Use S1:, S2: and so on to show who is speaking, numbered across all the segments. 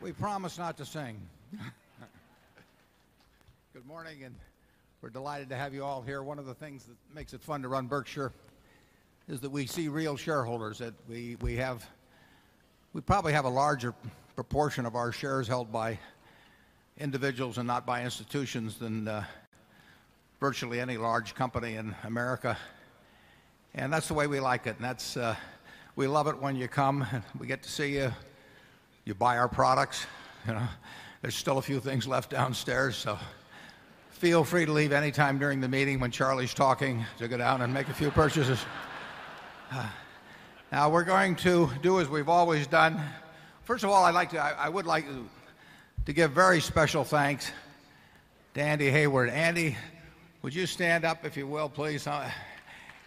S1: We promise not to sing. Good morning, and we're delighted to have you all here. One of the things that makes it fun to run Berkshire is that we see real shareholders, that we have we probably have a larger proportion of our shares held by individuals and not by institutions than virtually any large company in America. And that's the way we like it. And that's, we love it when you come. We get to see you. You buy our products. There's still a few things left downstairs. So feel free to leave any time during the meeting when Charlie's talking to go down and make a few purchases. Now we're going to do as we've always done. First of all, I'd like to I would like to give very special thanks to Andy Hayward. Andy, would you stand up if you will, please?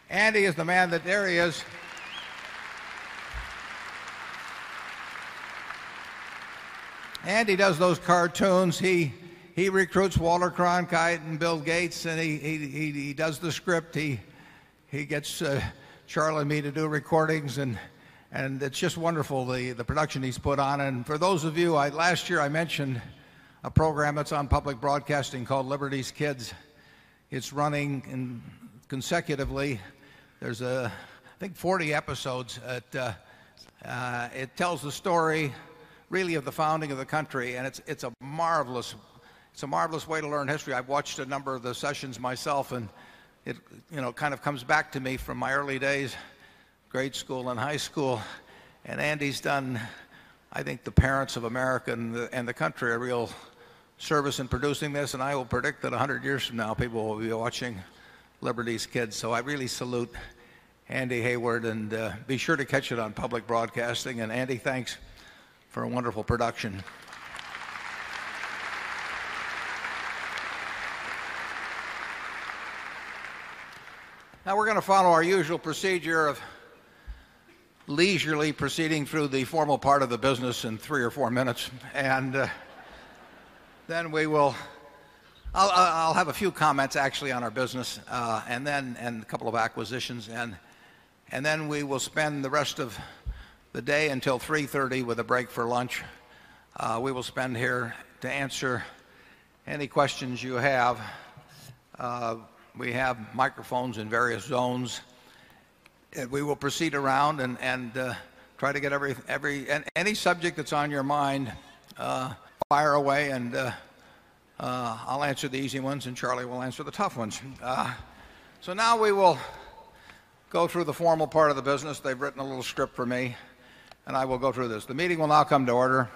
S1: Andy is the man that there he is. Andy does those cartoons. He recruits Walter Cronkite and Bill Gates and he does the script. He gets, Charlie and me to do recordings. And it's just wonderful the production he's put on. And for those of you last year, I mentioned a program that's on public broadcasting called Liberty's Kids. It's running consecutively. There's, I think, 40 episodes. It tells the story, really, of the founding of the country. And it's a marvelous way to learn history. I've watched a number of the sessions myself. And it, you know, kind of comes back to me from my early days, grade school and high school. And Andy's done, I think the parents of America and the country, a real service in producing this. And I will predict that a 100 years from now, people will be watching Liberty's Kids. So I really salute Andy Hayward and, be sure to catch it on public broadcasting and Andy, thanks for a wonderful production. Now, we're going to follow our usual procedure of leisurely proceeding through the formal part of the business in 3 or 4 minutes. And then we will I'll have a few comments actually on our business, and then a couple of acquisitions. And then we will spend the rest of the day until 3:30 with a break for lunch. We will spend here to answer any questions you have. We have microphones in various zones. We will proceed around and try to get every and any subject that's on your mind, fire away and I'll answer the easy ones and Charlie will answer the tough ones. So now we will go through the formal part of the business. They've written a little script for me and I will go through this. The meeting will now come to order.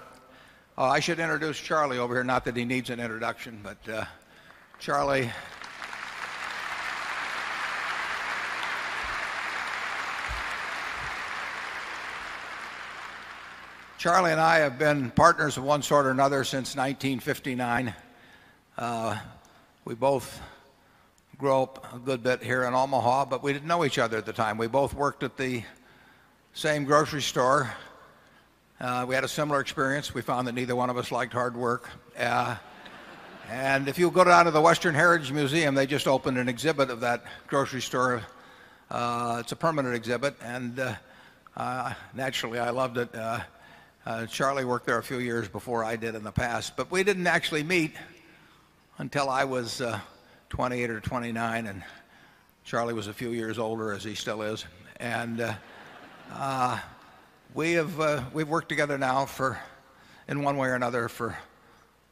S1: I should introduce Charlie over here, not that he needs an introduction, but, Charlie. Charlie and I have been partners of one sort or another since 1959. We both grow up a good bit here in Omaha, but we didn't know each other at the time. We both worked at the same grocery store. We had a similar experience. We found that neither one of us liked hard work. And if you go down to the Western Heritage Museum, they just opened an exhibit of that grocery store. It's a permanent exhibit. And naturally, I loved it. Charlie worked there a few years before I did in the past. But we didn't actually meet until I was 28 or 29. And Charlie was a few years older as he still is. And we have worked together now for in one way or another for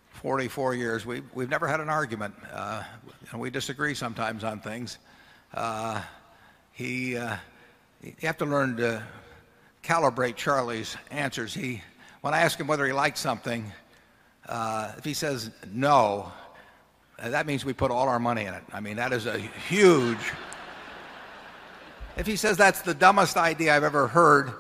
S1: 44 years. We've never had an argument. And we disagree sometimes on things. You have to learn to calibrate Charlie's answers. When I asked him whether he liked something, if he says no, that means we put all our money in it. I mean, that is a huge if he says that's the dumbest idea I've ever heard,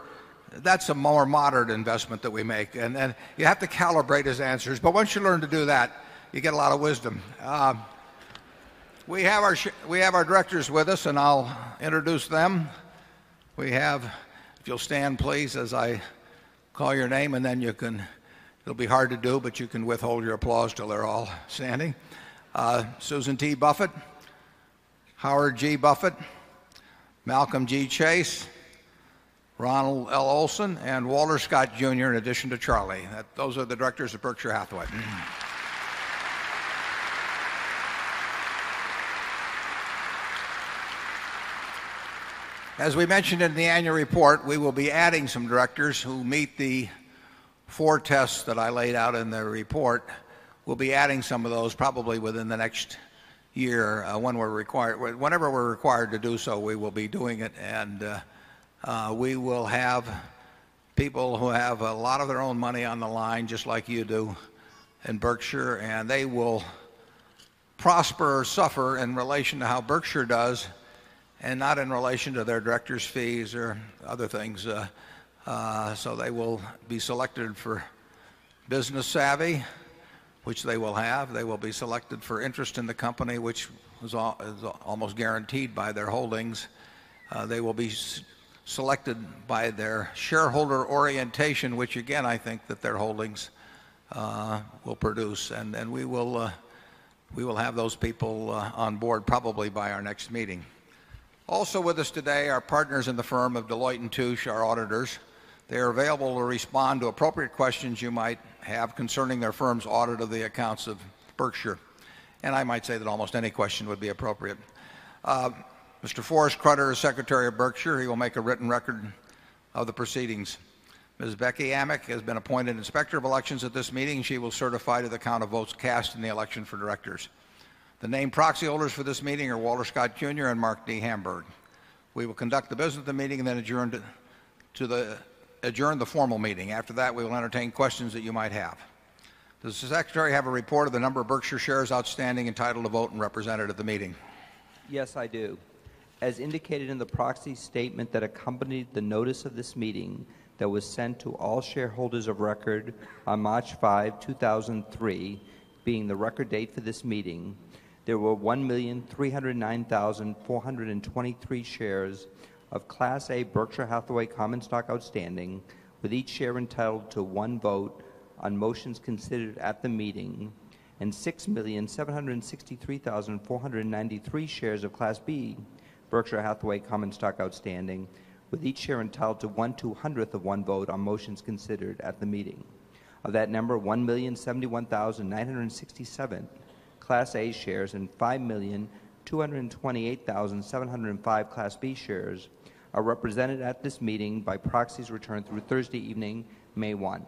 S1: that's a more moderate investment that we make and then you have to calibrate his answers. But once you learn to do that, you get a lot of wisdom. We have our directors with us, and I'll introduce them. We have if you'll stand, please, as I call your name, and then you can it'll be hard to do, but you can withhold your applause till they're all standing. Susan T. Buffet, Howard G. Buffet, Malcolm G. Chase, Ronald L. Olson and Walter Scott, Jr. In addition to Charlie. Those are the directors of Berkshire Hathaway. As we mentioned in the annual report, we will be adding some directors who meet the 4 tests that I laid out in the report. We'll be adding some of those probably within the next year when we're required whenever we're required to do so, we will be doing it. And we will have people who have a lot of their own money on the line just like you do in Berkshire and they will prosper or suffer in relation to how Berkshire does and not in relation to their director's fees or other things. So they will be selected for business savvy which they will have. They will be selected for interest in the company, which is almost guaranteed by their holdings. They will be selected by their shareholder orientation, which again, I think that their holdings, will produce. And we will have those people on board probably by our next meeting. Also with us today, our partners in the firm of Deloitte and Touche, our auditors. They are available to respond to appropriate questions you might have concerning their firm's audit of the accounts of Berkshire. And I might say that almost any question would be appropriate. Mr. Forrest Crutcher is secretary of Berkshire. He will make a written record of the proceedings. Ms. Becky Amick has been appointed inspector of elections at this meeting. She will certify to the count of votes cast in the election for directors. The named proxy holders for this meeting are Walter Scott Jr. And Mark D. Hamburg. We will conduct the business of the meeting and then adjourned to the adjourn the formal meeting. After that, we will entertain questions that you might have. Does the secretary have a report of the number of Berkshire shares outstanding entitled to vote and represented at the meeting?
S2: Yes, I do. As indicated in the proxy statement that accompanied the notice of this meeting that was sent to all shareholders of record on March 5, 2003, being the record date for this meeting, there were 1,309,423 shares of Class A Berkshire Hathaway common stock outstanding with each share entitled to 1 vote on motions considered at the meeting and 6,763,493 shares of Class B Berkshire Hathaway common stock outstanding with each share entitled to onetwo hundredth of one vote on motions considered at the meeting. Of that number, 1,071,967 Class A shares and 5,228,700 and 5 Class B shares are represented at this meeting by proxies returned through Thursday evening, May 1.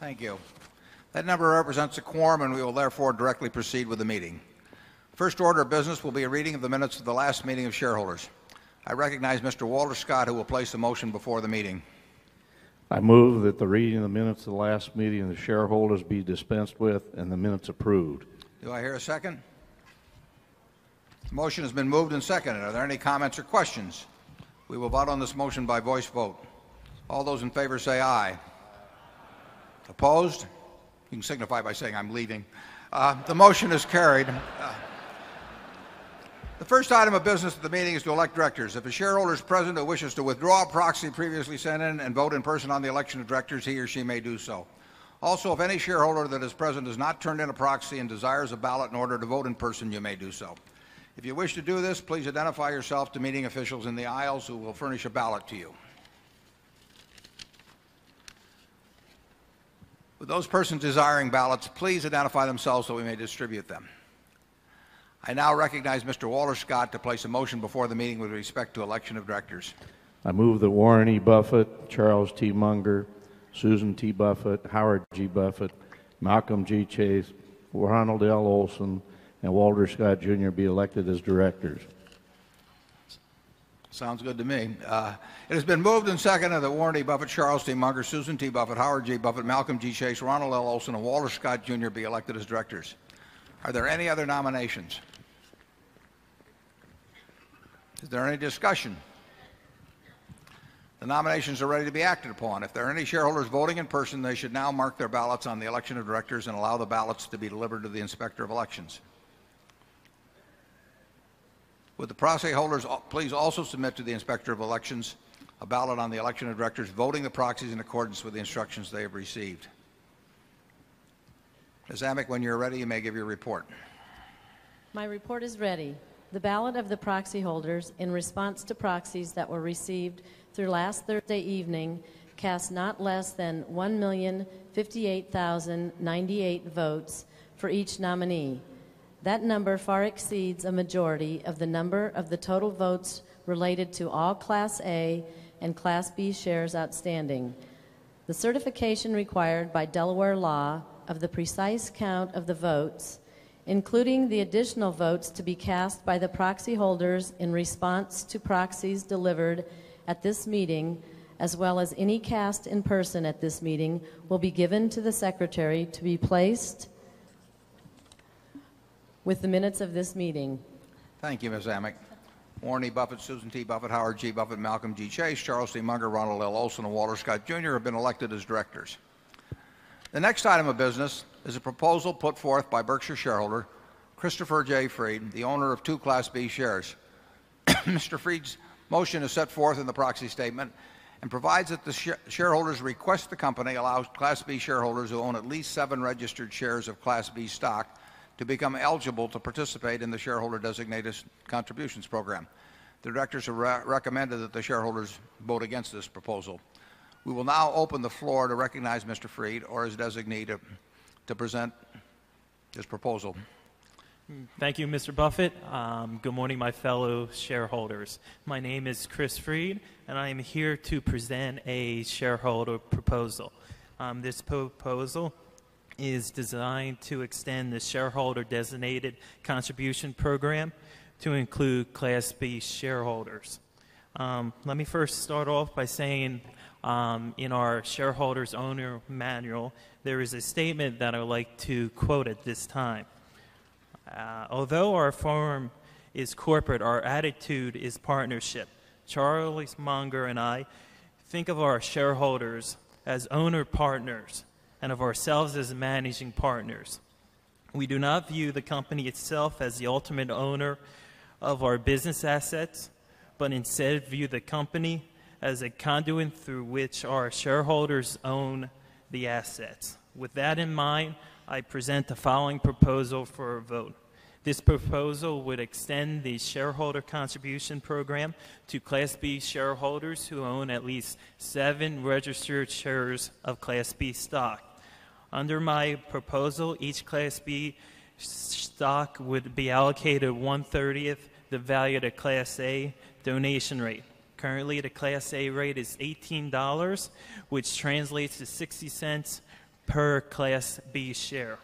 S1: Thank you. That number represents a quorum, and we will therefore directly proceed with the meeting. First order of business will be a reading of the minutes of the last meeting of shareholders. I recognize Mr. Walter Scott, who will place the motion before the meeting.
S3: I move that the reading of the minutes of the last meeting of the shareholders be dispensed with and the minutes approved.
S1: Do I hear a second? The motion has been moved and seconded. Are there any comments or questions? We will vote on this motion by voice vote. All those in favor, say aye. Opposed? You can signify by saying I'm leaving. The motion is carried. The first item of business at the meeting is to elect directors. If a shareholder is present that wishes to withdraw a proxy previously sent in and vote in person on the election of directors, he or she may do so. Also, if any shareholder that is present has not turned in a proxy and desires a ballot in order to vote in person, you may do so. If you wish to do this, please identify yourself to meeting officials in the aisles who will furnish a ballot to election of directors.
S3: I move that Warren E. Buffet, Charles T. Munger, Susan T. Buffet, Howard G. Buffet, Malcolm G. Chase, Ronald L. Olson and Walter Scott Jr. Be elected as directors.
S1: Sounds good to me. It has been moved in second of the Warren Buffett, Charles Tee Munger, Susan T Buffet, Howard G Buffet, Malcolm G Chase, Ronald L. Olson and Walter Scott Jr. Be elected as directors. Are there any other nominations? Is there any discussion? The nominations are ready to be acted upon. If there are any shareholders voting in person, they should now mark their ballots on the election of directors and allow the ballots to be delivered to the Inspector of Elections. Will the proxy holders please also submit to the Inspector of Elections a ballot on the election of directors voting the proxies in accordance with the instructions they have received? Ms. Amick, when you're ready, you may give your report.
S4: My report is ready. The ballot of the proxy holders in response to proxies that were received through last Thursday evening cast not less than 1,000,000 58,098 votes for each nominee. That number far exceeds a majority of the number of the total votes related to all Class A and Class B shares outstanding. The certification required by Delaware law of the precise count of the votes, including the additional votes to be cast by the proxy holders in response to proxies delivered at this meeting, as well as any cast in person at this meeting will be given to the secretary to be placed with the minutes of this meeting.
S1: Thank you, Ms. Amick. Warren E. Buffet, Susan T. Buffet, Howard G. Buffet, Malcolm Munger, Ronald L. Olson and Walter Scott Jr. Have been elected as Directors. The next item of business is a proposal put forth by Berkshire shareholder, Christopher J. Fried, the owner of 2 Class B shares. Mr. Fried's motion is set forth in the proxy statement and provides that the shareholders request the company allows Class B shareholders who own at least 7 registered shares of Class B stock to become eligible to participate in the shareholder designators contributions program. The directors have recommended that the shareholders vote against this proposal. We will now open the floor to recognize Mr. Fried or his designee to present his proposal.
S5: Thank you, Mr. Buffet. Good morning, my fellow shareholders. My name is Chris Fried, I am here to present a shareholder proposal. This proposal is designed to extend the shareholder designated contribution program to include Class B shareholders. Let me first start off by saying, in our shareholders' owner manual, there is a statement that I would like to quote at this time. Although our firm is corporate, our attitude is partnership. Charlie Munger and I think of our shareholders as owner partners and of ourselves as managing partners. We do not view the company itself as the ultimate owner of our business assets but instead view the company as a conduit through which our shareholders own the assets. With that in mind, I present the following proposal for a vote. This proposal would extend the shareholder contribution program to Class B shareholders who own at least 7 registered shares of Class B stock. Under my proposal, each Class B stock would be allocated onethirty the value of the Class A donation rate. Currently, the Class A rate is $18 which translates to $0.60 per Class B share.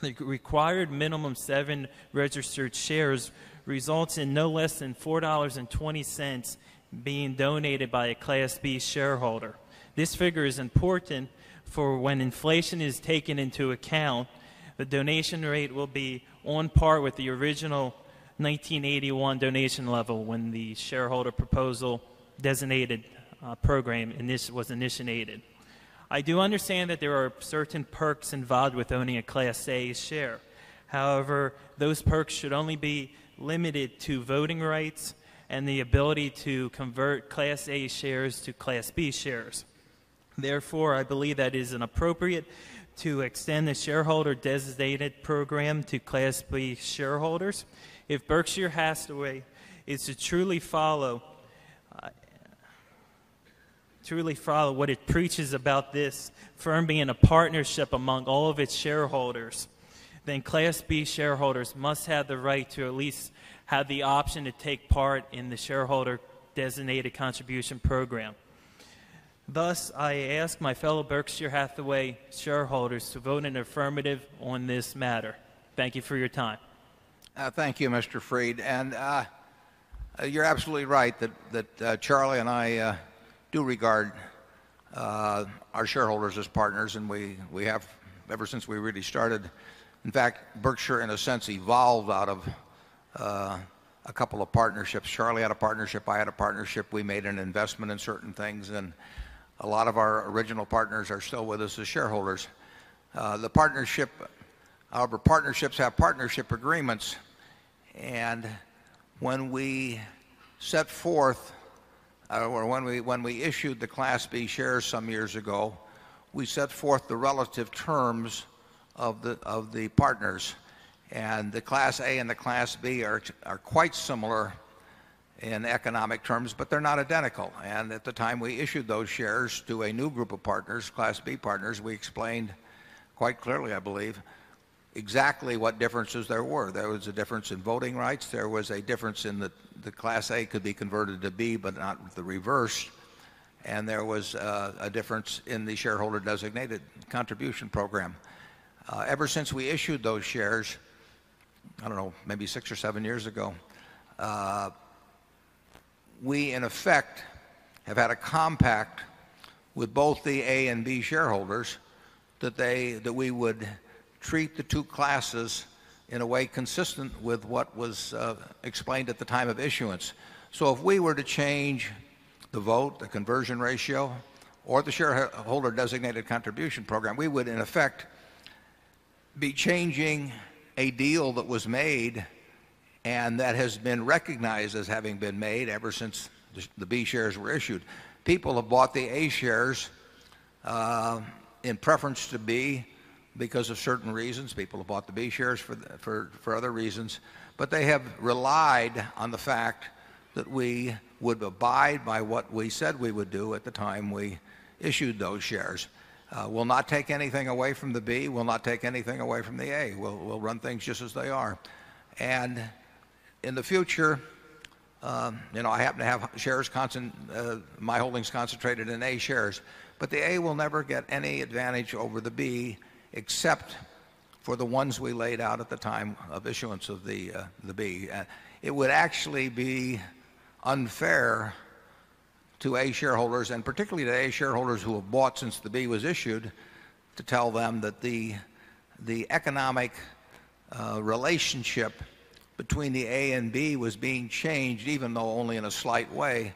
S5: The required minimum 7 registered shares results in no less than $4.20 being donated by a Class B shareholder. This figure is important for when inflation is taken into account, the donation rate will be on par with the original 1981 donation level when the shareholder proposal designated program was initiated. I do understand that there are certain perks involved with owning a Class A share. However, those perks should only be limited to voting rights and the ability to convert Class A shares to Class B shares. Therefore, I believe that it is inappropriate to extend the shareholder designated program to Class B shareholders. If Berkshire Hathaway is to truly follow, truly follow what it preaches about this firm being a partnership among all of its shareholders, then Class B shareholders must have the right to at least have the option to take part in the shareholder designated contribution program. Thus, I ask my fellow Berkshire Hathaway shareholders to vote in affirmative on this matter. Thank you for your time.
S1: Thank you, Mr. Fried. And, you're absolutely right that Charlie and I do regard our shareholders as partners and we have ever since we really started. In fact, Berkshire in a sense evolved out of a couple of partnerships. Charlie had a partnership. I had a partnership. We made an investment in certain things and a lot of our original partners are still with us as shareholders. The partnership, Albert, partnerships have partnership agreements. And when we set forth or when we issued the Class B shares some years ago, we set forth the relative terms of the partners and the class A and the class B are, are quite similar in economic terms, but they're not identical. And at the time we issued those shares to a new group of partners, class B partners, we explained quite clearly, I believe exactly what differences there were. There was a difference in voting rights. There was a difference in the Class A could be converted to B, but not the reverse. And there was a difference in the shareholder designated contribution program. Ever since we issued those shares, I don't know, maybe 6 or 7 years ago, we in effect have had a compact with both the A and B shareholders that they that we would treat the 2 classes in a way consistent with what was explained at the time of issuance. So if we were to change the vote, the conversion ratio or the shareholder designated contribution program, we would in effect be changing a deal that was made and that has been recognized as having been made ever since the B shares were issued. People have bought the A shares in preference to B because of certain reasons. People have bought the B shares for other reasons. But they have relied on the fact that we would abide by what we said we would do at the time we issued those shares. We'll not take anything away from the B. We'll not take anything away from the A. We'll run things just as they are. And in the future, I happen to have shares my holdings concentrated in A shares. But the A will never get any advantage over the B except for the ones we laid out at the time of issuance of the B. It would actually be unfair to A shareholders and particularly to A shareholders who have bought since the B was issued to tell them that the economic relationship between the A and B was being changed even though only in a slight way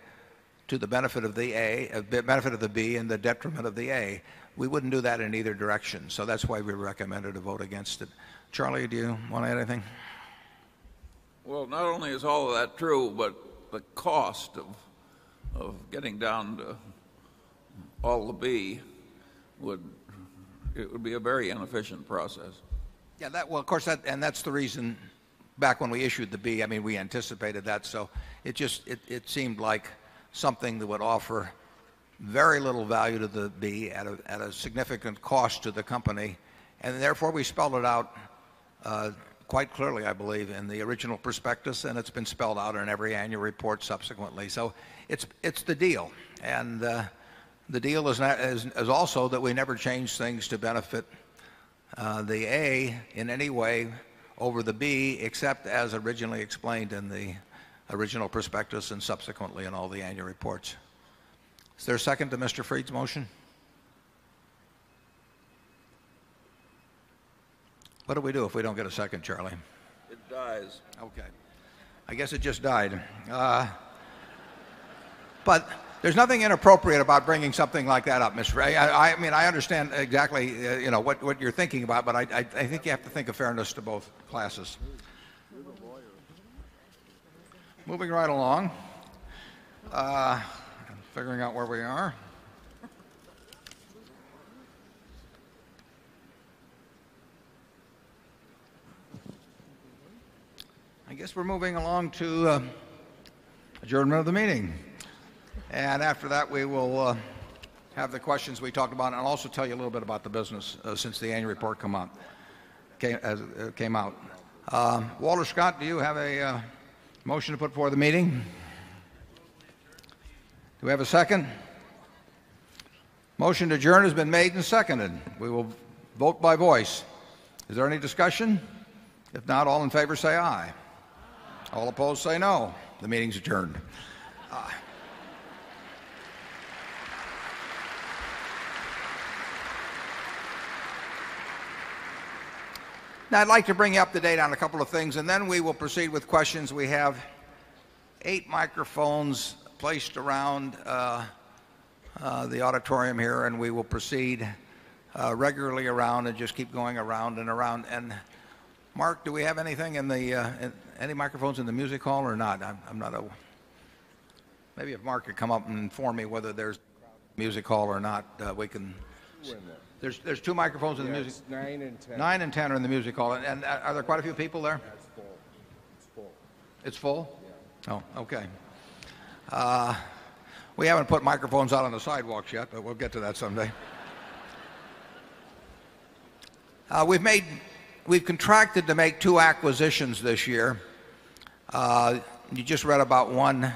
S1: to the benefit of the A benefit of the B and the detriment of the A. We wouldn't do that in either direction. So that's why we recommended a vote against it. Charlie, do you want to add anything?
S6: Well, not only is all of that true, but the cost of getting down to all the B would it would be a very inefficient process.
S1: Yes. That well, of course, and that's the reason back when we issued the B, I mean we anticipated that. So it just it seemed like something that would offer very little value to the B at a significant cost to the company. And therefore we spelled it out quite clearly, I believe, in the original prospectus and it's been spelled out in every annual report subsequently. So it's the deal. And the deal is also that we never change things to benefit the A in any way over the B except as originally explained in the original prospectus and subsequently in all the annual reports. Is there a second to Mr. Fried's motion? What do we do if we don't get a second, Charlie?
S6: It dies.
S1: Okay. I guess it just died. But there is nothing inappropriate about bringing something like that up, Mr. Ray. I mean, I understand exactly what you are thinking about, but I think you have to think of fairness to both classes. Moving right along, figuring out
S7: where
S1: we are. I guess we're moving along to adjournment of the meeting. And after that, we will have the questions we talked about and also tell you a little bit about the business since the annual report came out. Walter Scott, do you have a motion to put forward the meeting? Do we have a second? Motion to adjourn has been made and seconded. We will vote by voice. Is there any discussion? If not, all in favor say aye. All opposed say no. The meeting is adjourned. Now, I'd like to bring you up the date on a couple of things and then we will proceed with questions. We have 8 microphones placed around the auditorium here. And we will proceed regularly around and just keep going around and around. And Mark, do we have anything in the any microphones in the music hall or not? I'm not Maybe if Mark could come up and inform me whether there's music hall or not, we can there's 2 microphones in the music 9 and 10. 9 and 10 are in the music hall. And are there quite a few people there?
S8: It's full.
S1: It's full? Yes. Oh, okay. We haven't put microphones out on the sidewalks yet, but we'll get to that someday. We've contracted to make 2 acquisitions this year. You just read about 1,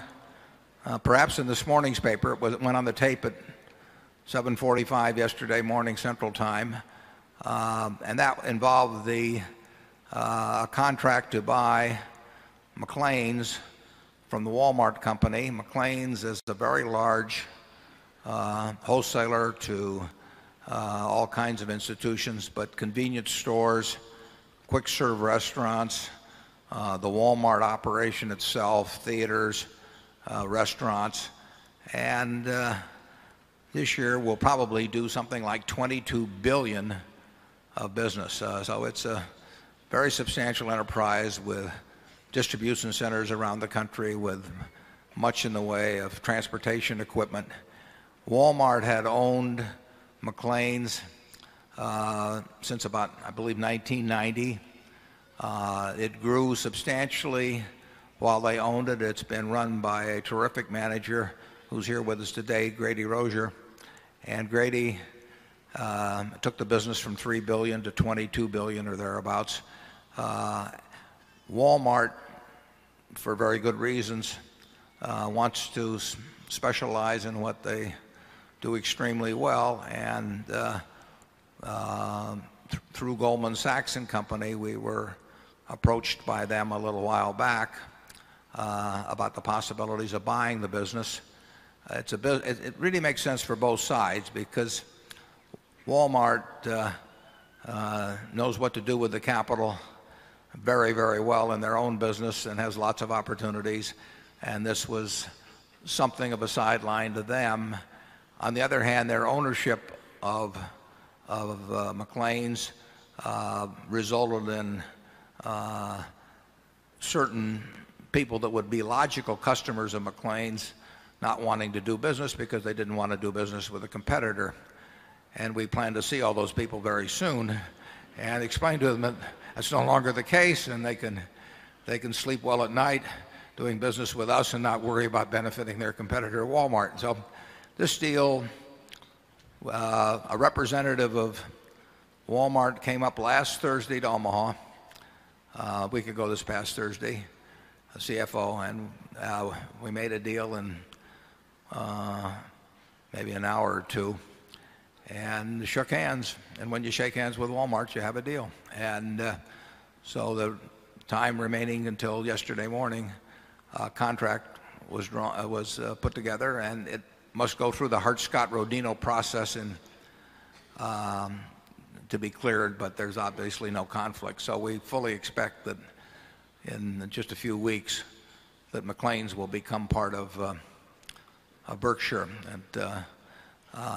S1: perhaps in this morning's paper, it went on the tape at 7:45 yesterday morning Central Time. And that involved the contract to buy McLean's from the Walmart company. McLean's is a very large, wholesaler to, all kinds of institutions, but convenience stores, quick serve restaurants, the Walmart operation itself, theaters, restaurants. And this year, we'll probably do something like $22,000,000,000 of business. So it's a very substantial enterprise with distribution centers around the country with much in the way of transportation equipment. Walmart had owned McLean's since about, I believe, 1990. It grew substantially while they owned it. It's been run by a terrific manager who's here with us today, Grady Rozier. And Grady took the business from $3,000,000,000 to $22,000,000,000 or thereabouts. Walmart, for very good reasons, wants to specialize in what they do extremely well. And through Goldman Sachs and Company, we were approached by them a little while back, about the possibilities of buying the business. It's a bit it really makes sense for both sides because Walmart, knows what to do with the capital very, very well in their own business and has lots of opportunities. And this was something of a sideline to them. On the other hand, their ownership of, McLean's, resulted in certain people that would be logical customers of McLean's not wanting to do business because they didn't want to do business with a competitor. And we plan to see all those people very soon and explain to them that that's no longer the case and they can sleep well at night doing business with us and not worry about benefiting their competitor, Walmart. So this deal, a representative of Walmart came up last Thursday to Omaha. We could go this past Thursday, a CFO and we made a deal in maybe an hour or 2 and shook hands. And when you shake hands with Walmart, you have a deal. And so the time remaining until yesterday morning, contract was drawn was put together and it must go through the Hart Scott Rodino process and to be cleared, but there's obviously no conflict. So we fully expect that in just a few weeks that Maclean's will become part of Berkshire. And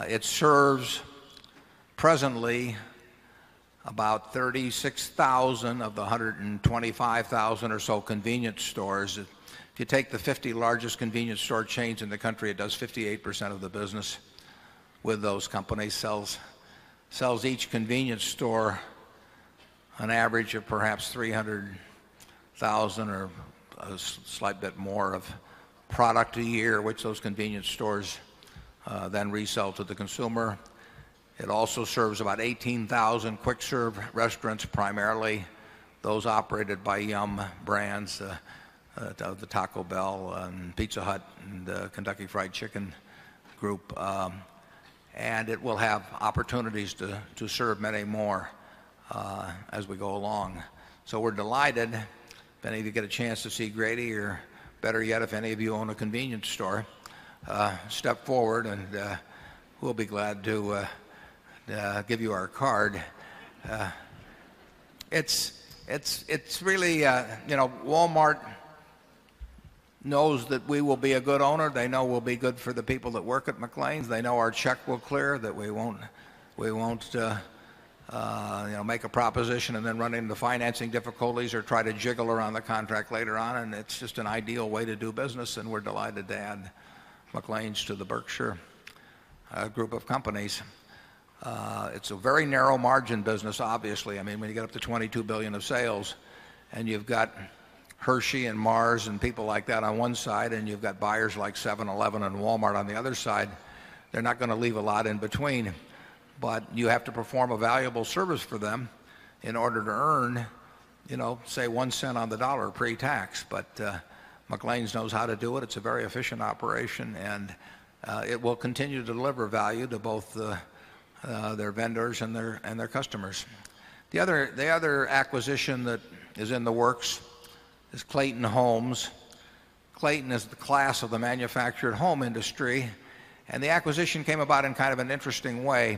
S1: it serves presently about 36,000 of the 125,000 or so convenience stores. If you take the 50 largest convenience store chains in the country, it does 58% of the business with those companies sells each convenience store an average of perhaps 300,000 or a slight bit more of product a year which those convenience stores then resell to the consumer. It also serves about 18,000 quick serve restaurants primarily those operated by yum brands, the Taco Bell and Pizza Hut and Kentucky Fried Chicken Group. And it will have opportunities to serve many more as we go along. So we're delighted if any of you get a chance to see Grady or better yet if any of you own a convenience store step forward and we'll be glad to give you our card. It's really, you know, Walmart knows that we will be a good owner. They know we'll be good for the people that work at McLean's. They know our check will clear that we won't, make a proposition and then run into financing difficulties or try to jiggle around the contract later on. And it's just an ideal way to do business. And we're delighted to add MacLaine's to the Berkshire Group of Companies. It's a very narrow margin business, obviously. I mean, when you get up to $22,000,000,000 of sales and you've got Hershey and Mars and people like that on one side and you've got buyers like 711 and Walmart on the other side, they're not going to leave a lot in between. But you have to perform a valuable service for them in order to earn, you know, say, 1¢ on the dollar pretax. But, McLean's knows how to do it. It's a very efficient operation and, it will continue to deliver value to both, their vendors and their customers. The other the other acquisition that is in the works is Clayton Homes. Clayton is the class of the manufactured home industry and the acquisition came about in kind of an interesting way.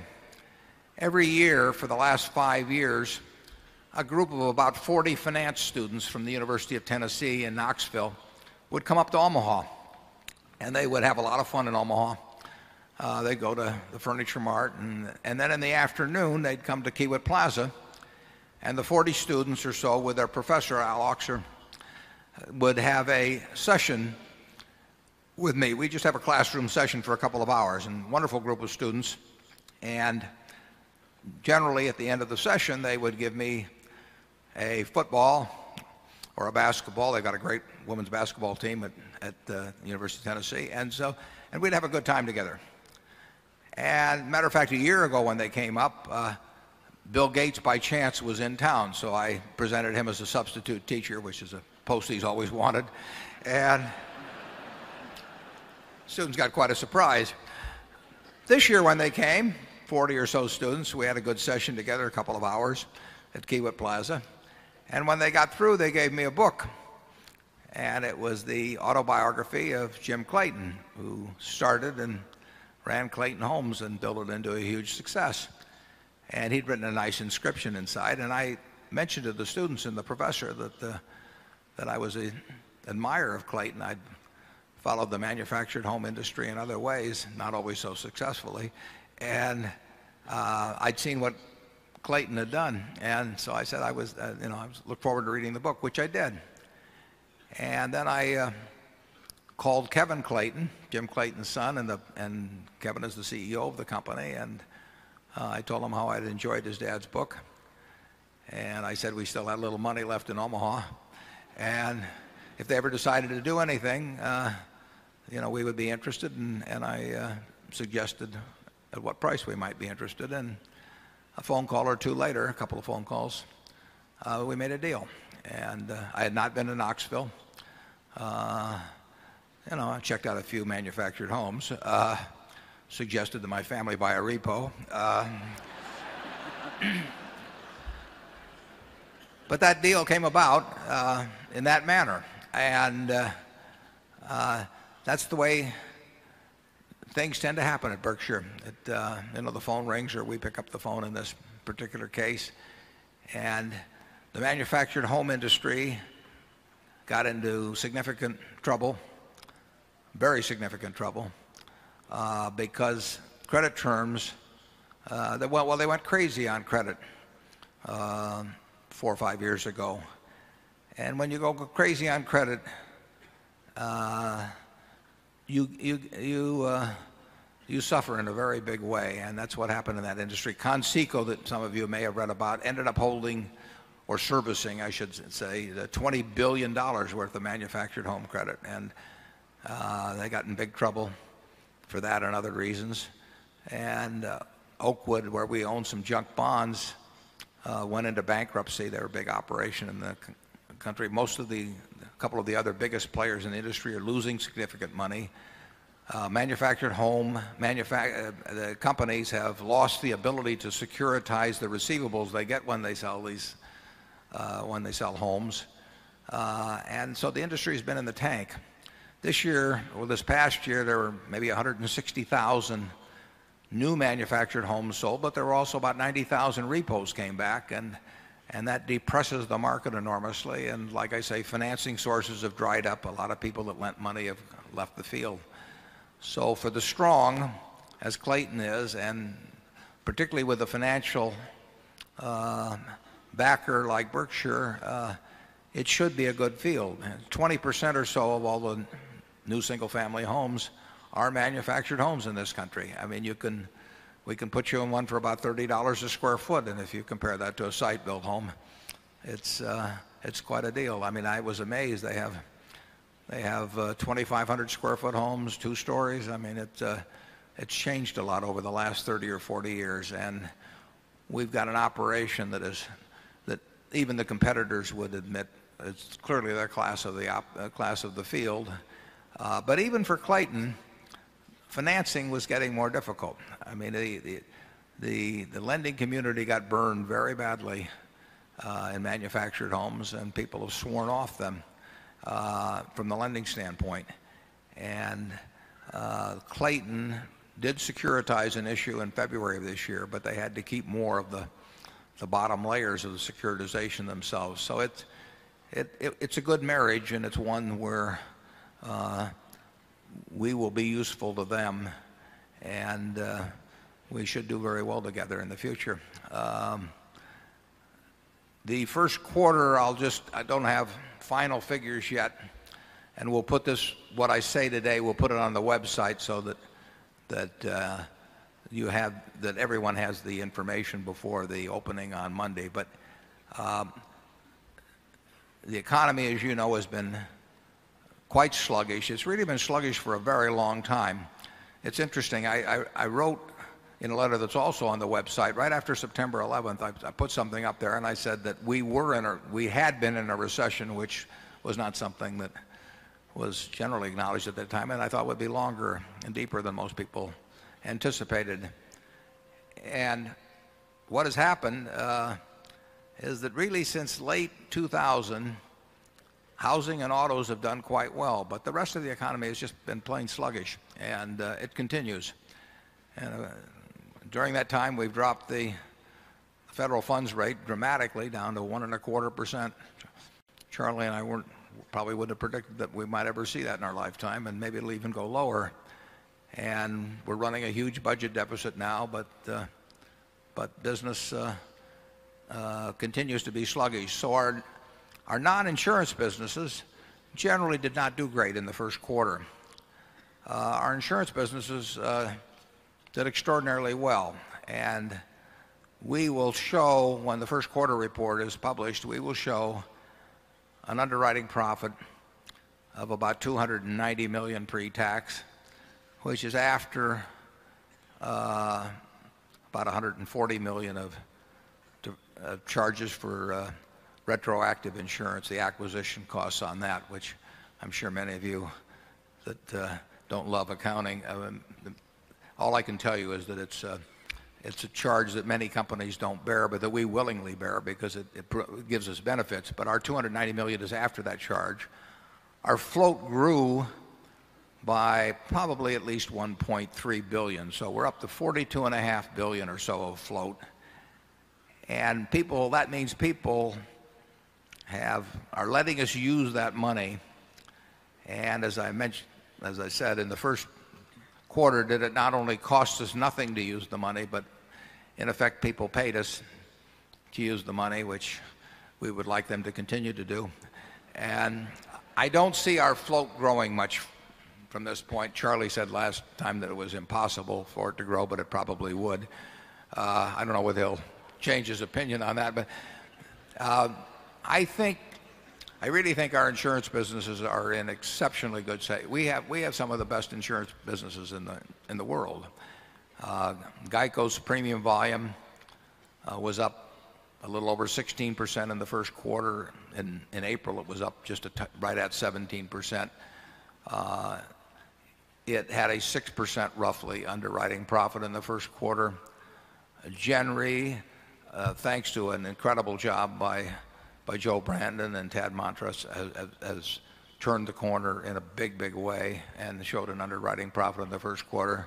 S1: Every year for the last 5 years, a group of about 40 finance students from the University of Tennessee in Knoxville would come up to Omaha and they would have a lot of fun in Omaha. They go to the furniture mart and then in the afternoon, they'd come to Keywood Plaza and the 40 students or so with their professor Al Ochsner would have a session with me. We just have a classroom session for a couple of hours and wonderful group of students. And generally at the end of the session, they would give me a football or a basketball. They've got a great women's basketball team at the University of Tennessee. And so we'd have a good time together. And matter of fact, a year ago when they came up, Bill Gates by chance was in town. So I presented him as a substitute teacher, which is a post he's always wanted. And students got quite a surprise. This year when they came, 40 or so students, we had a good session together a couple of hours at Kiewit Plaza. And when they got through, they gave me a book and it was the autobiography of Jim Clayton who started and ran Clayton Homes and built it into a huge success. And he'd written a nice inscription inside and I mentioned to the students and the professor that I was an admirer of Clayton. I followed the manufactured home industry in other ways, not always so successfully. And, I'd seen what Clayton had done. And so I said I was, you know, I looked forward to reading the book, which I did. And then I called Kevin Clayton, Jim Clayton's son and Kevin is the CEO of the company and, I told him how I'd enjoyed his dad's book. And I said we still had a little money left in Omaha. And if they ever decided to do anything, you know, we would be interested. And I, suggested at what price we might be interested. And a phone call or 2 later, a couple of phone calls, we made a deal. And I had not been to Knoxville. I checked out a few manufactured homes, suggested that my family buy a repo. But that deal came about in that manner and that's the way things tend to happen at Berkshire. The phone rings or we pick up the phone in this particular case And the manufactured home industry got into significant trouble, very significant trouble, because credit terms that well they went crazy on credit 4 or 5 years ago. And when you go crazy on credit you suffer in a very big way. And that's what happened in that industry. Conseco that some of you may have read about ended up holding or servicing I should say the $20,000,000,000 worth of manufactured home credit. And they got in big trouble for that and other reasons. And, Oakwood, where we own some junk bonds, went into bankruptcy. They're a big operation in the country. Most of the couple of the other biggest players in the industry are losing significant money. Manufactured home companies have lost the ability to securitize the receivables they get when they sell these, when they sell homes. And so the industry has been in the tank. This year or this past year, there were maybe 160,000 new manufactured homes sold, but there were also about 90,000 repos came back and that depresses the market enormously. And like I say, financing sources have dried up. A lot of people that lent money have left the field. So for the strong as Clayton is and particularly with a financial, backer like Berkshire, it should be a good field. 20% or so of all the new single family homes are manufactured homes in this country. I mean, you can we can put you in one for about $30 a square foot. And if you compare that to a site built home, it's, it's quite a deal. I mean, I was amazed. They have They have 2,500 square foot homes, 2 stories. I mean, it's changed a lot over the last 30 or 40 years. And we've got an operation that is that even the competitors would admit it's clearly their class of the field. But even for Clayton, financing was getting more difficult. I mean, the lending community got burned very badly in manufactured homes and people have sworn off them, from the lending standpoint. And, Clayton did securitize an issue in February of this year, but they had to keep more of the bottom layers of the securitization themselves. So it's a good marriage and it's one where we will be useful to them and we should do very well together in the future. The Q1, I'll just I don't have final figures yet and we'll put this what I say today, we'll put it on the website so that that you have that everyone has the information before the opening on Monday. But the economy, as you know, has been quite sluggish. It's really been sluggish for a very long time. It's interesting. I wrote in a letter that's also on the website right after September 11th, I put something up there and I said that we were in a we had been in a recession, which was not something that was generally acknowledged at that time and I thought would be longer and deeper than most people anticipated. And what has happened is that really since late 2000, housing and autos have done quite well. But the rest of the economy has just been plain sluggish and it continues. And during that time, we've dropped the federal funds rate dramatically down to 1.25%. Charlie and I probably wouldn't have predicted that we might ever see that in our lifetime and maybe it'll even go lower. And we're running a huge budget deficit now, but business continues to be sluggish. So our non insurance businesses generally did not do great in the Q1. Our insurance businesses did extraordinarily well and we will show when the Q1 report is published, we will show an underwriting profit of about $290,000,000 pretax which is after, about $140,000,000 of charges for retroactive insurance. The acquisition costs on that, which I'm sure many of you that, don't love accounting. All I can tell you is that it's a charge that many companies don't bear, but that we willingly bear because it gives us benefits. But our $290,000,000 is after that charge. Our float grew by probably at least $1,300,000,000 So we're up to $42,500,000,000 or so of float. And people that means people have are letting us use that money. And as I mentioned, as I said in the Q1, did it not only cost us nothing to use the money, but in effect, people paid us to use the money, which we would like them to continue to do. And I don't see our float growing much from this point. Charlie said last time that it was impossible for it to grow, but it probably would. I don't know whether he'll change his opinion on that. But I think I really think our insurance businesses are in exceptionally good shape. We have some of the best insurance businesses in the world. GEICO's premium volume was up a little over 16% in the Q1. In April, it was up just right at 17%. It had a 6% roughly underwriting profit in the Q1. January, thanks to an incredible job by Joe Brandon and Tad Montres has turned the corner in a big, big way and showed an underwriting profit in the Q1.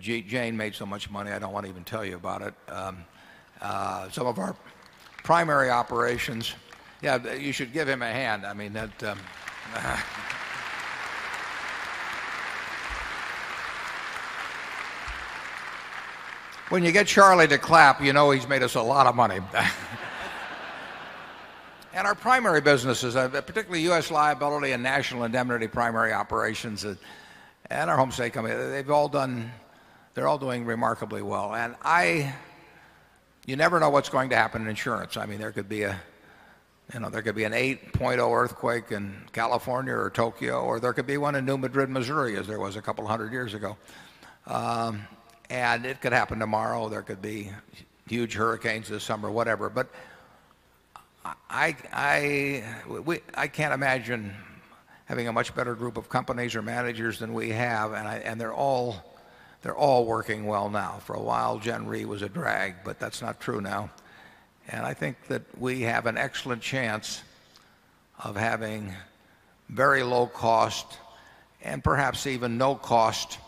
S1: Jane made so much money, I don't want to even tell you about it. Some of our primary operations yes, you should give him a hand. I mean that when you get Charlie to clap, you know he's made us a lot of money. And our primary businesses, particularly U. S. Liability and national indemnity primary operations and our Homestay company, they've all done they're all doing remarkably well. And I you never know what's going to happen in insurance. I mean, there could be a there could be an 8.0 earthquake in California or Tokyo or there could be 1 in New Madrid, Missouri as there was a couple 100 years ago. And it could happen tomorrow. There could be huge hurricanes this summer, whatever. But I can't imagine having a much better group of companies or managers than we have. And I and they're all they're all working well now. For a while, Gen Re was a drag, but that's not true now. And I think that we have an excellent chance of having very low cost and perhaps even no cost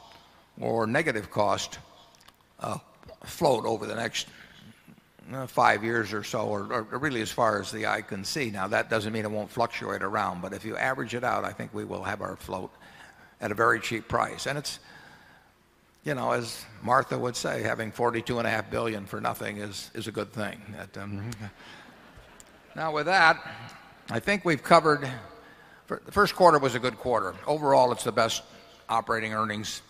S1: or negative cost, float over the next 5 years or so or really as far as the eye can see. Now that doesn't mean it won't fluctuate around, but if you average it out, I think we will have our float at a very cheap price. And it's, you know, as Martha would say, having 42.5000000000 for nothing is a good thing. Now with that, I think we've covered the Q1 was a good quarter. Overall, it's the best operating earnings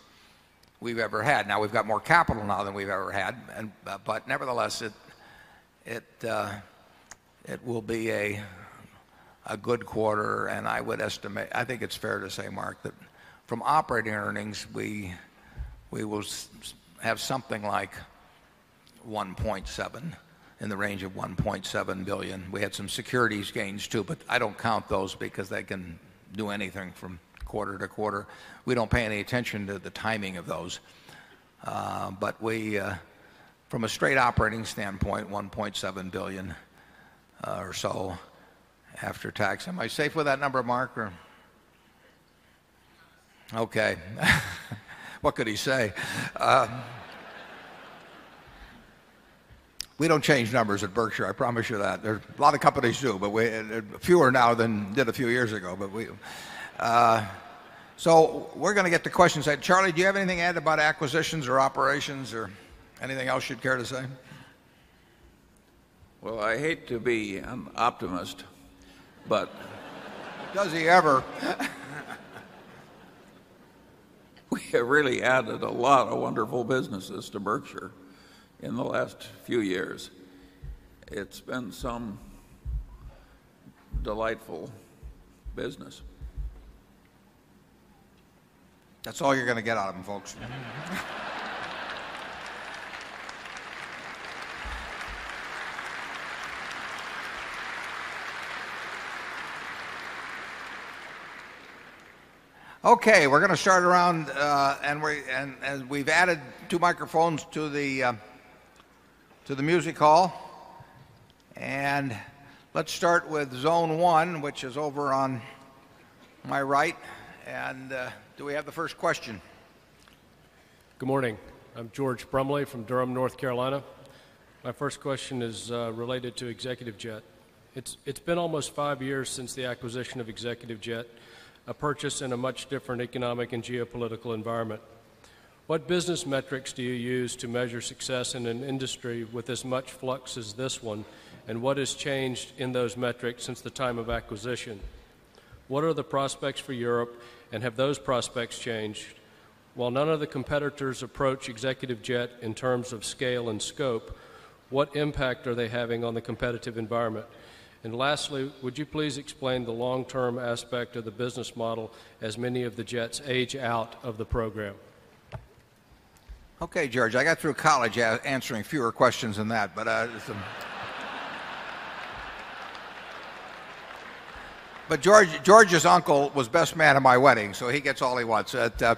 S1: we've ever had. Now we've got more capital now than we've ever had. But nevertheless, it will be a good quarter. And I would estimate I think it's fair to say, Mark, that from operating earnings, we will have something like $1,700,000,000 in the range of $1,700,000,000 We had some securities gains too, but I don't count those because they can do anything from quarter to quarter. We don't pay any attention to the timing of those. But we, from a straight operating standpoint, dollars 1,700,000,000 or so after tax. Am I safe with that number, Mark? Okay. What could he say? We don't change numbers at Berkshire. I promise you that. There are a lot of companies do, but fewer now than did a few years ago. So we're going to get the questions. Charlie, do you have anything to add about acquisitions or operations or anything else you'd care to say?
S6: Well, I hate to be an optimist, but
S1: Does he ever?
S6: We have really added a lot of wonderful businesses to Berkshire in the last few years. It's been some delightful business.
S1: That's all you're going to get out of them, folks. Okay. We're going to start around and we've added 2 microphones to the music hall. And let's start with zone 1, which is over on my right. And do we have the first question?
S8: Good morning. I'm George Brumley from Durham, North Carolina. My first question is related to Executive Jet. It's been almost 5 years since the acquisition of Executive Jet, a purchase in a much different economic and geopolitical environment. What business metrics do you use to measure success in an industry with as much flux as this one? And what has changed in those metrics since the time of acquisition? What are the prospects for Europe and have those prospects changed? While none of the competitors approach executive jet in terms of scale and scope, what impact are they having on the competitive environment? And lastly, would you please explain the long term aspect of the business model as many of the jets age out of the program?
S1: Okay, George, I got through college answering fewer questions than that. But George's uncle was best man at my wedding, so he gets all he wants. The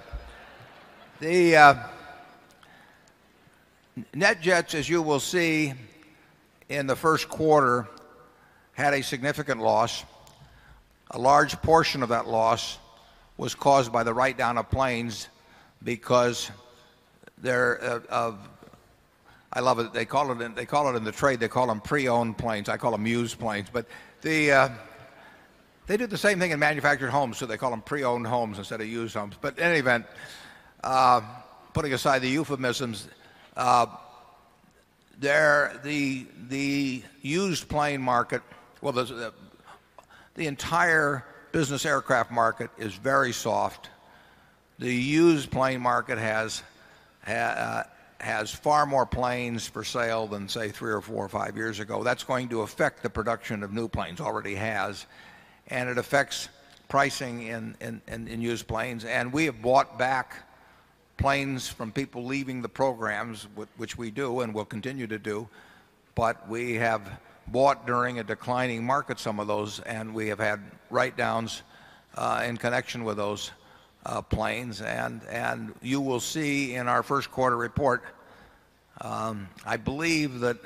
S1: NetJets, as you will see, in the Q1, had a significant loss. A large portion of that loss was caused by the write down of planes because they're of I love it. They call it in the trade. They call them pre owned planes. I call them used planes. But the, they did the same thing in manufactured homes. So they call them pre owned homes instead of used homes. But in any event, putting aside the euphemisms, there the used plane market, well, the entire business aircraft market is very soft. The used plane market has far more planes for sale than say 3 or 4 or 5 years ago. That's going to affect the production of new planes, already has. And it affects pricing in used planes. And we have bought back planes from people leaving the programs which we do and will continue to do. But we have bought during a declining market some of those and we have had write downs in connection with those planes. And you will see in our Q1 report, I believe that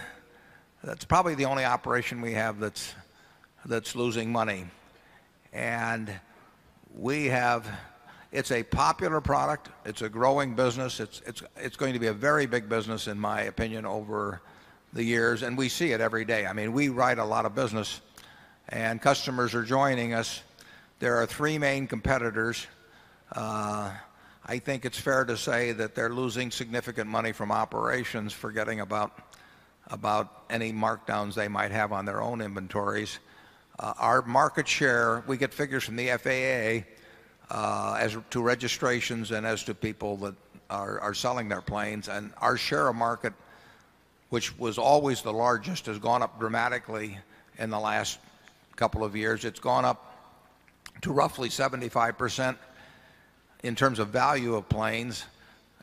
S1: that's probably the only operation we have that's losing money. And we have it's a popular product. It's a growing business. It's going to be a very big business, in my opinion, over the years. And we see it every day. I mean, we write a lot of business and customers are joining us. There are 3 main competitors. I think it's fair to say that they're losing significant money from operations forgetting about any markdowns they might have on their own inventories. Our market share, we get figures from the FAA as to registrations and as to people that are selling their planes. And our share of market, which was always the largest, has gone up dramatically in the last couple of years. It's gone up to roughly 75% in terms of value of planes.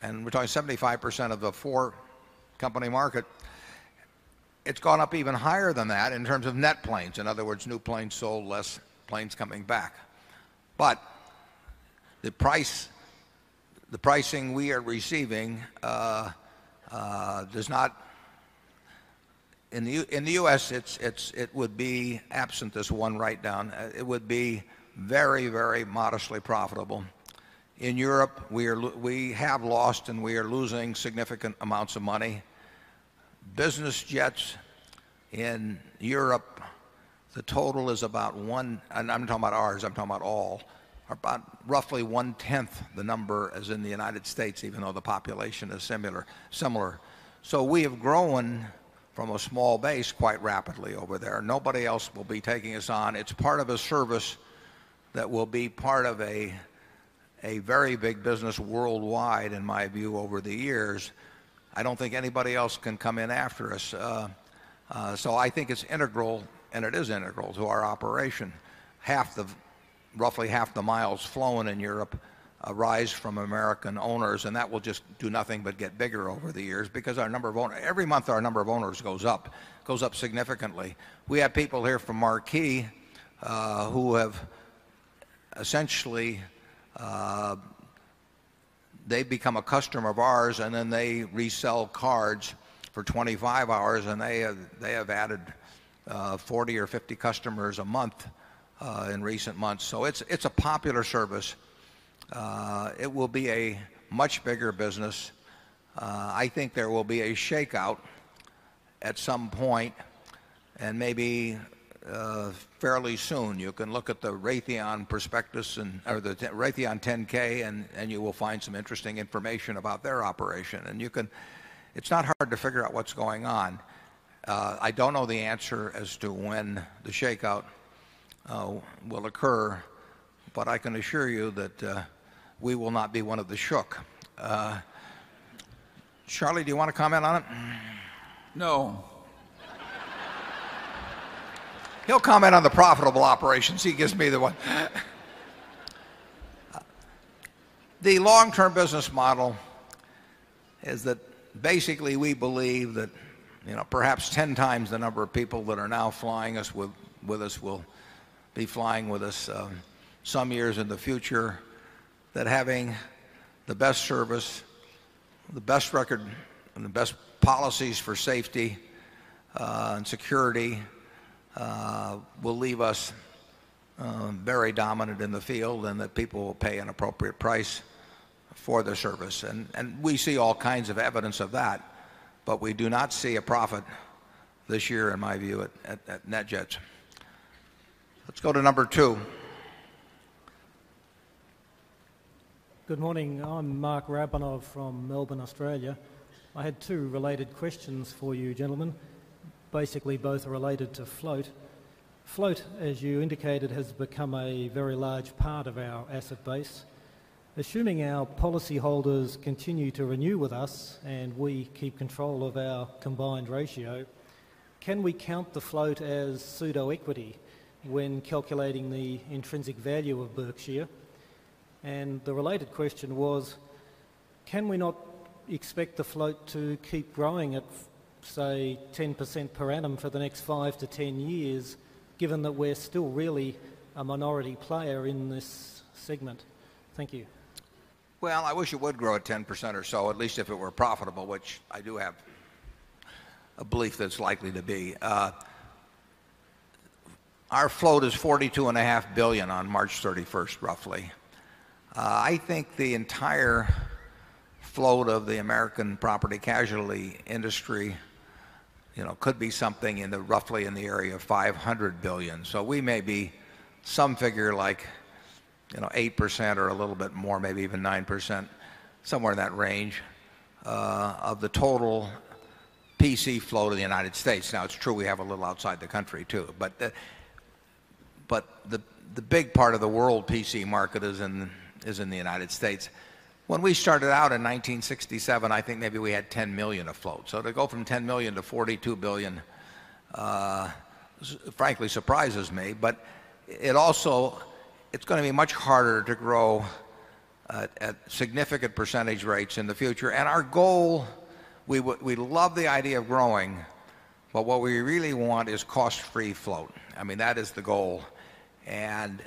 S1: And we're talking 75% of the for company market. It's gone up even higher than that in terms of net planes. In other words, new planes sold, less planes coming back. But the price, the pricing we are receiving, does not in the U. S, it's it would be absent this one write down. It would be very, very modestly profitable. In Europe, we have lost and we are losing significant amounts of money. Business jets in Europe, the total is about 1 and I'm talking about ours, I'm talking about all, about roughly 1 tenth the number as in the United States even though the population is similar. So we have grown from a small base quite rapidly over there. Nobody else will be taking us on. It's part of a service that will be part of a very big business worldwide in my view over the years. I don't think anybody else can come in after us. So I think it's integral and it is integral to our operation. Half the roughly half the miles flown in Europe arise from American owners and that will just do nothing but get bigger over the years because our number of every month our number of owners goes up, goes up significantly. We have people here from Marquis, who have essentially, they've become a customer of ours and then they resell cards for 25 hours and they have added 40 or 50 customers a month in recent months. So it's a popular service. It will be a much bigger business. I think there will be a shakeout at some point and maybe, fairly soon. You can look at the Raytheon prospectus and or the Raytheon 10 ks and you will find some interesting information about their operation. And you can it's not hard to figure out what's going on. I don't know the answer as to when the shakeout will occur, but I can assure you that we will not be one of the shook. Charlie, do you want to comment on it?
S6: No.
S1: He'll comment on the profitable operations. He gives me the one. The long term business model is that basically we believe that perhaps 10 times the number of people that are now flying us with us will be flying with us some years in the future that having the best service, the best record and the best policies for safety and security will leave us very dominant in the field and that people will pay an appropriate price for the service. And we see all kinds of evidence of that, but we do not see a profit this year in my view at NetJets. Let's go to number 2.
S9: Good morning. I'm Mark Rabunov from Melbourne, Australia. I had 2 related questions for you gentlemen. Basically, both are related to float. Float, as you indicated, has become a very large part of our asset base. Assuming our policyholders continue to renew with us and we keep control of our combined ratio, can we count the float as pseudo equity when calculating the intrinsic value of Berkshire? And the related question was, can we not expect the float to keep growing at, say, 10% per annum for the next 5 to 10 years, given that we're still really a minority player in this segment?
S4: Thank you.
S1: Well, I wish it would grow at 10% or so, at least if it were profitable, which I do have a belief that it's likely to be. Our float is $42,500,000,000 on March 31, roughly. I think the entire float of the American property casualty industry could be something in the roughly in the area of 500,000,000,000. So we may be some figure like you know 8% or a little bit more maybe even 9% somewhere in that range of the total PC flow to the United States. Now it's true we have a little outside the country too. But the big part of the world PC market is in the United States. When we started out in 1967 I think maybe we had 10,000,000 afloat. So to go from 10,000,000 to 42,000,000,000 dollars frankly surprises me. But it also it's going to be much harder to grow at significant percentage rates in the future. And our goal, we love the idea of growing, but what we really want is cost free float. I mean that is the goal. And,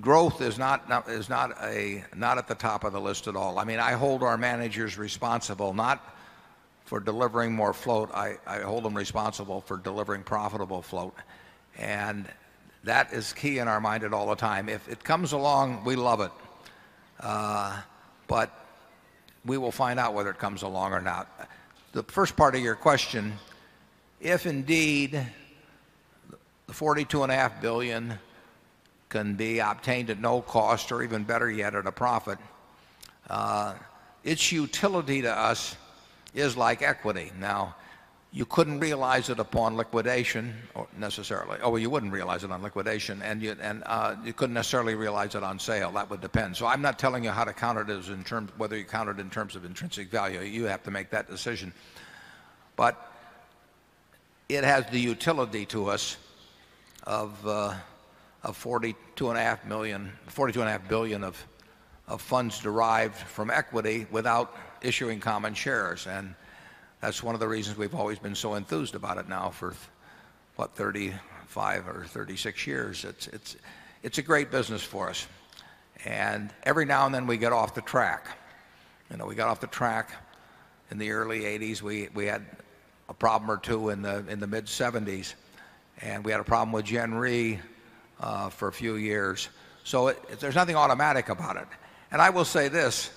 S1: growth is not at the top of the list at all. I mean I hold our managers responsible not for delivering more float. I hold them responsible for delivering profitable float. And that is key in our mind at all the time. If it comes along we love it. But we will find out whether it comes along or not. The first part of your question, if indeed the $42,500,000,000 can be obtained at no cost or even better yet at a profit, its utility to us is like equity. Now you couldn't realize it upon liquidation necessarily. Oh, you wouldn't realize it on liquidation and you couldn't necessarily realize it on sale. That would depend. So I'm not telling you how to count it as in terms whether you count it in terms of intrinsic value. You have to make that decision. But it has the utility to us of, of 42.5000000000 of funds derived from equity without issuing common shares. And that's one of the reasons we've always been so enthused about it now for, what, 35 or 36 years. It's a great business for us. And every now and then we get off the track. You know, we got off the track in the early 80s. We had a problem or 2 in the mid 70s and we had a problem with Gen Re for a few years. So there's nothing automatic about it. And I will say this,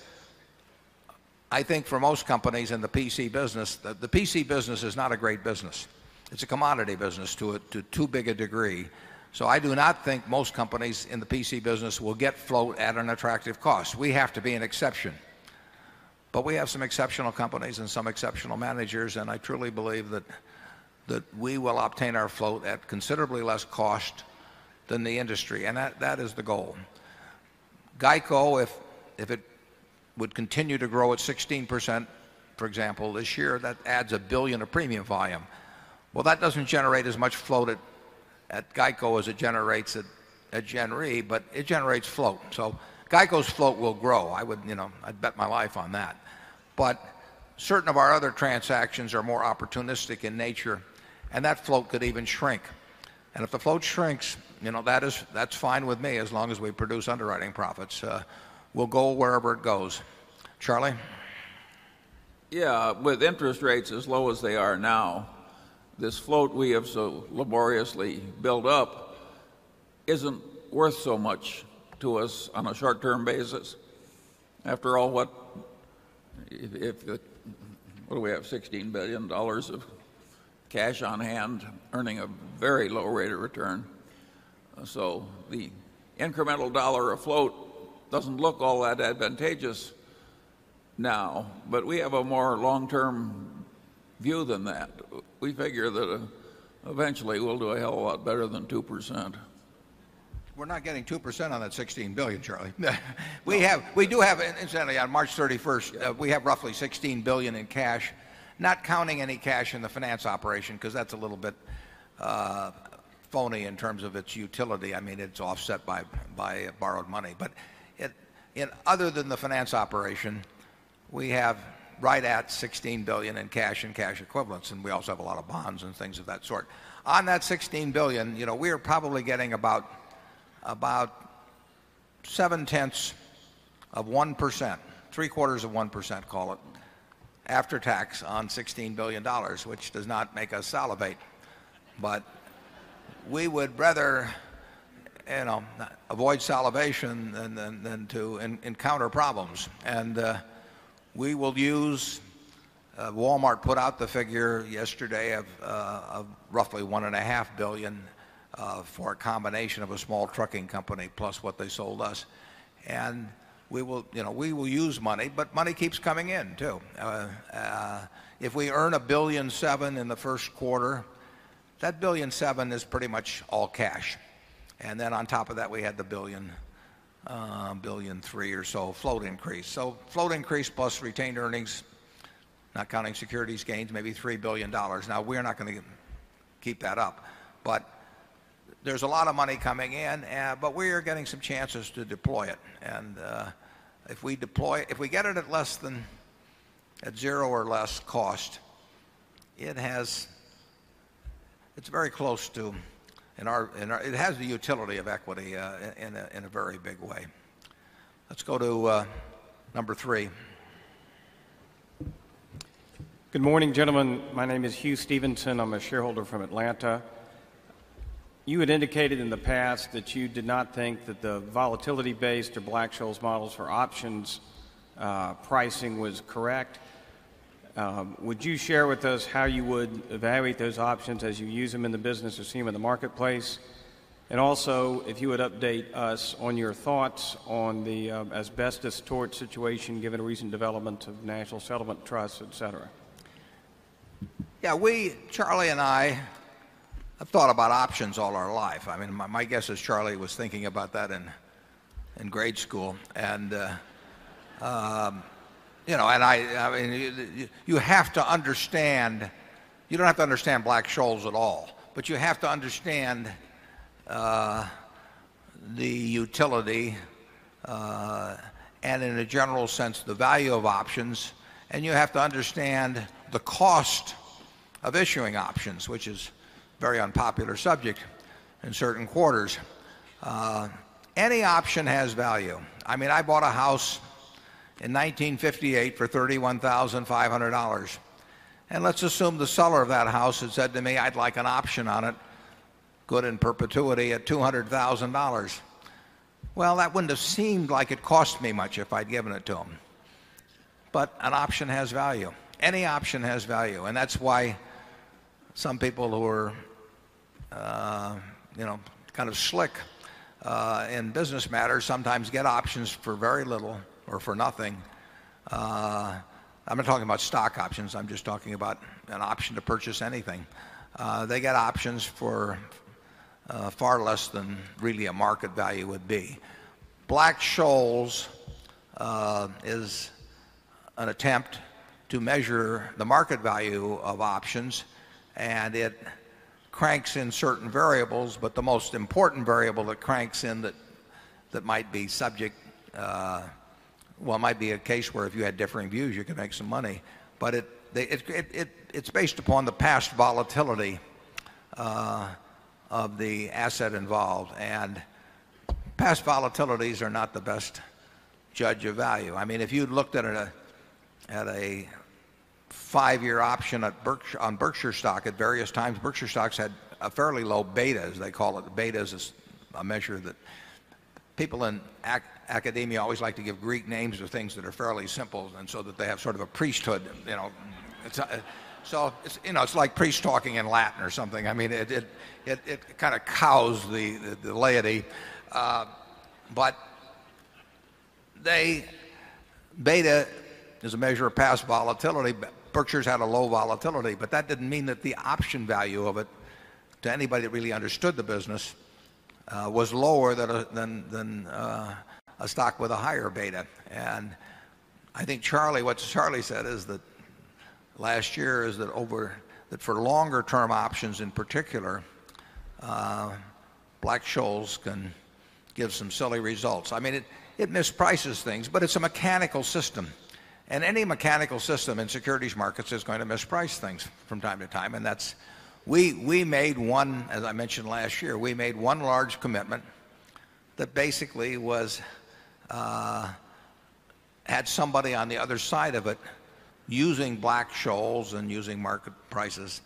S1: I think for most companies in the PC business, the PC business is not a great business. It's a commodity business to too big a degree. So I do not think most companies in the PC business will get float at an attractive cost. We have to be an exception. But we have some exceptional companies and some exceptional managers and I truly believe that we will obtain our float at considerably less cost than the industry. And that is the goal. GEICO, if it would continue to grow at 16% for example this year that adds a $1,000,000,000 of premium volume. Well that doesn't generate as much float at GEICO as it generates at Gen Re but it generates float. So GEICO's float will grow. I would, you know, I'd bet my life on that. But certain of our other transactions are more opportunistic in nature and that float could even shrink. And if the float shrinks, you know, that is that's fine with me as long as we produce underwriting profits. We'll go wherever it goes. Charlie?
S6: Yes. With interest rates as low as they are now, this float we have so laboriously built up isn't worth so much to us on a short term basis. After all,
S10: what if we have
S6: $16,000,000,000 of cash on hand, earning a very low rate of return. So the incremental dollar afloat doesn't look all that advantageous now, but we have a more long term view than that. We figure that eventually we'll do a hell of a lot better than 2%.
S1: We're not getting 2% on that $16,000,000,000 Charlie. We do have incidentally on March 31, we have roughly $16,000,000,000 in cash, not counting any cash in the finance operation because that's a little bit phony in terms of its utility. I mean, it's offset by borrowed money. But other than the finance operation, we have right at $16,000,000,000 in cash and cash equivalents, and we also have a lot of bonds and things of that sort. On that $16,000,000,000 we are probably getting about 7 tenths of 1%, 3 quarters of 1%, call it, after tax on $16,000,000,000 which does not make us salivate. But we would rather avoid salivation than to encounter problems. And we will use Walmart put out the figure yesterday of roughly 1,500,000,000 dollars for a combination of a small trucking company plus what they sold us. And we will use money, but money keeps coming in too. If we earn $1,700,000,000 in the first quarter, that $1,700,000,000 is pretty much all cash. And then on top of that, we had the $1,300,000,000 or so float increase. So float increase plus retained earnings, not counting securities gains, maybe $3,000,000,000 Now we're not going to keep that up. But there's a lot of money coming in, but we are getting some chances to deploy it. And if we deploy if we get it at less than at 0 or less cost, it has it's very close to and it has the utility of equity in a very big way. Let's go to number 3.
S11: Good morning, gentlemen. My name is Hugh Stevenson. I'm a shareholder from Atlanta. You had indicated in the past that you did not think that the volatility base to Black Scholes models for options pricing was correct. Would you share with us how you would evaluate those options as you use them in the business or seem in the marketplace? And also, if you would update us on your thoughts on the asbestos tort situation, given the recent development of National Settlement Trust, etcetera.
S1: Yes. We, Charlie and I have thought about options all our life. My guess is Charlie was thinking about that in grade school. And you have to understand, you don't have to understand Black Scholes at all, but you have to understand the utility and in a general sense the value of options. And you have to understand the cost of issuing options, which is very unpopular subject in certain quarters. Any option has value. I mean, I bought a house in 1958 for $31,500 And let's assume the seller of that house had said to me, I'd like an option on it, good in perpetuity at $200,000 Well, that wouldn't have seemed like it cost me much if I'd given it to him. But an option has value. Any option has value. And that's why some people who are, you know, kind of slick in business matters sometimes get options for very little or for nothing. I'm not talking about stock options. I'm just talking about an option to purchase anything. They get options for far less than really a market value would be. Black Scholes is an attempt to measure the market value of options and it cranks in certain variables, but the most important variable that cranks in that might be subject well might be a case where if you had differing views you can make some money. But it's based upon the past volatility of the asset involved and past volatilities are not the best judge of value. I mean if you'd looked at a 5 year option on Berkshire stock at various times, Berkshire stocks had a fairly low beta as they call it. Beta is a measure that people in academia always like to give Greek names of things that are fairly simple and so that they have sort of a priesthood. So it's like priest talking in Latin or something. I mean it kind of cows the laity. But they beta is a measure of past volatility, but Berkshire's had a low volatility. But that didn't mean that the option value of it to anybody that really understood the business was lower than a stock with a higher beta. And I think what Charlie said is that last year is that for longer term options in particular, Black Scholes can give some silly results. I mean, it misprices things, but it's a mechanical system. And any mechanical system in securities markets is going to misprice things from time to time. And that's we made one as I mentioned last year, we made one large commitment that basically was had somebody on the other side of it using black shoals and using market prices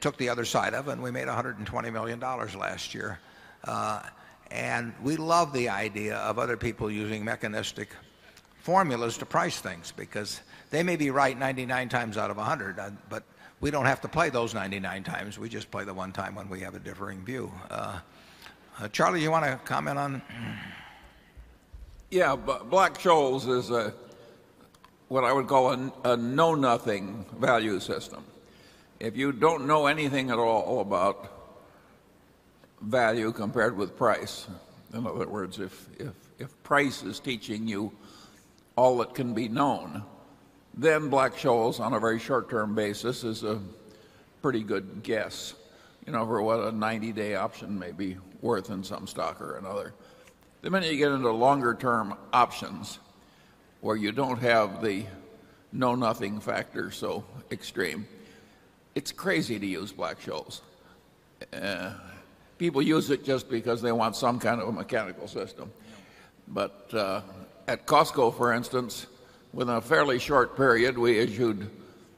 S1: took the other side of it and we made $120,000,000 last year. And we love the idea of other people using mechanistic formulas to price things because they may be right 99 times out of 100 but we don't have to play those 99 times. We just play the one time when we have a differing view. Charlie, you want to comment on?
S6: Yeah. Black Scholes is what I would call a know nothing value system. If you don't know anything at all about value compared with price, in other words, if price is teaching you all that can be known, then Black Scholes on a very short term basis is a pretty good guess over what a 90 day option may be worth in some stock or another. The minute you get into longer term options where you don't have the know nothing factor so extreme, It's crazy to use Black Scholes. People use it just because they want some kind of a mechanical system. But at Costco, for instance, within a fairly short period, we issued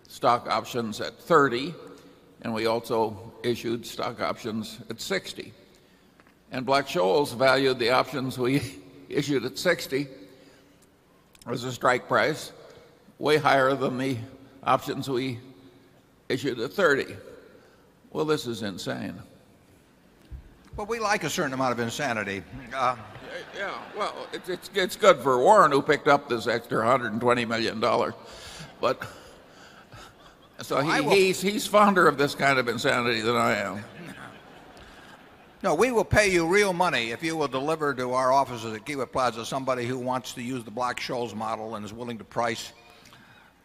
S6: stock options at $30 and we also issued stock options at $60 And Black Scholes valued the options we issued at $60 was the strike price way higher than the options we issued at 30. Well, this is insane.
S1: CHIEF J. But we like a certain amount of insanity.
S10: HON. R. C. Yeah.
S6: Well, it's good for Warren who picked up this extra $120,000,000 But so he's he's founder of this kind of insanity than I am.
S1: No. We will pay you real money if you will deliver to our offices at Kiva Plaza somebody who wants to use the Black Scholes model and is willing to price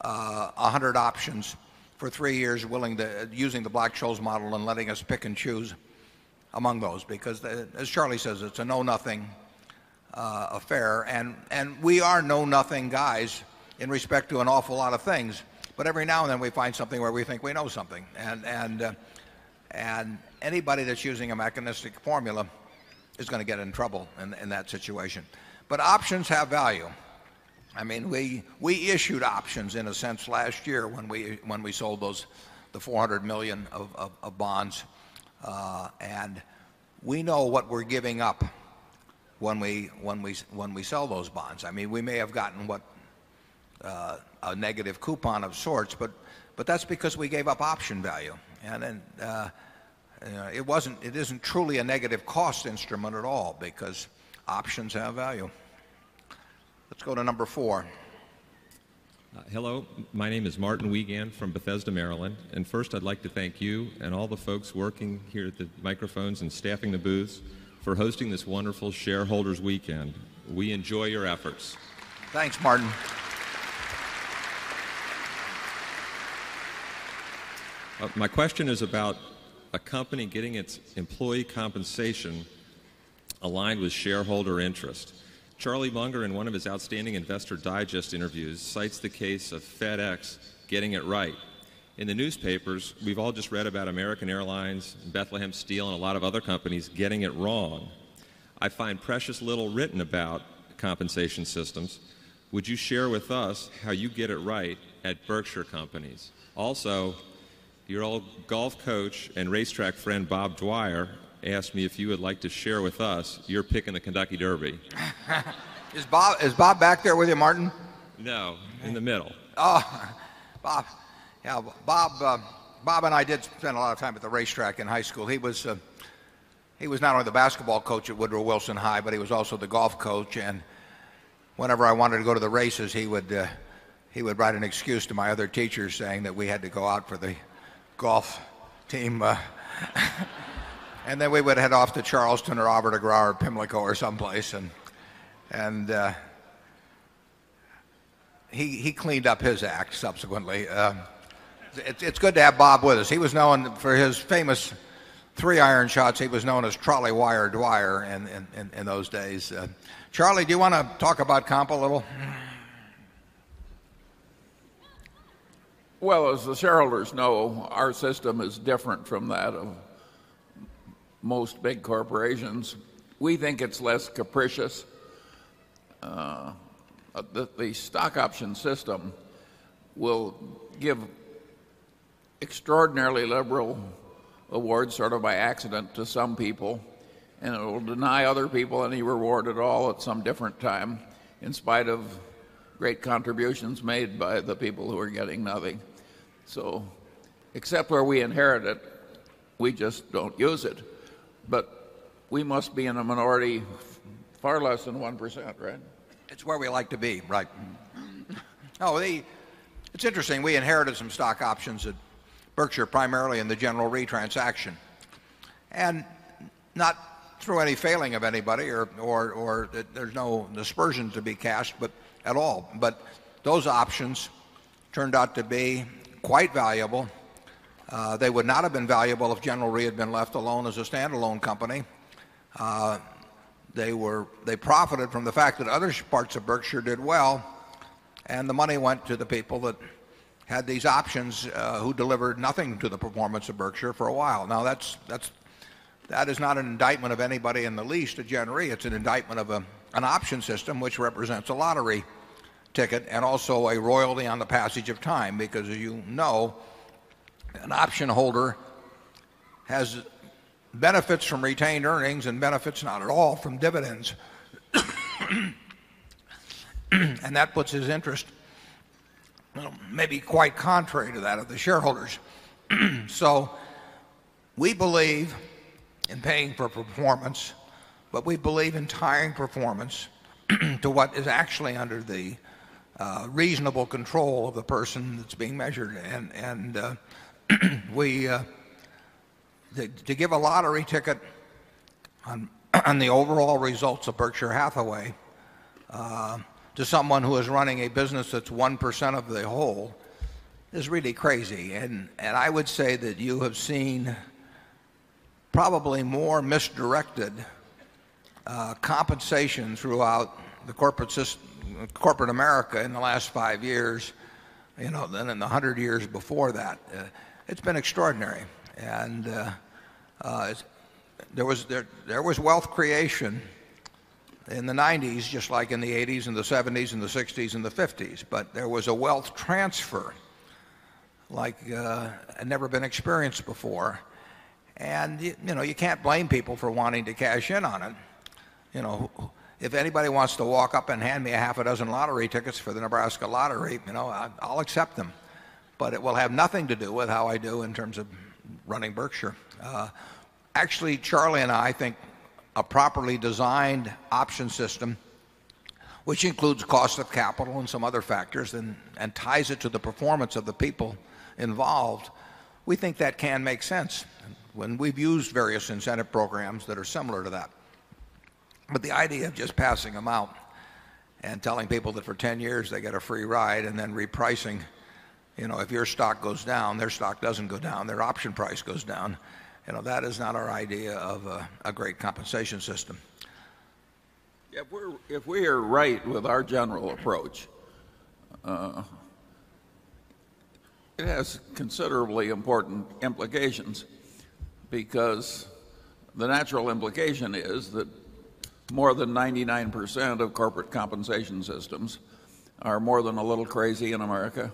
S1: 100 options for 3 years, willing to using the Black Scholes model and letting us pick and choose among those. Because as Charlie says, it's a know nothing affair. And we are know nothing guys in respect to an awful lot of things. But every now and then, we find something where we think we know something. And anybody that's using a mechanistic formula is going to get in trouble in that situation. But options have value. I mean, we issued options in a sense last year when we sold those the $400,000,000 of bonds. And we know what we're giving up when we sell those bonds. I mean, we may have gotten what a negative coupon of sorts, but that's because we gave up option value. And it isn't truly a negative cost instrument at all because options have value. Let's go to number 4.
S12: Hello. My name is Martin Wiegand from Bethesda, Maryland. And first, I'd like to thank you and all the folks working here at the microphones and staffing the booths for hosting this wonderful shareholders weekend. We enjoy your efforts.
S1: Thanks,
S12: Martin. My question is about a company getting its employee compensation aligned with shareholder interest. Charlie Munger in one of his outstanding Investor Digest interviews cites the case of FedEx getting it right. In the newspapers, we've all just read about American Airlines, Bethlehem Steel and a lot of other companies getting it wrong. I find precious little written about compensation systems. Would you share with us how you get it right at Berkshire Companies? Also, your old golf coach and racetrack friend Bob Dwyer asked me if you would like to share with us your pick in the Kentucky Derby.
S1: Is Bob back there with you, Martin?
S12: No. In the middle.
S1: Oh, Bob. Yeah. Bob and I did spend a lot of time at the racetrack in high school. He was not only the basketball coach at Woodrow Wilson High, but he was also the golf coach. And whenever I wanted to go to the races, he would, he would write an excuse to my other teachers saying that we had to go out for the golf team. And then we would head off to Charleston or Robert Agraw or Pimlico or some place And he cleaned up his act subsequently. It's good to have Bob with us. He was known for his famous 3 iron shots. He was known as trolley wired wire in those days. Charlie, do you want to talk about comp a little?
S6: Well, as the shareholders know, our system is different from that of most big corporations. We think it's less capricious that the stock option system will give extraordinarily liberal awards sort of by accident to some people and it will deny other people any reward at all at some different time in spite of great contributions made by the people who are getting nothing. So except where we inherit it, we just don't use it. But we must be in a minority far less than 1%, right?
S1: It's where we like to be, right? It's interesting, we inherited some stock options at Berkshire primarily in the General Re transaction And not through any failing of anybody or there's no aspersions to be cashed, but at all. But those options turned out to be quite valuable. They would not have been valuable if General Re had been left alone as a standalone company. They profited from the fact that other parts of Berkshire did well and the money went to the people that had these options, who delivered nothing to the performance of Berkshire for a while. Now that's that's that is not an indictment of anybody in the least of January. It's an indictment of an option system, which represents a lottery ticket and also a royalty on the passage of time because as you know, an option holder has benefits from retained earnings and benefits not at all from dividends. And that puts his interest maybe quite contrary to that of the shareholders. So we believe in paying for performance, but we believe in tying performance to what is actually under the reasonable control of the person that's being measured. And we to give a lottery ticket on the overall results of Berkshire Hathaway to someone who is running a business that's 1% of the whole is really crazy. And I would say that you have seen probably more misdirected compensation throughout the corporate America in the last 5 years than in the 100 years before that. It's been extraordinary. And there was wealth creation in the '90s just like in the '80s and the '70s and the '60s and the '50s. But there was a wealth transfer like, had never been experienced before. And you know, you can't blame people for wanting to cash in on it. You know, if anybody wants to walk up and hand me a half a dozen lottery tickets for the Nebraska lottery, you know, I'll accept them. But it will have nothing to do with how I do in terms of running Berkshire. Actually, Charlie and I think a properly designed option system, which includes cost of capital and some other factors and ties it to the performance of the people involved, we think that can make sense when we've used various incentive programs that are similar to that. But the idea of just passing them out and telling people that for 10 years they get a free ride and then repricing, You know, if your stock goes down, their stock doesn't go down, their option price goes down. You know, that is not our idea of a great compensation system.
S6: If we are right with our general approach, It has considerably important implications because the natural implication is that more than 99% of corporate compensation systems are more than a little crazy in America.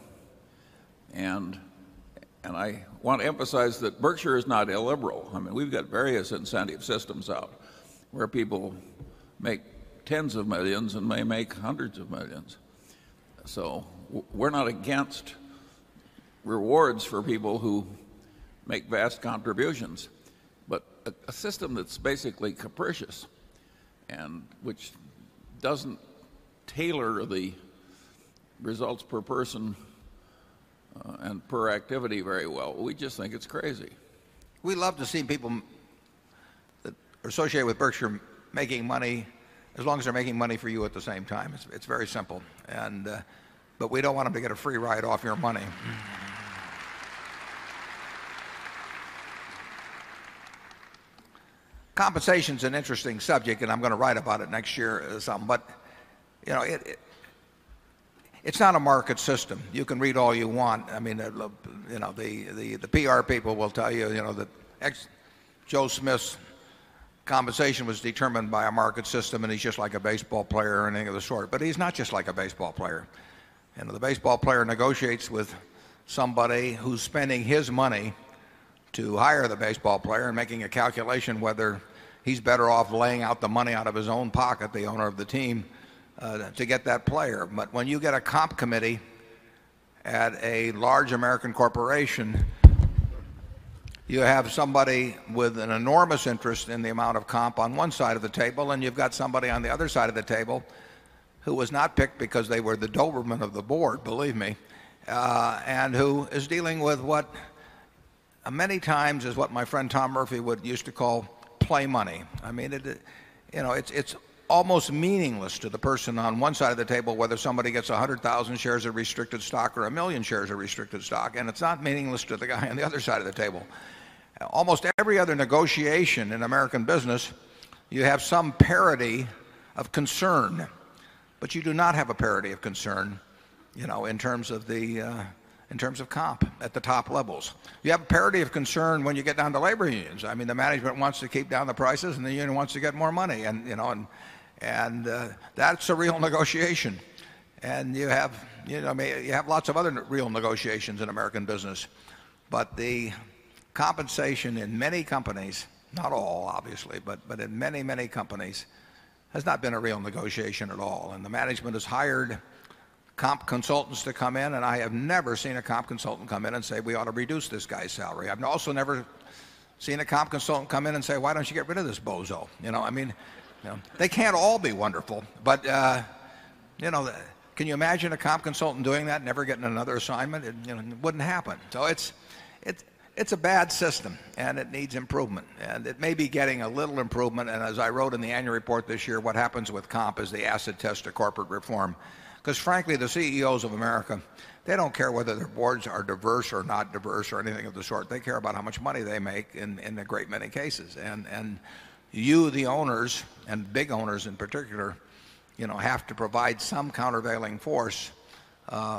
S6: And I want to emphasize that Berkshire is not illiberal. I mean, we've got various incentive systems out where people make tens of 1,000,000 and they make 100 of 1,000,000. So we're not against rewards for people who make vast contributions. But a system that's basically capricious and which doesn't tailor the results per person and per activity very well. We just think it's crazy.
S1: We love to see people that are associated with Berkshire making money as long as they're making money for you at the same time. It's very simple. And but we don't want them to get a free ride off your money. Compensation is an interesting subject and I'm going to write about it next year or some. But you know, it's not a market system. You can read all you want. I mean, you know, the PR people will tell you, you know, that Joe Smith's compensation was determined by a market system and he's just like a baseball player or any of the sort. But he's not just like a baseball player. And the baseball player negotiates with somebody who's spending his money to hire the baseball player and making a calculation whether he's better off laying out the money out of his own pocket, the owner of the team, to get that player. But when you get a comp committee at a large American corporation, you have somebody with an enormous interest in the amount of comp on one side of the table and you've got somebody on the other side of the table who was not picked because they were the Doberman of the board. Believe me. And who is dealing with what many times is what my friend Tom Murphy would used to call play money. I mean it it's almost meaningless to the person on one side of the table, whether somebody gets 100,000 shares of restricted stock or a 1000000 shares of restricted stock. And it's not meaningless to the guy on the other side of the table. Almost every other negotiation in American business, you have some parity of concern, but you do not have a parity of concern, you know, in terms of the, in terms of comp at the top levels. You have parity of concern when you get down to labor unions. I mean, the management wants to keep down the prices and the union wants to get more money. And that's a real negotiation. And you have lots of other real negotiations in American business. But the compensation in many companies, not all obviously, but in many, many companies has not been a real negotiation at all. And the management has hired comp consultants to come in. And I have never seen a comp consultant come in and say, we ought to reduce this guy's salary. I've also never seen a comp consultant come in and say, why don't you get rid of this bozo? I mean, they can't all be wonderful. But can you imagine a comp consultant doing that, never getting another assignment? It wouldn't happen. So it's a bad system and it needs improvement. And it may be getting a little improvement. And as I wrote in the annual report this year, what happens with comp is the asset test to corporate reform. Because frankly, the CEOs of America, they don't care whether their boards are diverse or not diverse or anything of the sort. They care about how much money they make in a great many cases. And you, the owners, and big owners in particular, have to provide some countervailing force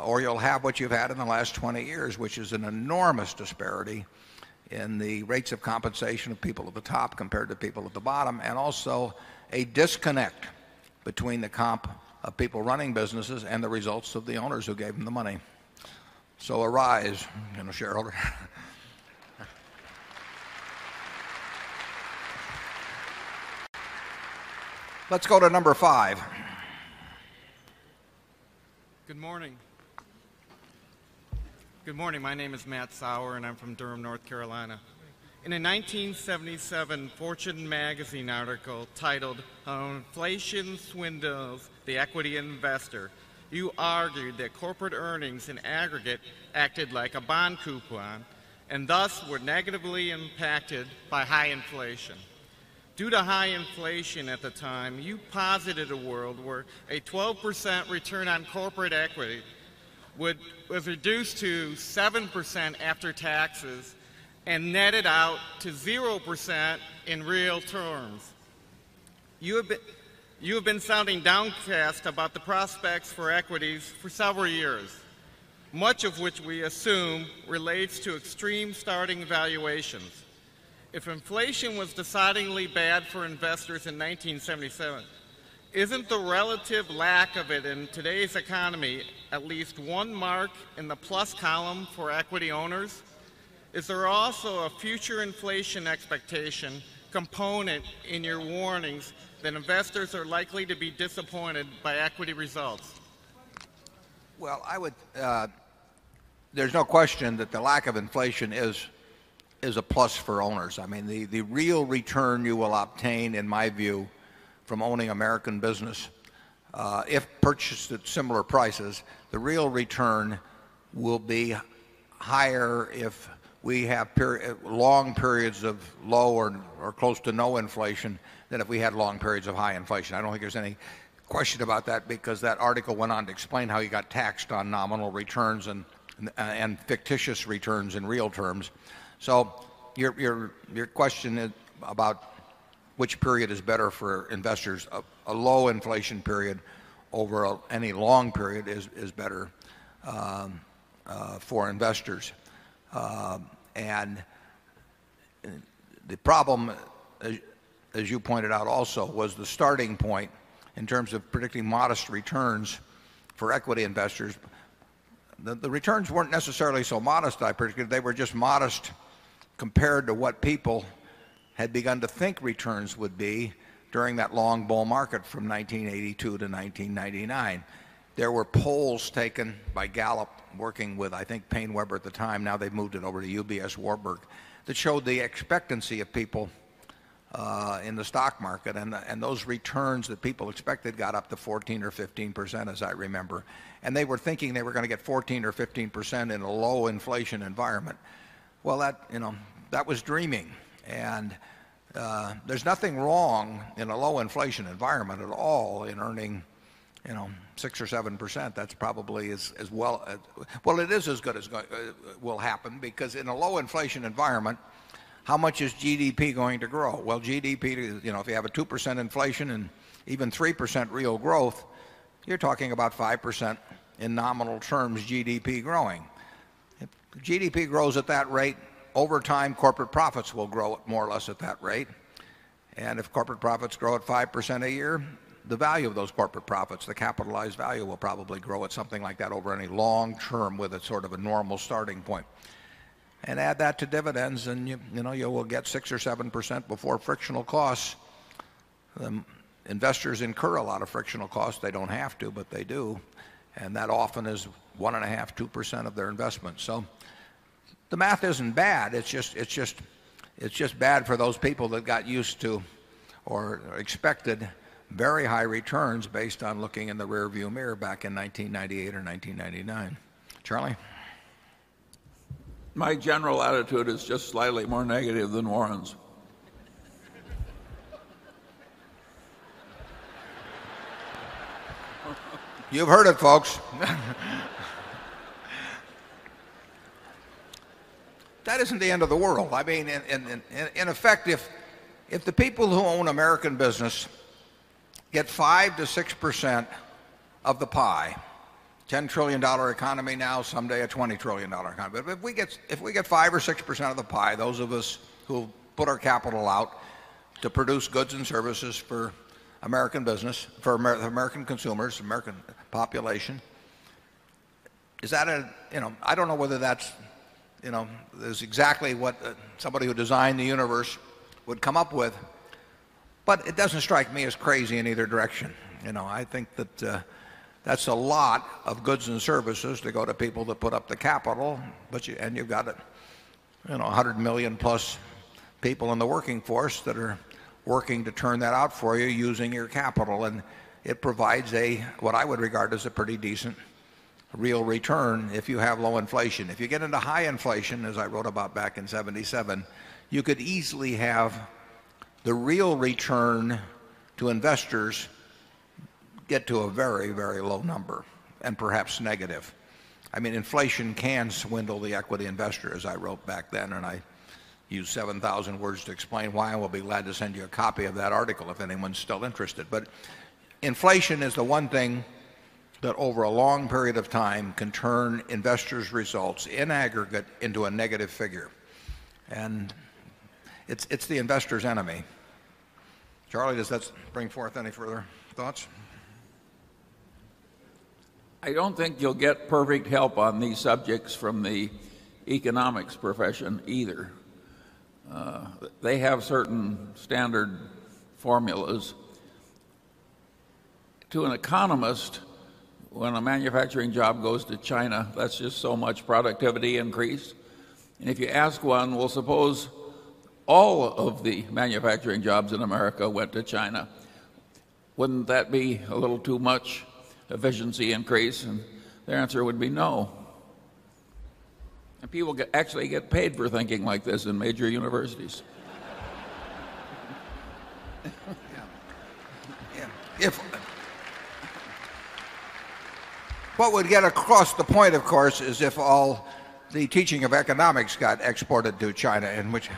S1: or you'll have what you've had in the last 20 years, which is an enormous disparity in the rates of compensation of people at the top compared to people at the bottom. And also a disconnect between the comp of people running businesses and the results of the owners who gave them the money. So arise, General shareholder. Let's go to number 5.
S13: Good morning. My name is Matt Sauer, and I'm from Durham, North Carolina. In a 1977 Fortune Magazine article titled, Inflation Swindells the Equity Investor, you argued that corporate earnings in aggregate acted like a bond coupon, and thus were negatively impacted by high inflation. Due to high inflation at the time, you posited a world where a 12% return on corporate equity was reduced to 7% after taxes and netted out to 0% in real terms. You have been sounding downcast about the prospects for equities for several years, much of which we assume relates to extreme starting valuations. If inflation was decidedly bad for investors in 1977, isn't the relative lack of it in today's economy at least one mark in the plus column for equity owners? Is there also a future inflation expectation component in your warnings that investors are likely to be disappointed by equity results?
S1: Well, there's no question that the lack of inflation is a plus for owners. I mean, the real return you will obtain, in my view, from owning American business, if purchased at similar prices, the real return will be higher if we have long periods of low or close to no inflation than if we had long periods of high inflation. I don't think there's any question about that because that article went on to explain how he got taxed on nominal returns and fictitious returns in real terms. So your question is about which period is better for investors, a low inflation period over any long period is better for investors. And the problem, as you pointed out also, was the starting point in terms of predicting modest returns for equity investors. The returns weren't necessarily so modest I presume they were just modest compared to what people had begun to think returns would be during that long bull market from 1982 to 1999. There were polls taken by Gallup working with, I think, Paine Webber at the time, now they've moved it over to UBS Warburg, that showed the expectancy of people, in the stock market. And those returns that people expected got up to 14% or 15% as I remember. And they were thinking they were going to get 14% or 15% in a low inflation environment. Well, that was dreaming. And, there's nothing wrong in a low inflation environment at all in earning 6% or 7%, that's probably as well well, it is as good as will happen because in a low inflation environment, how much is GDP going to grow? Well, GDP, if you have a 2% inflation and even 3% real growth, you're talking about 5% in nominal terms GDP growing. GDP grows at that rate, over time corporate profits will grow more or less at that rate. And if corporate profits grow at 5% a year, the value of those corporate profits, the capitalized value will probably grow at something like that over any long term with a sort of a normal starting point. And add that to dividends and you will get 6% or 7% before frictional costs. Investors incur a lot of frictional costs. They don't have to, but they do. And that often is 1.5%, 2% of their investments. So the math isn't bad. It's just bad for those people that got used to or expected very high returns based on looking in the rearview mirror back in 1998 or 1999. Charlie?
S6: My general attitude is just slightly more negative than Warren's.
S1: You've heard it, folks. That isn't the end of the world. I mean, in effect, if the people who own American business get 5% to 6% of the pie, dollars 10,000,000,000,000 economy now, someday a $20,000,000,000,000 economy, but if we get 5% or 6% of the pie, those of us who put our capital out to produce goods and services for American business, for American consumers, American population. Is that an you know, I don't know whether that's you know, that's exactly what somebody who designed the universe would come up with, but it doesn't strike me as crazy in either direction. You know, I think that, that's a lot of goods and services to go to people to put up the capital, but you and you've got it, you know, 100,000,000 plus people in the working force that are working to turn that out for you using your capital and it provides a what I would regard as a pretty decent real return if you have low inflation. If you get into high inflation as I wrote about back in 'seventy seven, you could easily have the real return to investors get to a very, very low number and perhaps negative. I mean inflation can swindle the equity investor as I wrote back then and I use 7,000 words to explain why I will be glad to send you a copy of that article if anyone is still interested. But inflation is the one thing that over a long period of time can turn investors results in aggregate into a negative figure. And it's the investor's enemy. Charlie, does that bring forth any further thoughts?
S6: I don't think you'll get perfect help on these subjects from the economics profession either. They have certain standard formulas. To an economist, when a manufacturing job goes to China, that's just so much productivity increase. And if you ask 1, we'll suppose all of the manufacturing jobs in America went to China. Wouldn't that be a little too much efficiency increase? And the answer would be no. And people get actually get paid for thinking like this in major universities.
S1: What would get across the point, of course, is if all the teaching of economics got exported to China in which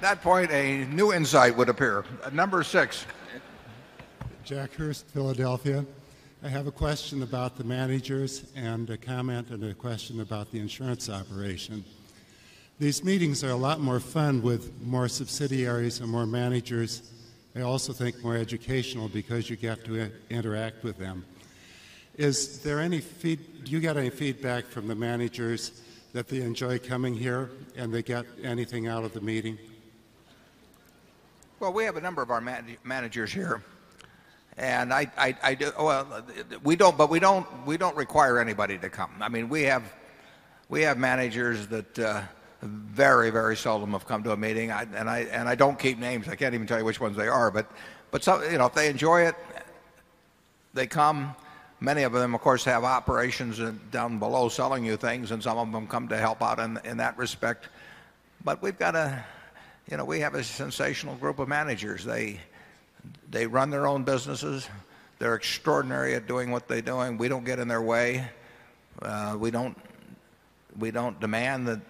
S1: that point a new insight would appear. Number 6.
S14: Jack Hurst, Philadelphia. I have a question about the managers and a comment on a question about the insurance operation. These meetings are a lot more fun with more subsidiaries and more managers. I also think more educational because you get to interact with them. Do you get any feedback from the managers that they enjoy coming here and they get anything out of the meeting?
S1: Well, we have a number of our managers here. And I do well, we don't but we don't we don't require anybody to come. I mean, we have managers that very, very seldom have come to a meeting. And I don't keep names. I can't even tell you which ones they are. But some, if they enjoy it, they come. Many of them of course have operations down below selling you things and some of them come to help out in that respect. But we've got a we have a sensational group of managers. They run their own businesses. They're extraordinary at doing what they're doing. We don't get in their way. We don't demand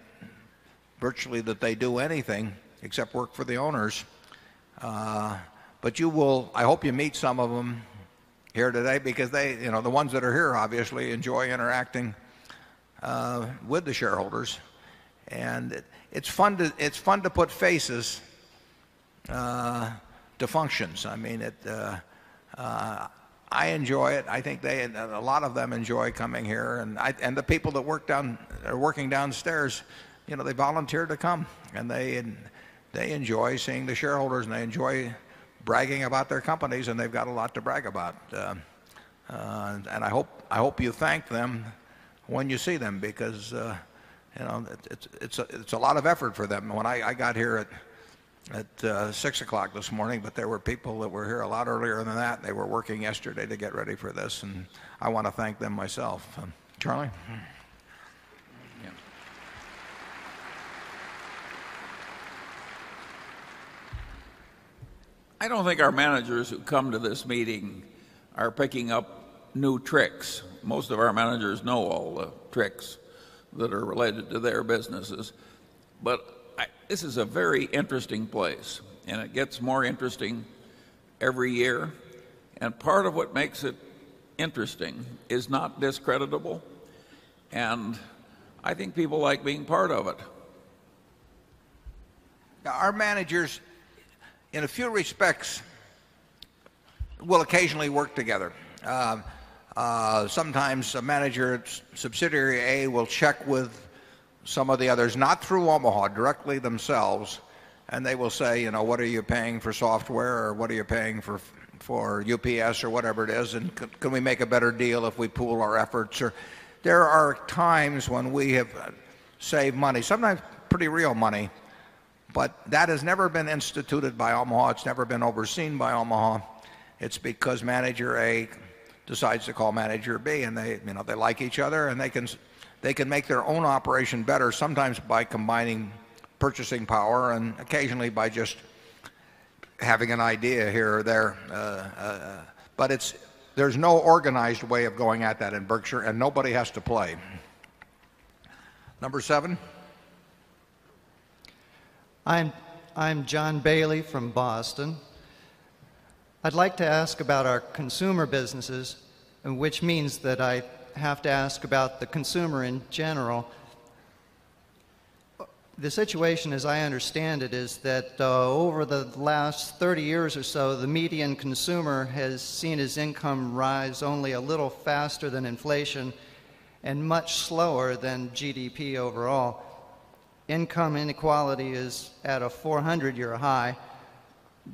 S1: virtually that they do anything except work for the owners. But you will I hope you meet some of them here today because they, you know, the ones that are here obviously enjoy interacting, with the shareholders. And it's fun to, it's fun to put faces to functions. I mean, it, I enjoy it. I think they and a lot of them enjoy coming here. And the people that work down are working downstairs, you know, they volunteer to come and they enjoy seeing the shareholders and they enjoy bragging about their companies and they've got a lot to brag about. And I hope I hope you thank them when you see them because, it's a lot of effort for them. When I got here at 6 o'clock this morning, but there were people that were here a lot earlier than that. They were working yesterday to get ready for this. And I want to thank them myself. Charlie.
S6: I don't think our managers who come to this meeting are picking up new tricks. Most of our managers know all the tricks that are related to their businesses, But this is a very interesting place and it gets more interesting every year. And part of what makes it interesting is not this creditable. And I think people like being part of it.
S1: Our managers in a few respects will occasionally work together. Sometimes a manager, Subsidiary A, will check with some of the others, not through Omaha, directly themselves and they will say, you know, what are you paying for software or what are you paying for UPS or whatever it is and can we make a better deal if we pool our efforts or there are times when we have saved money, sometimes pretty real money, but that has never been instituted by Omaha. It's never been overseen by Omaha. It's because manager A decides to call manager B and they like each other and they can they can make their own operation better sometimes by combining purchasing power and occasionally by just having an idea here or there. But there's no organized way of going at that in Berkshire and nobody has to play. Number 7.
S15: I'm John Bailey from Boston. I'd like to ask about our consumer businesses, which means that I have to ask about the consumer in general. The situation, as I understand it, is that, over the last 30 years or so, the median consumer has seen his income rise only a little faster than inflation and much slower than GDP overall. Income inequality is at a 400 year high.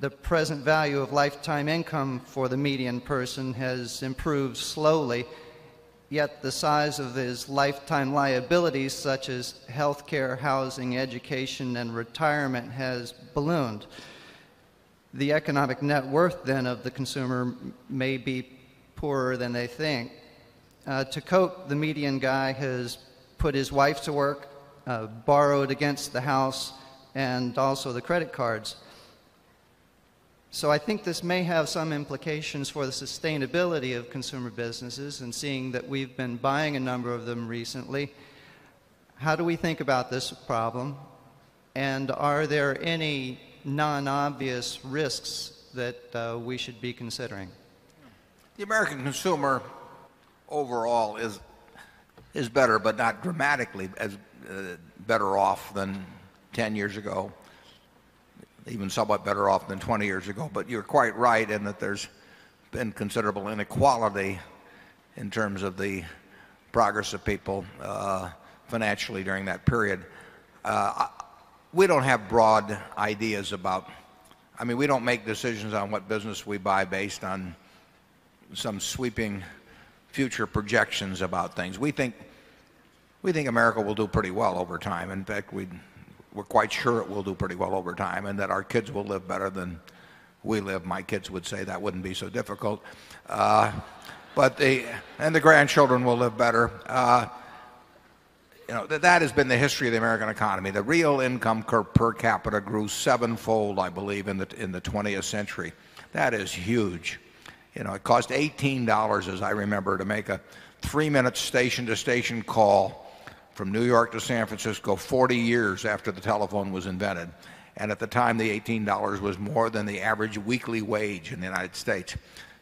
S15: The present value of lifetime income for the median person has improved slowly, yet the size of his lifetime liabilities such as healthcare, housing, education and retirement has ballooned. The economic net worth then of the consumer may be poorer than they think. To cope, the median guy has put his wife to work, borrowed against the house and also the credit cards. So I think this may have some implications for the sustainability of consumer businesses and seeing that we've been buying a number of them recently. How do we think about this problem? And are there any non obvious risks that we should be considering?
S1: The American consumer overall is better, but not dramatically as better off than 10 years ago, even somewhat better off than 20 years ago. But you're quite right in that there's been considerable inequality in terms of the progress of people financially during that period. We don't have broad ideas about I mean we don't make decisions on what business we buy based on some sweeping future projections about things. We think America will do pretty well over time. In fact, we're quite sure it will do pretty well over time and that our kids will live better than we live. My kids would say that wouldn't be so difficult. But the and the grandchildren will live better. You know, that has been the history of the American economy. The real income per capita grew 7 fold I believe in the 20th century. That is huge. It cost $18 as I remember to make a 3 minute station to station call from New York to San Francisco 40 years after the telephone was invented. And at the time, the $18 was more than the average weekly wage in the United States.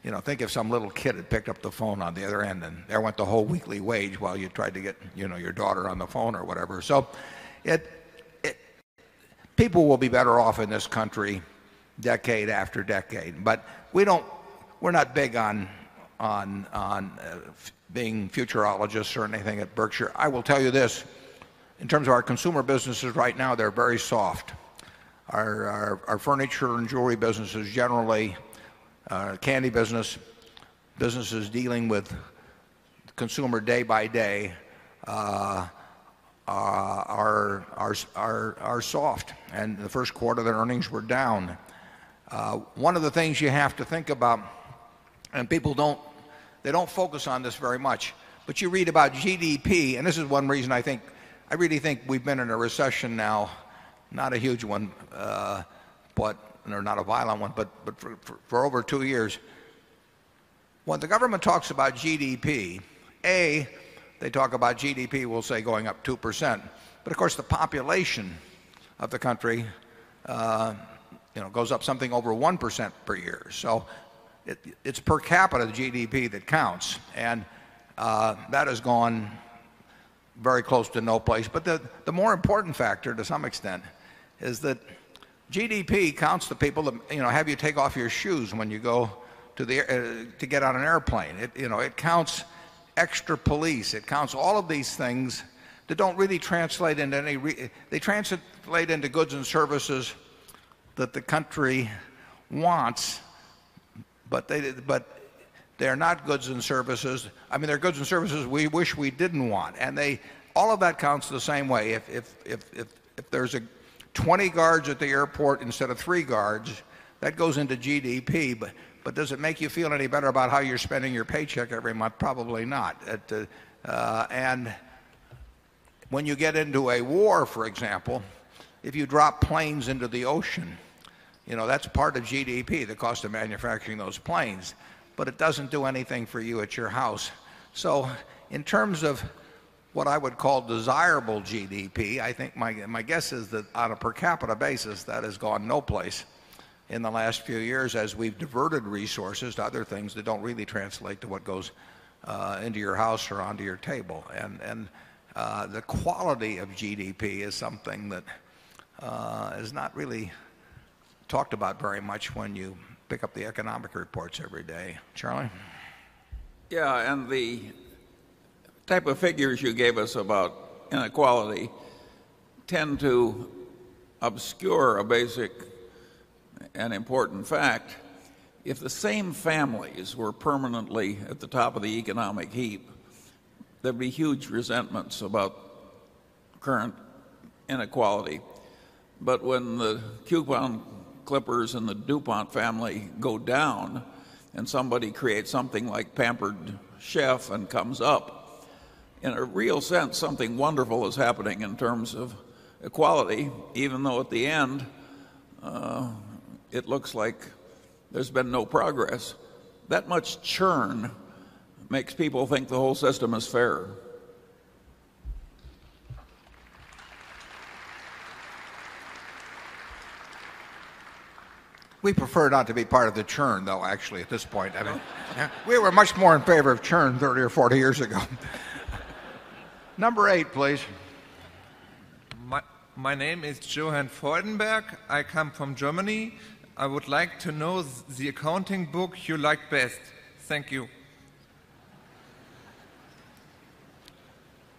S1: You know, think of some little kid that picked up the phone on the other end and there went the whole weekly wage while you tried to get, you know, your daughter on the phone or whatever. So people will be better off in this country decade after decade, but we don't we're not big on being futurologists or anything at Berkshire. I will tell you this, in terms of our consumer businesses right now they're very soft. Our furniture and jewelry businesses generally, candy business, businesses dealing with consumer day by day are soft and the Q1 the earnings were down. One of the things you have to think about and people don't, they don't focus on this very much, but you read about GDP and this is one reason I think, I really think we've been in a recession now, not a huge one, but not a violent one, but for over 2 years. When the government talks about GDP, a, they talk about GDP, we'll say going up 2%. But of course the population of the country, you know, goes up something over 1% per year. So it's per capita GDP that counts and, that has gone very close to no place. But the the more important factor to some extent is that GDP counts the people that you know have you take off your shoes when you go to the to get on an airplane. It you know it counts extra police. It counts all of these things that don't really translate into any they translate into goods and services that the country wants, but they are not goods and services. I mean, they're goods and services we wish we didn't want. And they all of that counts the same way. If there's a 20 guards at the airport instead of 3 guards, that goes into GDP. But does it make you feel any better about how you're spending your paycheck every month? Probably not. And when you get into a war, for example, if you drop planes into the ocean, you know, that's part of GDP, the cost of manufacturing those planes, but it doesn't do anything for you at your house. So in terms of what I would call desirable GDP, I think my guess is that on a per capita basis that has gone no place in the last few years as we've diverted resources to other things that don't really translate to what goes into your house or onto your table. And the quality of GDP is something that is not really talked about very much when you pick up the economic reports every day. Charlie? CHAIR POWELL.
S11: CHARLIE KUNDERS Yeah.
S6: And the type of figures you gave us about inequality tend to obscure a basic and important fact. If the same families were permanently at the top of the economic heap, there'd be huge resentments about current inequality. But when the coupon Clippers and the DuPont family go down and somebody creates something like pampered chef and comes up in a real sense, something wonderful is happening in terms of equality, even though at the end, it looks like there's been no progress. That much churn makes people think the whole system is fair.
S1: We prefer not to be part of the churn, though, actually, at this point. I mean, we were much more in favor of churn 30 or 40 years ago. Number 8, please.
S16: My name is Johann Freudenberg. I come from Germany. I would like to know the accounting book you like best. Thank you.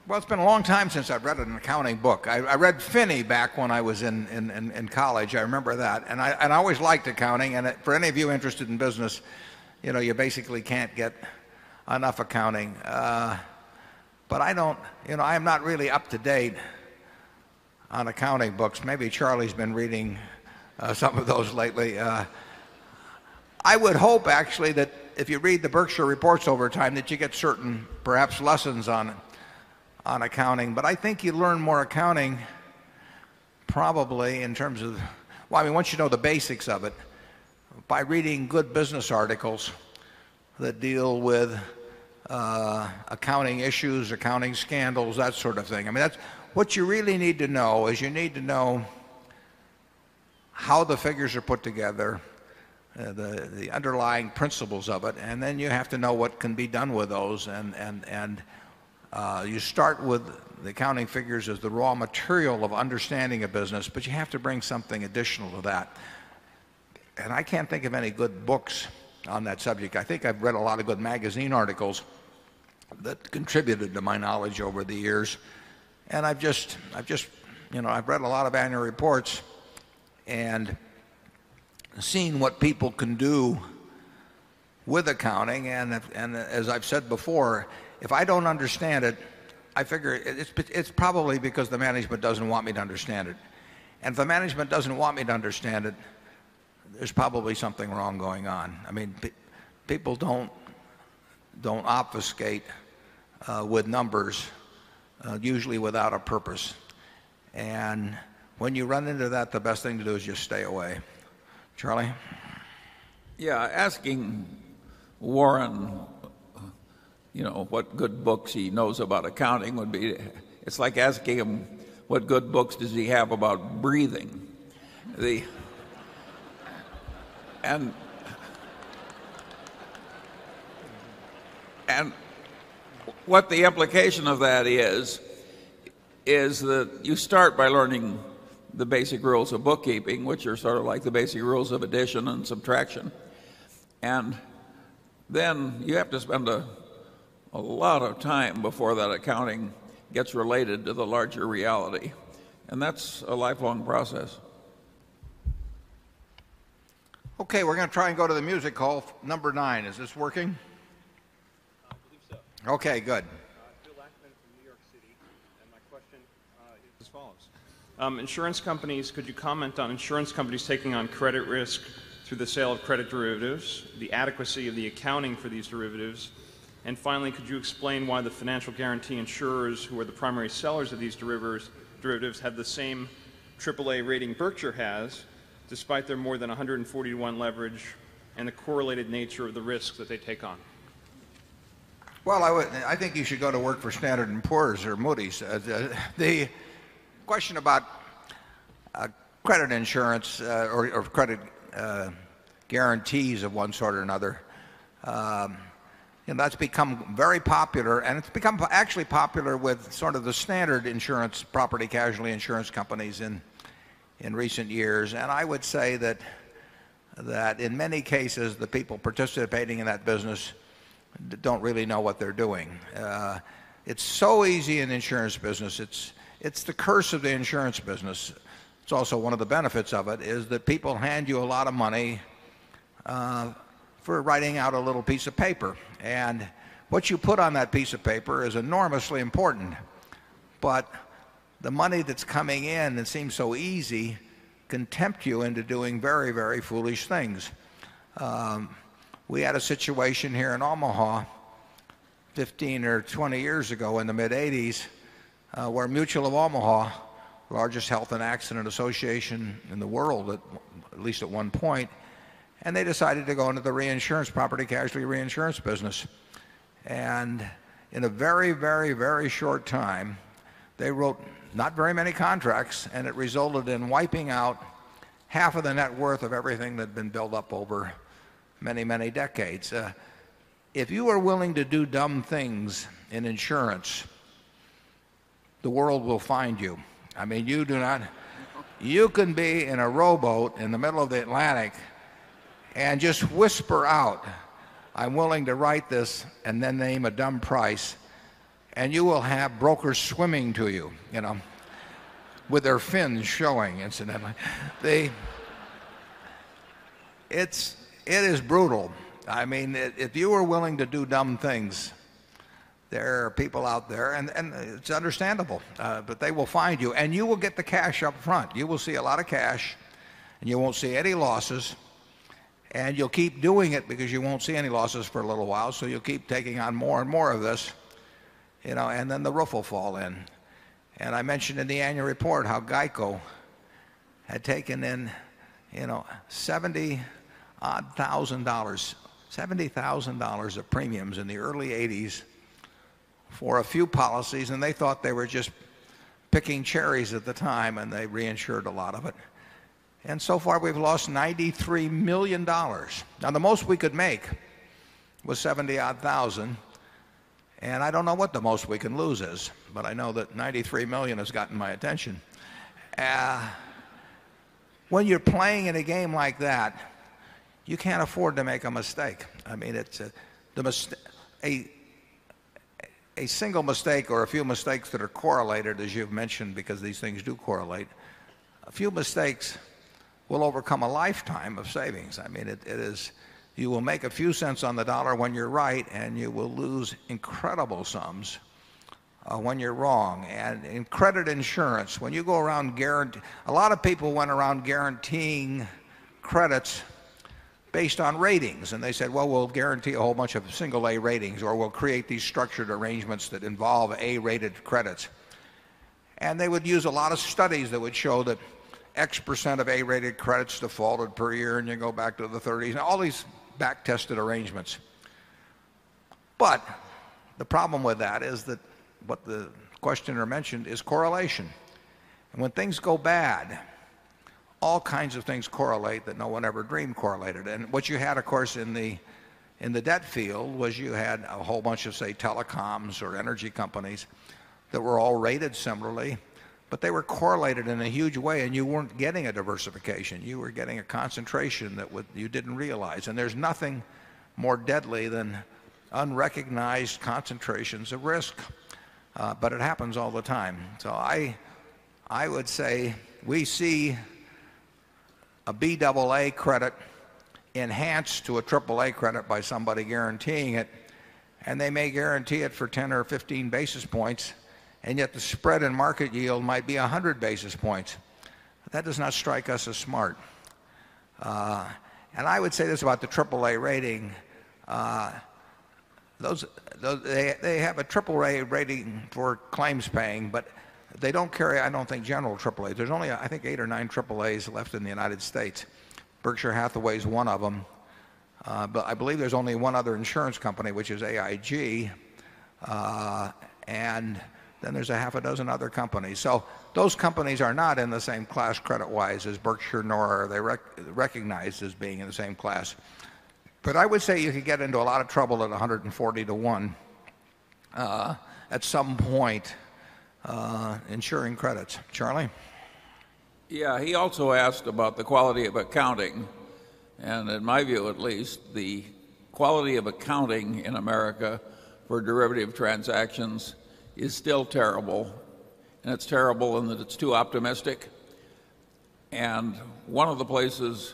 S6: Well, it's
S1: been a long time since I've read an accounting book. I read Finney back when I was in college. I remember that. And I always liked accounting. And for any of you interested in business, you know, you basically can't get enough accounting. But I don't, you know, I am not really up to date on accounting books. Maybe Charlie's been reading some of those lately. I would hope actually that if you read the Berkshire reports over time that you get certain perhaps lessons on on accounting, but I think you learn more accounting probably in terms of why we want you to know the basics of it by reading good business articles that deal with accounting issues, accounting scandals, that sort of thing. I mean, that's what you really need to know is you need to know how the figures are put together, the underlying principles of it and then you have to know what can be done with those and and you start with the accounting figures as the raw material of understanding a business, but you have to bring something additional to that. And I can't think of any good books on that subject. I think I've read a lot of good magazine articles that contributed to my knowledge over the years. And I've just, I've just, you know, I've read a lot of annual reports and seen what people can do with accounting. And as I've said before, if I don't understand it, I figure it's probably because the management doesn't want me to understand it. And if the management doesn't want me to understand it, there's probably something wrong going on. I mean, people don't obfuscate with numbers, usually without a purpose. And when you run into that, the best thing to do is just stay away. Charlie?
S6: Yes. Asking Warren what good books he knows about accounting would be it's like asking him what good books does he have about breathing. What the implication of that is, is that you start by learning the basic rules of bookkeeping, which are sort of like the basic rules of addition and subtraction. And then you have to spend a lot of time before that accounting gets related to the larger reality. And that's a lifelong process.
S1: Okay. We're going to try and go to the music hall, number 9. Is this working? I
S12: believe so.
S1: Okay. Good.
S11: Phil Ackman from New York City. And my question is as follows. Insurance companies, could you comment on insurance companies taking on credit risk through the sale of credit derivatives, the adequacy of the accounting for these derivatives? And finally, could you explain why the financial guaranty insurers who are the primary sellers of these derivatives have the same AAA rating Berkshire has despite their more than 141 leverage and the correlated nature of the risk
S17: that they take on?
S1: Well, I think you should go to work for Standard and Poor's or Moody's. The question about credit insurance or credit guarantees of one sort or another, and that's become very popular and it's become actually popular with sort of the standard insurance, property casualty insurance companies in recent years. And I would say that that in many cases, the people participating in that business don't really know what they're doing. It's so easy in insurance business. It's the curse of the insurance business. It's also one of the benefits of it is that people hand you a lot of money, for writing out a little piece of paper. And what you put on that piece of paper is enormously important. But the money that's coming in and seems so easy can tempt you into doing very, very foolish things. We had a situation here in Omaha 15 or 20 years ago in the mid eighties, where Mutual of Omaha, largest health and accident association in the world at least at one point and they decided to go into the reinsurance property, casualty reinsurance business. And in a very, very, very short time, they wrote not very many contracts and it resulted in wiping out half of the net worth of everything that had been built up over many, many decades. If you are willing to do dumb things in insurance, the world will find you. I mean you do not, you can be in a rowboat in the middle of the Atlantic and just whisper out, I'm willing to write this and then name a dumb price and you will have brokers swimming to you, you know, with their fins showing incidentally. They it's it is brutal. I mean, if you are willing to do dumb things, there are people out there and it's understandable, but they will find you and you will get the cash upfront. You will see a lot of cash and you won't see any losses and you'll keep doing it because you won't see any losses for a little while. So you'll keep taking on more and more of this, you know, and then the roof will fall in. And I mentioned in the annual report how GEICO had taken in, you know, dollars 70 odd $1,000 $70,000 of premiums in the early eighties for a few policies and they thought they were just picking cherries at the time and they reinsured a lot of it. And so far we've lost $93,000,000 Now the most we could make was 70 odd 1,000 and I don't know what the most we can lose is, but I know that 93,000,000 has gotten my attention. When you're playing in a game like that, you can't afford to make a mistake. I mean, it's a a single mistake or a few mistakes that are correlated, as you've mentioned, because these things do correlate. A few mistakes will overcome a lifetime of savings. I mean, it is you will make a few cents on the dollar when you're right and you will lose incredible sums when you're wrong. And in credit insurance, when you go around guarantee, a lot of people went around guaranteeing credits based on ratings and they said, well, we'll guarantee a whole bunch of single a ratings or we'll create these structured arrangements that involve a rated credits. And they would use a lot of studies that would show that x percent of a rated credits defaulted per year and you go back to the 30s and all these back tested arrangements. But the problem with that is that what the questioner mentioned is correlation. And when things go bad, all kinds of things correlate that no one ever dreamed correlated in. What you had of course in the in the debt field was you had a whole bunch of, say, telecoms or energy companies that were all rated similarly, but they were correlated in a huge way and you weren't getting a diversification. You were getting a concentration that you didn't realize. And there's nothing more deadly than unrecognized concentrations of risk. But it happens all the time. So I would say we see a BAA credit enhanced to a triple a credit by somebody guaranteeing it and they may guarantee it for 10 or 15 basis points and yet the spread and market yield might be a 100 basis points. That does not strike us as smart. And I would say this about the triple a rating. Those those they have a triple a rating for claims paying but they don't carry I don't think general triple a. There's only I think 8 or 9 triple a's left in the United States. Berkshire Hathaway is one of them, but I believe there's only one other insurance company which is AIG. And then there's a half a dozen other companies. So those companies are not in the same class credit wise as Berkshire nor are they recognized as being in the same class. But I would say you could get into a lot of trouble at 140 to 1, at some point, ensuring credits. Charlie?
S6: Yeah. He also asked about the quality of accounting. And in my view, at least, the quality of accounting in America for derivative transactions is still terrible and it's terrible and that it's too optimistic. And one of the places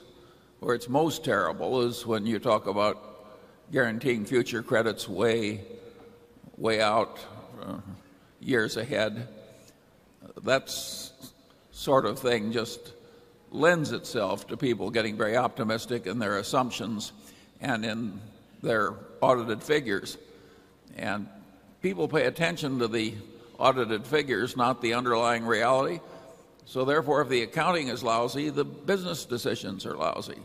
S6: where it's most terrible is when you talk about guaranteeing future credits way, way out years ahead. That sort of thing just lends itself to people getting very optimistic in their assumptions and in their audited figures. And people pay attention to the audited figures, not the underlying reality. So therefore, if the accounting is lousy, the business decisions are lousy.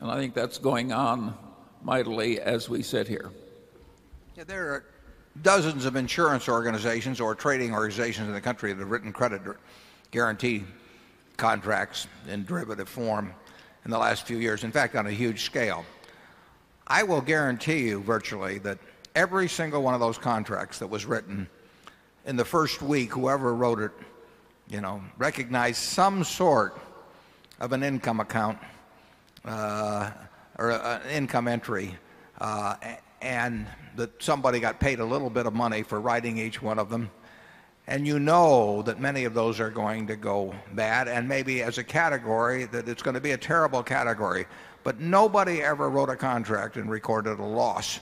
S6: And I think that's going on mightily as we sit here.
S1: Yeah. There are dozens of insurance organizations or trading organizations in the country that have written creditor guarantee contracts in derivative form in the last few years, in fact, on a huge scale. I will guarantee you virtually that every single one of those contracts that was written in the 1st week whoever wrote it, you know, recognized some sort of an income account or income entry and that somebody got paid a little bit of money for writing each one of them. And you know that many of those are going to go bad and maybe as a category that it's going to be a terrible category, but nobody ever wrote a contract and recorded a loss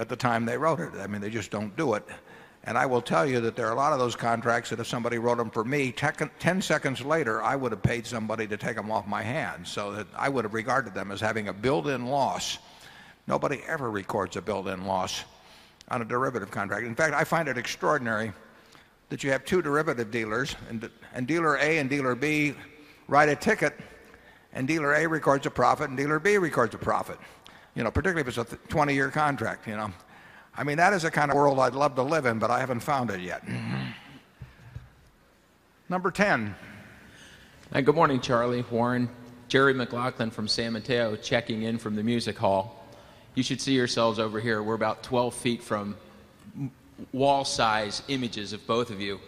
S1: at the time they wrote it. I mean, they just don't do it. And I will tell you that there are a lot of those contracts that if somebody wrote them for me, 10 seconds later, I would have paid somebody to take them off my hands so that I would have regarded them as having a build in loss. Nobody ever records a build in loss on a derivative contract. In fact, I find it extraordinary that you have 2 derivative dealers and dealer A and dealer B write a ticket and dealer A records a profit and dealer B records a profit, particularly if it's a 20 year contract. I mean, that is the kind of world I'd love to live in, but I haven't found it yet. Number 10.
S18: Good morning, Charlie, Warren. Jerry McLaughlin from San Mateo checking in from the music hall. You should see yourselves over here. We're about 12 feet from wall size images of both of you,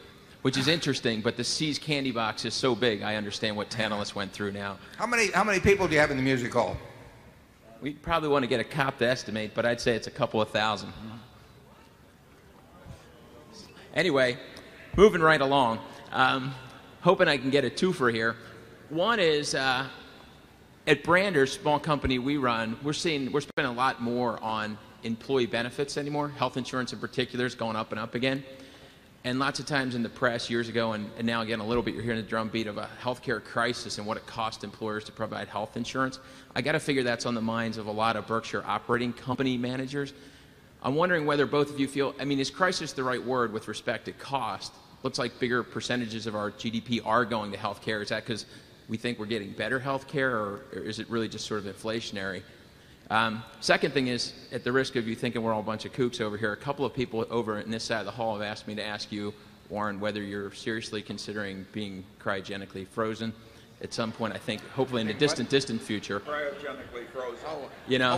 S18: which is interesting, but the See's candy box is so big, I understand what Tantalus went through now.
S1: How many people do you have in the Music Hall?
S18: We probably want to get a cop to estimate, but I'd say it's a couple of 1,000. Anyway, moving right along. Hoping I can get a 2 for here. One is, at Brander, small company we run, we're seeing we're spending a lot more on employee benefits anymore. Health insurance in particular is going up and up again. And lots of times in the press years ago and now again a little bit you're hearing a drumbeat of a healthcare crisis and what it costs employers to provide health insurance. I got to figure that's on the minds of a lot of Berkshire operating company managers. I'm wondering whether both of you feel I mean, is crisis the right word with respect to cost? Looks like bigger percentages of our GDP are going to healthcare. Is that because we think we're getting better healthcare? Or is it really just sort of inflationary? Second thing is, at the risk of you thinking we're all bunch of coups over here, a couple of people over in this side of the hall have asked me to ask you, Warren, whether you're seriously considering being cryogenically frozen at some point, I think, hopefully in the distant, distant future.
S1: Cryogenically frozen.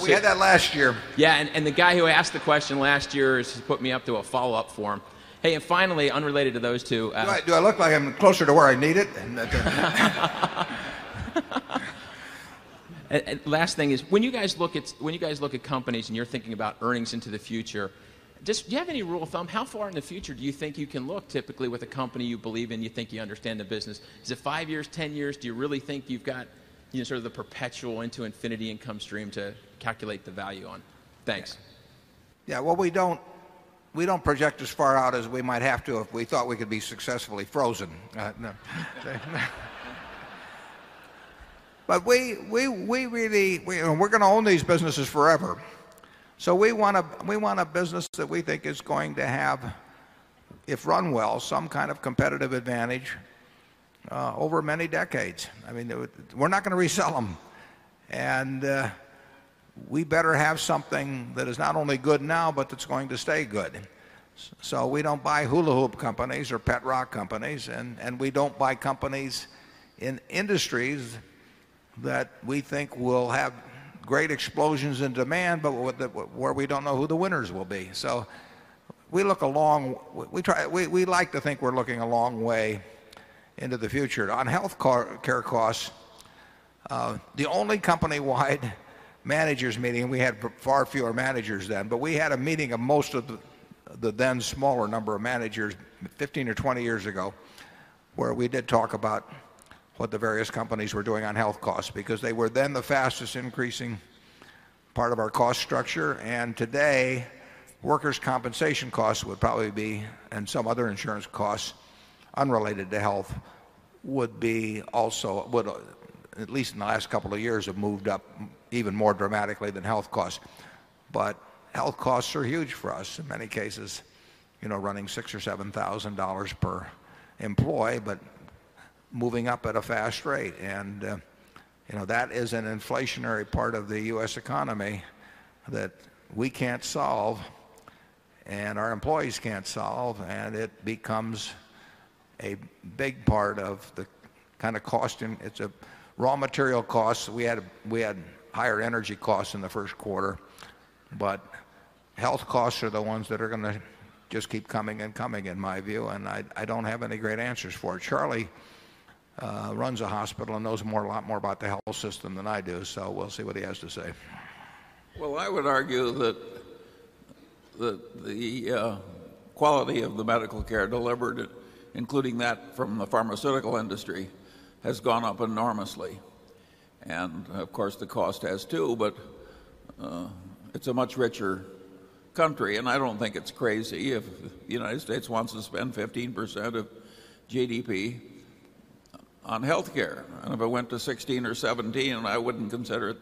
S1: We had that last year.
S18: Yes. And the guy who asked the question last year has put me up to a follow-up form. Hey, and finally, unrelated to those 2
S1: Do I look like I'm closer to where I need it?
S18: Last thing is, when you guys look at companies and you're thinking about earnings into the future, just do you have any rule of thumb, how far in the future do you think you can look typically with a company you believe in, you think you understand the business? Is it 5 years, 10 years? Do you really think you've got sort of the perpetual into Infinity income stream to calculate the value on?
S1: Yes. Well, we don't project as far out as we might have to if we thought we could be successfully frozen. But we really, we're going to own these businesses forever. So we want a business that we think is going to have, if run well, some kind of competitive advantage over many decades. I mean we're not going to resell them and we better have something that is not only good now but it's going to stay good. So we don't buy hula hoop companies or pet rock companies and we don't buy companies in industries that we think will have great explosions in demand, but where we don't know who the winners will be. So we look along, we try we like to think we're looking a long way into the future. On health care costs, the only company wide managers meeting, we had far fewer managers then, but we had a meeting of most of the then smaller number of managers 15 or 20 years ago, where we did talk about what the various companies were doing on health costs because they were then the fastest increasing part of our cost structure and today workers compensation costs would probably be and some other insurance costs unrelated to health would be also would at least in the last couple of years have moved up even more dramatically than health costs. But health costs are huge for us in many cases, you know running $6 or $7,000 per employee, but moving up at a fast rate. And, you know, that is an inflationary part of the U. S. Economy that we can't solve and our employees can't solve. And it becomes a big part of the kind of cost. It's a raw material cost. We had we had higher energy costs in the Q1. But health costs are the ones that are going to just keep coming and coming in my view. And I don't have any great answers for it. Charlie runs a hospital and knows more a lot more about the health system than I do. So we'll see what he has to say.
S6: Well, I would argue that the quality of the medical care delivered, including that from the pharmaceutical industry, has gone up enormously. And of course, the cost has too, but it's a much richer country. And I don't think it's crazy if United States wants to spend 15% of GDP on health care. And if I went to 16 or 17, I wouldn't consider it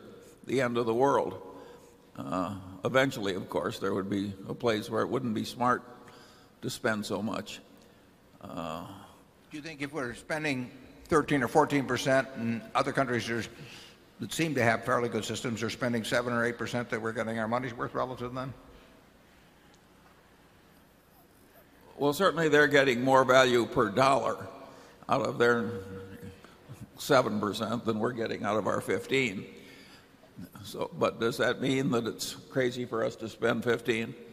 S6: the end of the world. Eventually, of course, there would be a place where it wouldn't be smart to spend so much.
S1: Do you think if we're spending 13% or 14% and other countries that seem to have fairly good systems are spending 7% or 8% that we're getting our money's worth relative then?
S6: Well, certainly, they're getting more value per dollar out of their 7% than we're getting out of our 15%. Percent. But does that mean that it's crazy for us to spend 15 percent?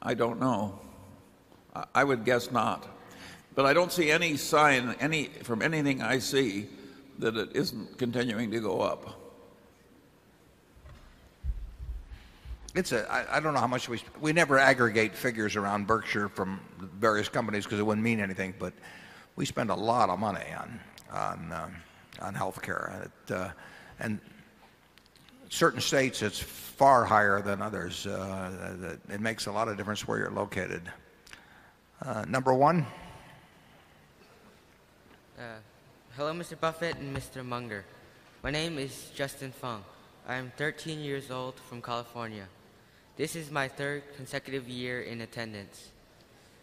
S6: I don't know. I would guess not. But I don't see any sign from anything I see that it isn't continuing to go up.
S1: I don't know how much we we never aggregate figures around Berkshire from various companies because it wouldn't mean anything. But we spend a lot of money on healthcare. And certain states it's far higher than others. It makes a lot of difference where you're located. Number 1.
S7: Hello, Mr. Buffet and Mr. Munger. My name is Justin Fung. I am 13 years old from California. This is my 3rd consecutive year in attendance.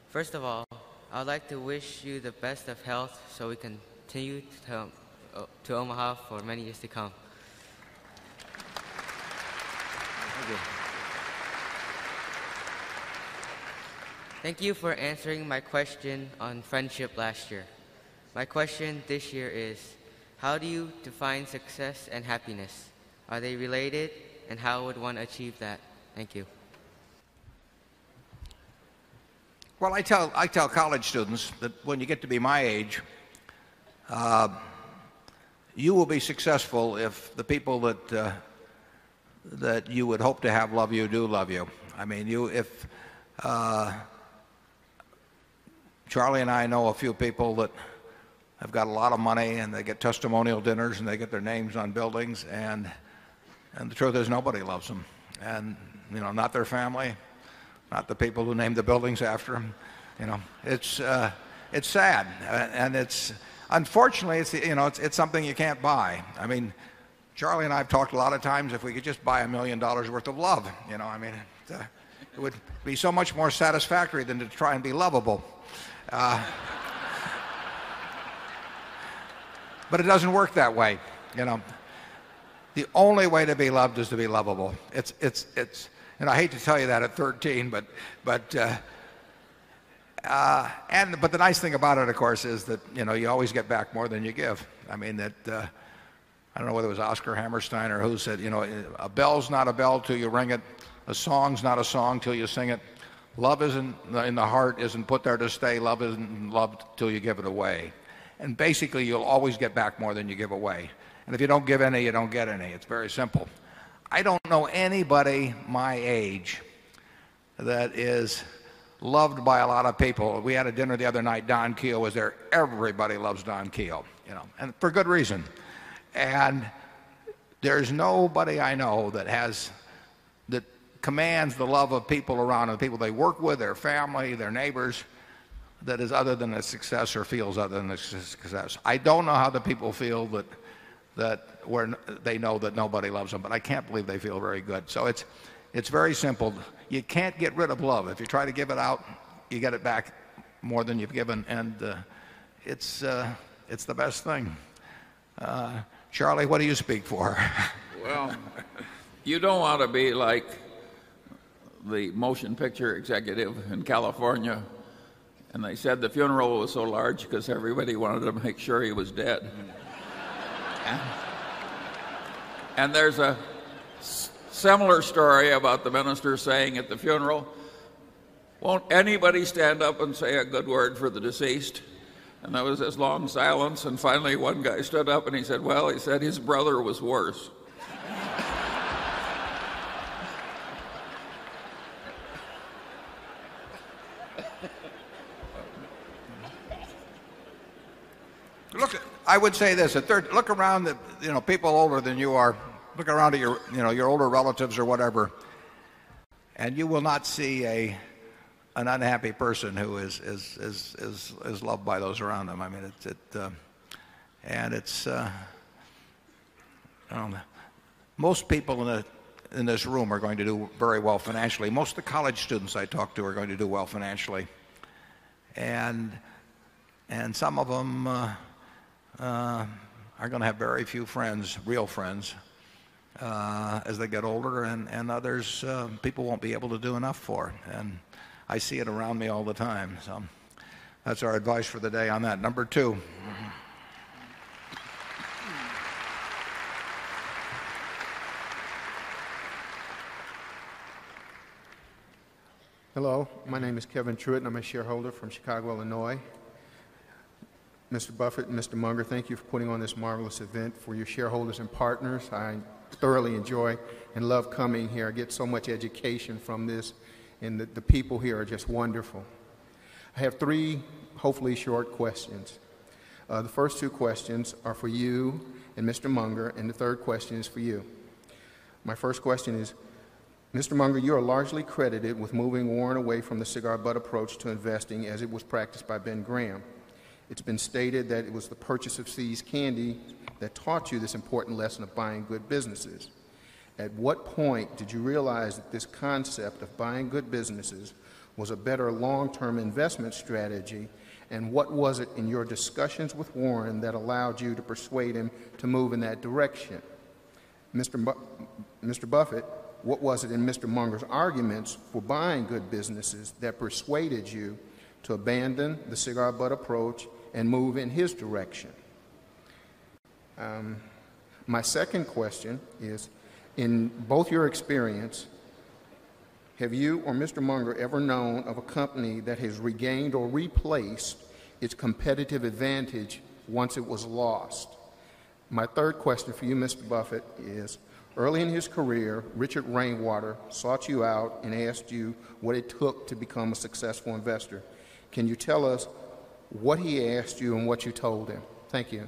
S7: First of all, I would like to wish you the best of health so we can continue to Omaha for many years to come. Thank you for answering my question on friendship last year. My question this year is how do you define success and happiness? Are they related? And how would one achieve that? Thank you.
S1: Well, I tell I tell college students that when you get to be my age, you will be successful if the people that you would hope to have love you, do love you. I mean, if, Charlie and I know a few people that have got a lot of money and they get testimonial dinners and they get their names on buildings and the truth is nobody loves them. And you know, not their family, not the people who named the buildings after them. You know, it's, it's sad. And it's unfortunately, it's, you know, it's something you can't buy. I mean, Charlie and I have talked a lot of times if we could just buy $1,000,000 worth of love, you know, I mean, it would be so much more satisfactory than to try and be lovable. But it doesn't work that way, you know. The only way to be loved is to be lovable. It's it's it's, and I hate to tell you that at 13, but and but the nice thing about it of course is that, you know, you always get back more than you give. I mean that, I don't know whether it was Oscar Hammerstein or who said, you know, a bell's not a bell till you ring it. A song's not a song till you sing it. Love isn't in the heart, isn't put there to stay. Love isn't loved till you give it away. And basically, you'll always get back more than you give away. And if you don't give any, you don't get any. It's very simple. I don't know anybody my age that is loved by a lot of people. We had a dinner the other night, Don Kuehl was there. Everybody loves Don Kuehl, you know, and for good reason. And there's nobody I know that has, that commands the love of people around and people they work with, their family, their neighbors that is other than a success or feels other than a success. I don't know how the people feel that that where they know that nobody loves them. But I can't believe they feel very good. So it's it's very simple. You can't get rid of love. If you try to give it out, you get it back more than you've given. And it's the best thing. Charlie, what do you speak for?
S6: Well, you don't want to be like the motion picture executive in California. And they said the funeral was so large because everybody wanted to make sure he was dead. And there's a similar story about the minister saying at the funeral, won't anybody stand up and say a good word for the deceased? And that was his long silence. And finally, one guy stood up and he said, well, he said his brother was worse.
S1: Look, I would say this, look around at, people older than you are. Look around at your older relatives or whatever. And you will not see an unhappy person who is loved by those around them. I mean, it's most people in this room are going to do very well financially. Most of the college students I talk to are going to do well financially and some of them are going to have very few friends, real friends, as they get older and others, people won't be able to do enough for. And I see it around me all the time. So that's our advice for the day on that. Number 2.
S10: Hello. My name is Kevin Truitt. I'm a shareholder from Chicago, Illinois. Mr. Buffet and Mr. Munger, thank you for putting on this marvelous event for your shareholders and partners. I thoroughly enjoy and love coming here. I get so much education from this and the people here are just wonderful. I have 3 hopefully short questions. The first two questions are for you and mister Munger and the third question is for you. My first question is, mister Munger, you are largely credited with moving Warren away from the cigar butt approach to investing as it was practiced by Ben Graham. It's been stated that it was the purchase of See's Candy that taught you this important lesson of buying good businesses. At what point did you realize that this concept of buying good businesses was a better long term investment strategy? And what was it in your discussions with Warren that allowed you to persuade him to move in that direction? Mr. Buffett, what was it in Mr. Munger's arguments for buying good businesses that persuaded you to abandon the cigar butt approach and move in his direction? My second question is, in both your experience, have you or Mr. Munger ever known of a company that has regained or replaced its competitive advantage once it was lost? My third question for you, Mr. Buffet, is early in his career, Richard Rainwater sought you out and asked you what it took to become a successful investor. Can you tell us what he asked you and what you told him? Thank you.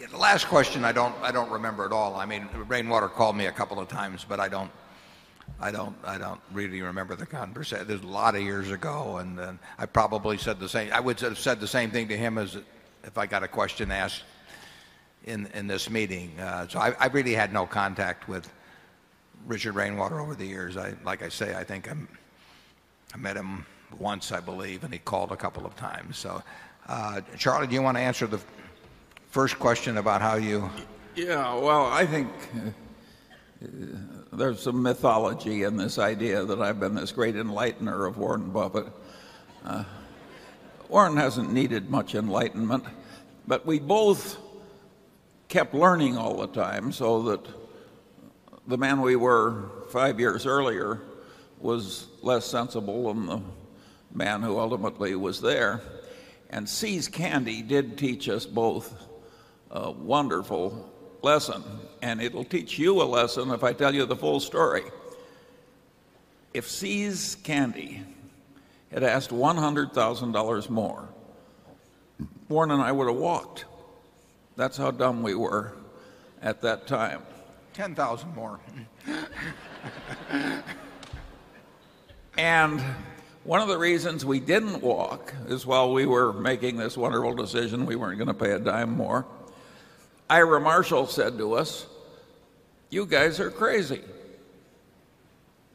S1: The last question I don't I don't remember at all. I mean, Rainwater called me a couple of times, but I don't I don't I don't really remember the conversation. There's a lot of years ago and then I probably said the same. I would have said the same thing to him as if I got a question asked in this meeting. So I really had no contact with Richard Rainwater over the years. Like I say I think I met him once I believe and he called a couple of times. So, Charlie do you want to answer the first question about how you?
S6: Yeah. Well, I think there's some mythology in this idea that I've been this great enlightener of Warren Buffett. Warren hasn't needed much enlightenment, but we both kept learning all the time so that the man we were 5 years earlier was less sensible than the man who ultimately was there. And See's Candy did teach us both a wonderful lesson. And it'll teach you a lesson if I tell you the full story. If See's Candy had asked $100,000 more, Warren and I would have walked. That's how dumb we were at that time.
S1: Dollars 10,000 more. And
S6: one of the reasons we didn't walk is while we were making this wonderful decision, we weren't going to pay a dime more. Ira Marshall said to us, you guys are crazy.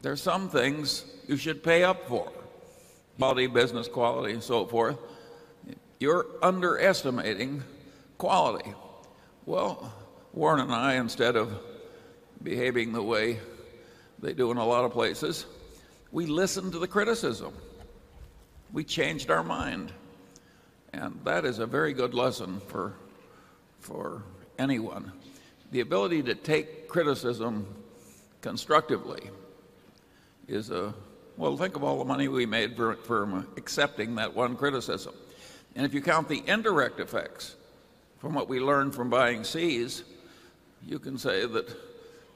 S6: There are some things you should pay up for, multi business quality and so forth. You're underestimating quality. Well, Warren and I, instead of behaving the way they do in a lot of places, we listened to the criticism. We changed our mind. And that is a very good lesson for anyone. The ability to take criticism constructively is a well, think of all the money we made from accepting that one criticism. And if you count the indirect effects from what we learned from buying C's, you can say that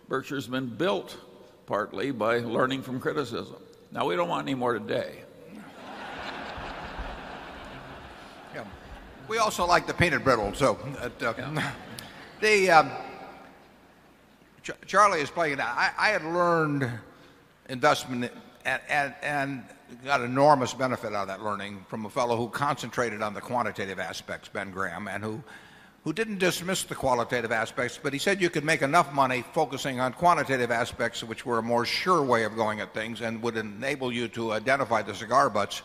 S6: Berkshire has been built partly by learning from criticism. Now, we don't want any more today.
S1: We also like the peanut brittle. So Charlie is playing it out. I have learned investment and got enormous benefit out of that learning from a fellow who concentrated on the quantitative aspects, Ben Graham, and who didn't dismiss the qualitative aspects, but he said you could make enough money focusing on quantitative aspects, which were a more sure way of going at things and would enable you to identify the cigar butts.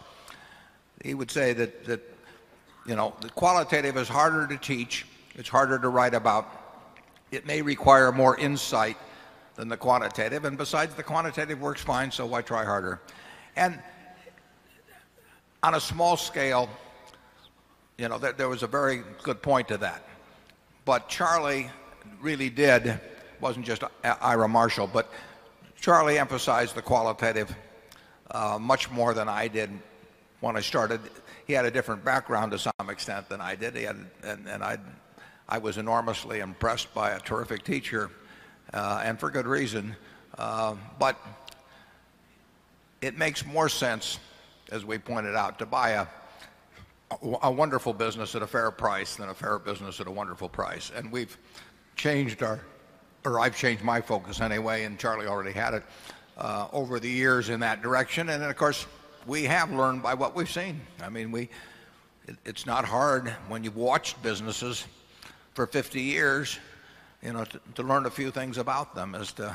S1: He would say that, you know, the qualitative is harder to teach. It's harder to write about. It may require more insight than the quantitative and besides the quantitative works fine, so why try harder. And on a small scale, you know, there was a very good point to that. But Charlie really did wasn't just Ira Marshall, but Charlie emphasized the qualitative, much more than I did when I started. He had a different background to some extent than I did. And I was enormously impressed by a terrific teacher and for good reason. But it makes more sense, as we pointed out, to buy a wonderful business at a fair price than a fair business at a wonderful price. And we've changed our or I've changed my focus anyway and Charlie already had it, over the years in that direction. And then of course, we have learned by what we've seen. I mean, we it's not hard when you've watched businesses for 50 years to learn a few things about them as to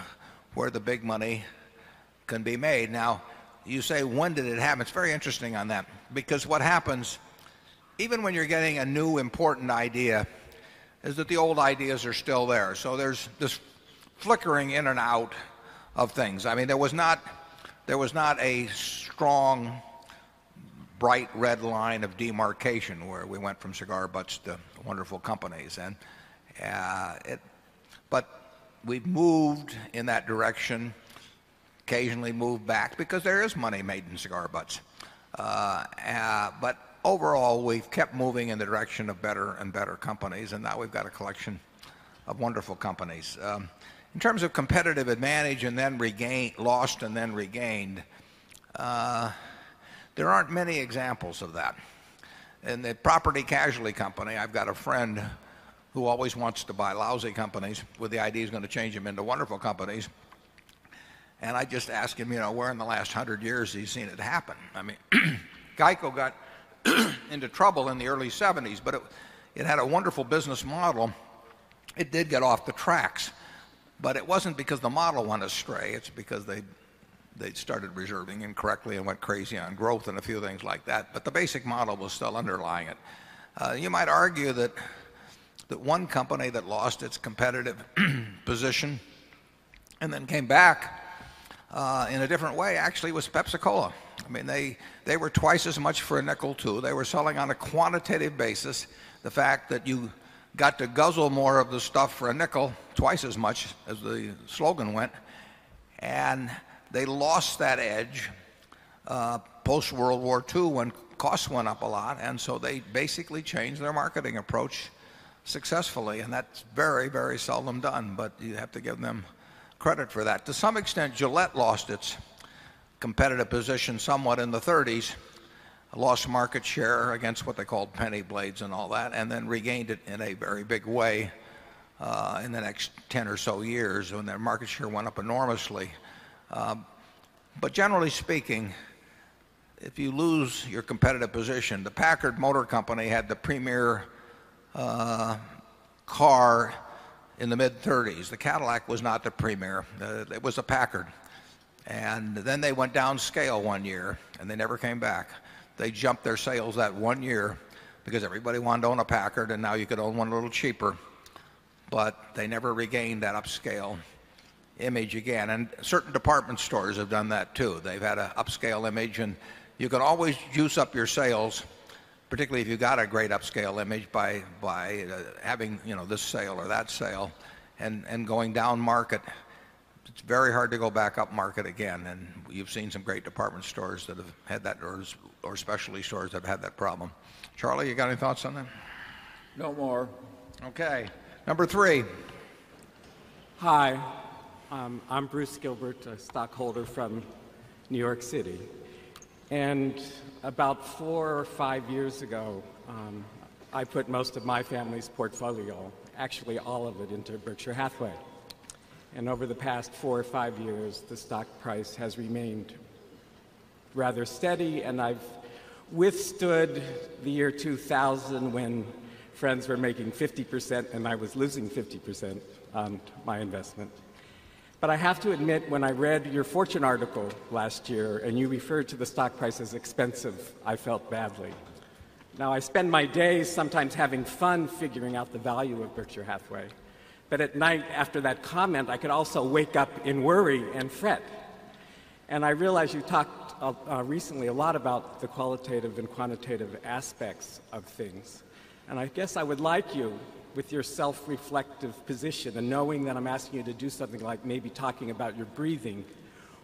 S1: where the big money can be made. Now you say, when did it happen? It's very interesting on that because what happens even when you're getting a new important idea is that the old ideas are still there. So there's this flickering in and out of things. I mean, there was not a strong bright red line of demarcation where we went from cigar butts to wonderful companies. And it but we've moved in that direction, occasionally moved back because there is money made in cigar butts. But overall, we've kept moving in the direction of better and better companies and now we've got a collection of wonderful companies. In terms of competitive advantage and then regained lost and then regained, there aren't many examples of that. In the property casualty company, I've got a friend who always wants to buy lousy companies with the idea is going to change them into wonderful companies. And I just ask him, you know, where in the last 100 years he's seen it happen. I mean, GEICO got into trouble in the early seventies, but it had a wonderful business model. It did get off the tracks, but it wasn't because the model went astray. It's because they started reserving incorrectly and went crazy on growth and a few things like that. But the basic model was still underlying it. You might argue that the one company that lost its competitive position and then came back, in a different way actually was Pepsi Cola. I mean, they they were twice as much for a nickel too. They were selling on a quantitative basis. The fact that you got to guzzle more of the stuff for a nickel twice as much as the slogan went. And they lost that edge, post World War II when costs went up a lot. And so they basically changed their marketing approach successfully. And that's very, very seldom done. But you have to give them credit for that. To some extent, Gillette lost its competitive position somewhat in the 30s, lost market share against what they called penny blades and all that and then regained it in a very big way, in the next 10 or so years when their market share went up enormously. But generally speaking, if you lose your competitive position, the Packard Motor Company had the premier car in the mid thirties. The Cadillac was not the premier. It was a Packard. And then they went downscale 1 year and they never came back. They jumped their sales at 1 year because everybody wanted to own a Packard and now you could own 1 a little cheaper, but they never regained that upscale image again. And certain department stores have done that too. They've had an upscale image and you could always juice up your sales, particularly if you've got a great upscale image by having this sale or that sale and going down market. It's very hard to go back up market again. And you've seen some great department stores that have had that or specialty stores have had that problem. Charlie, you got any thoughts on
S6: that? No more.
S11: Okay. Number 3. Hi. I'm Bruce Gilbert, a stockholder from New York City. And about 4 or 5 years ago, I put most of my family's portfolio actually, all of it into Berkshire Hathaway. And over the past 4 or 5 years, the stock price has remained rather steady. And I've withstood the year 2000 when friends were making 50%, and I was losing 50% on my investment. But I have to admit, when I read your Fortune article last year and you referred to the stock price as expensive, world. And I'm going to be a little bit more cautious about the future. And I'm going to be a little bit more cautious about the future. And I'm going to be a little bit more cautious about the quantitative aspects of things. And I guess I would like you, with your self reflective position and knowing that I'm asking you to do something like maybe talking about your breathing,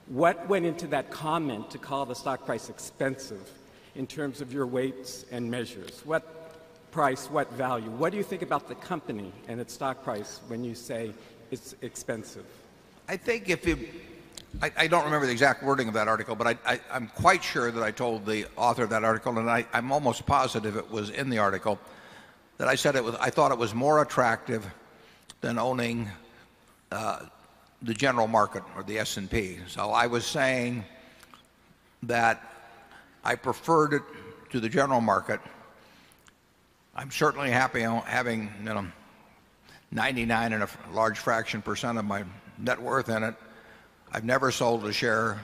S11: what went into that comment to call the stock price expensive in terms of your weights and measures? What price? What value? What do you think about the company and its stock price when you say it's expensive?
S1: I think if you I don't remember the exact wording of that article, but I'm quite sure that I told the author of that article and I'm almost positive it was in the article that I said it was I thought it was more attractive than owning the general market or the S and P. So I was saying that I preferred it to the general market. I'm certainly happy having 99 and a large fraction percent of my net worth in it. I've never sold a share.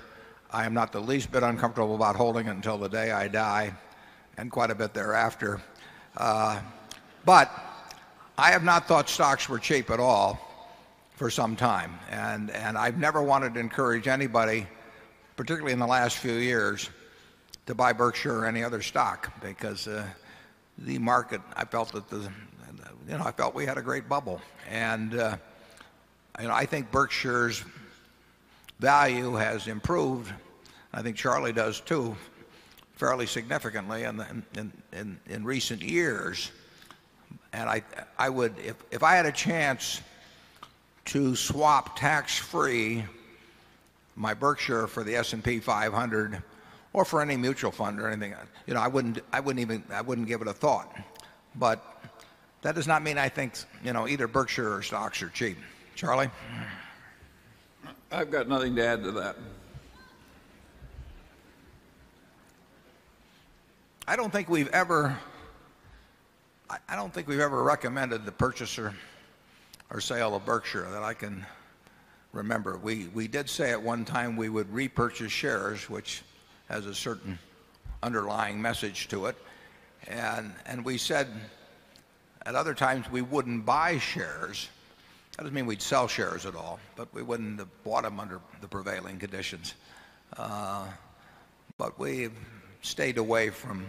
S1: I am not the least bit uncomfortable about holding until the day I die and quite a bit thereafter. But I have not thought stocks were cheap at all for some time. And I've never wanted to encourage anybody, particularly in the last few years, to buy Berkshire or any other stock because the market I felt that I felt we had a great bubble. And I think Berkshire's value has improved. I think Charlie does too fairly significantly in recent years. And I would if I had a chance to swap tax free my Berkshire for the S and P 500 or for any mutual fund or anything. I wouldn't even I wouldn't give it a thought. But that does not mean I think either Berkshire stocks are cheap. Charlie?
S6: I've got nothing to add to that.
S1: I don't think we've ever recommended the purchaser or sale of Berkshire that I can remember. We did say at one time we would repurchase shares, which has a certain underlying message to it. And we said at other times we wouldn't buy shares. That doesn't mean we'd sell shares at all, but we wouldn't have bought them under the prevailing conditions. But we stayed away from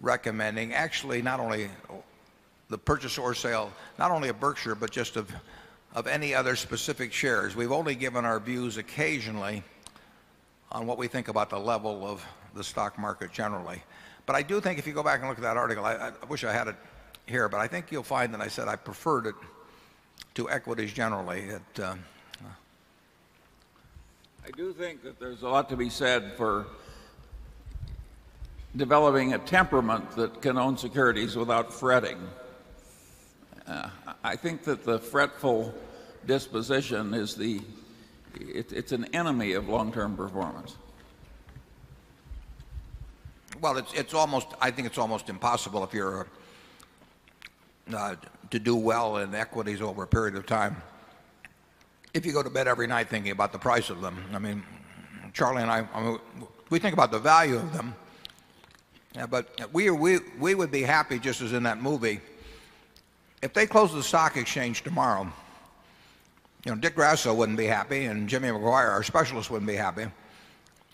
S1: recommending actually not only the purchase or sale not only of Berkshire but just of any other specific shares. We've only given our views occasionally on what we think about the level of the stock market generally. But I do think if you go back and look at that article, I wish I had it here, but I think you'll find that I said I preferred it to equities generally. It,
S6: I do think that there's a lot to be said for developing a temperament that can own securities without fretting. I think that the fretful disposition is the it's an enemy of long term performance.
S1: Well, it's almost I think it's almost impossible if you're to do well in equities over a period of time. If you go to bed every night thinking about the price of them. I mean, Charlie and I, we think about the value of them. But we would be happy just as in that movie. If they close the stock exchange tomorrow, Dick Grasso wouldn't be happy and Jimmy McGuire, our specialist wouldn't be happy.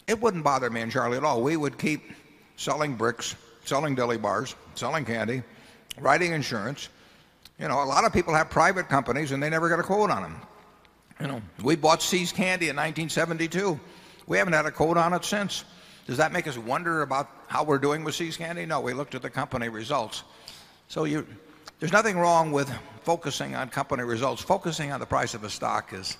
S1: It wouldn't bother me and Charlie at all. We would keep selling bricks, selling deli bars, selling candy, writing insurance. You know, a lot of people have private companies and they never get a quote on them. You know, we bought See's Candy in 1972. We haven't had a quote on it since. Does that make us wonder about how we're doing with See's Candy? No, we looked at the company results. So you there's nothing wrong with focusing on company results. Focusing on the price of a stock is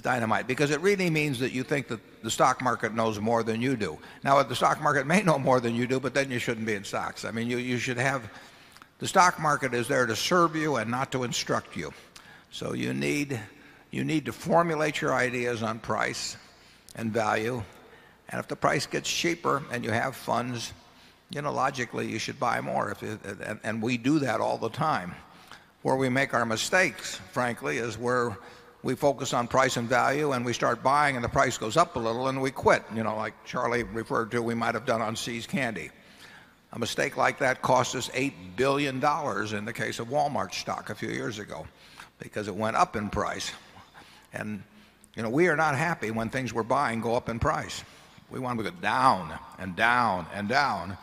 S1: dynamite because it really means that you think that the stock market knows more than you do. Now, the stock market may know more than you do, but then you shouldn't be in stocks. I mean, you should have the stock market is there to serve you and not to instruct you. So you need to formulate your ideas on price and value. And if the price gets cheaper and you have funds, you know, logically, you should buy more. And we do that all the time. Where we make our mistakes, frankly, is where we focus on price and value and we start buying and the price goes up a little and we quit. You know, like Charlie referred to, we might have done on See's Candy. A mistake like that cost us $8,000,000,000 in the case of Walmart stock a few years ago because it went up in price. And, you know, we are not happy when things we're buying go up in price. We want to go down and down and down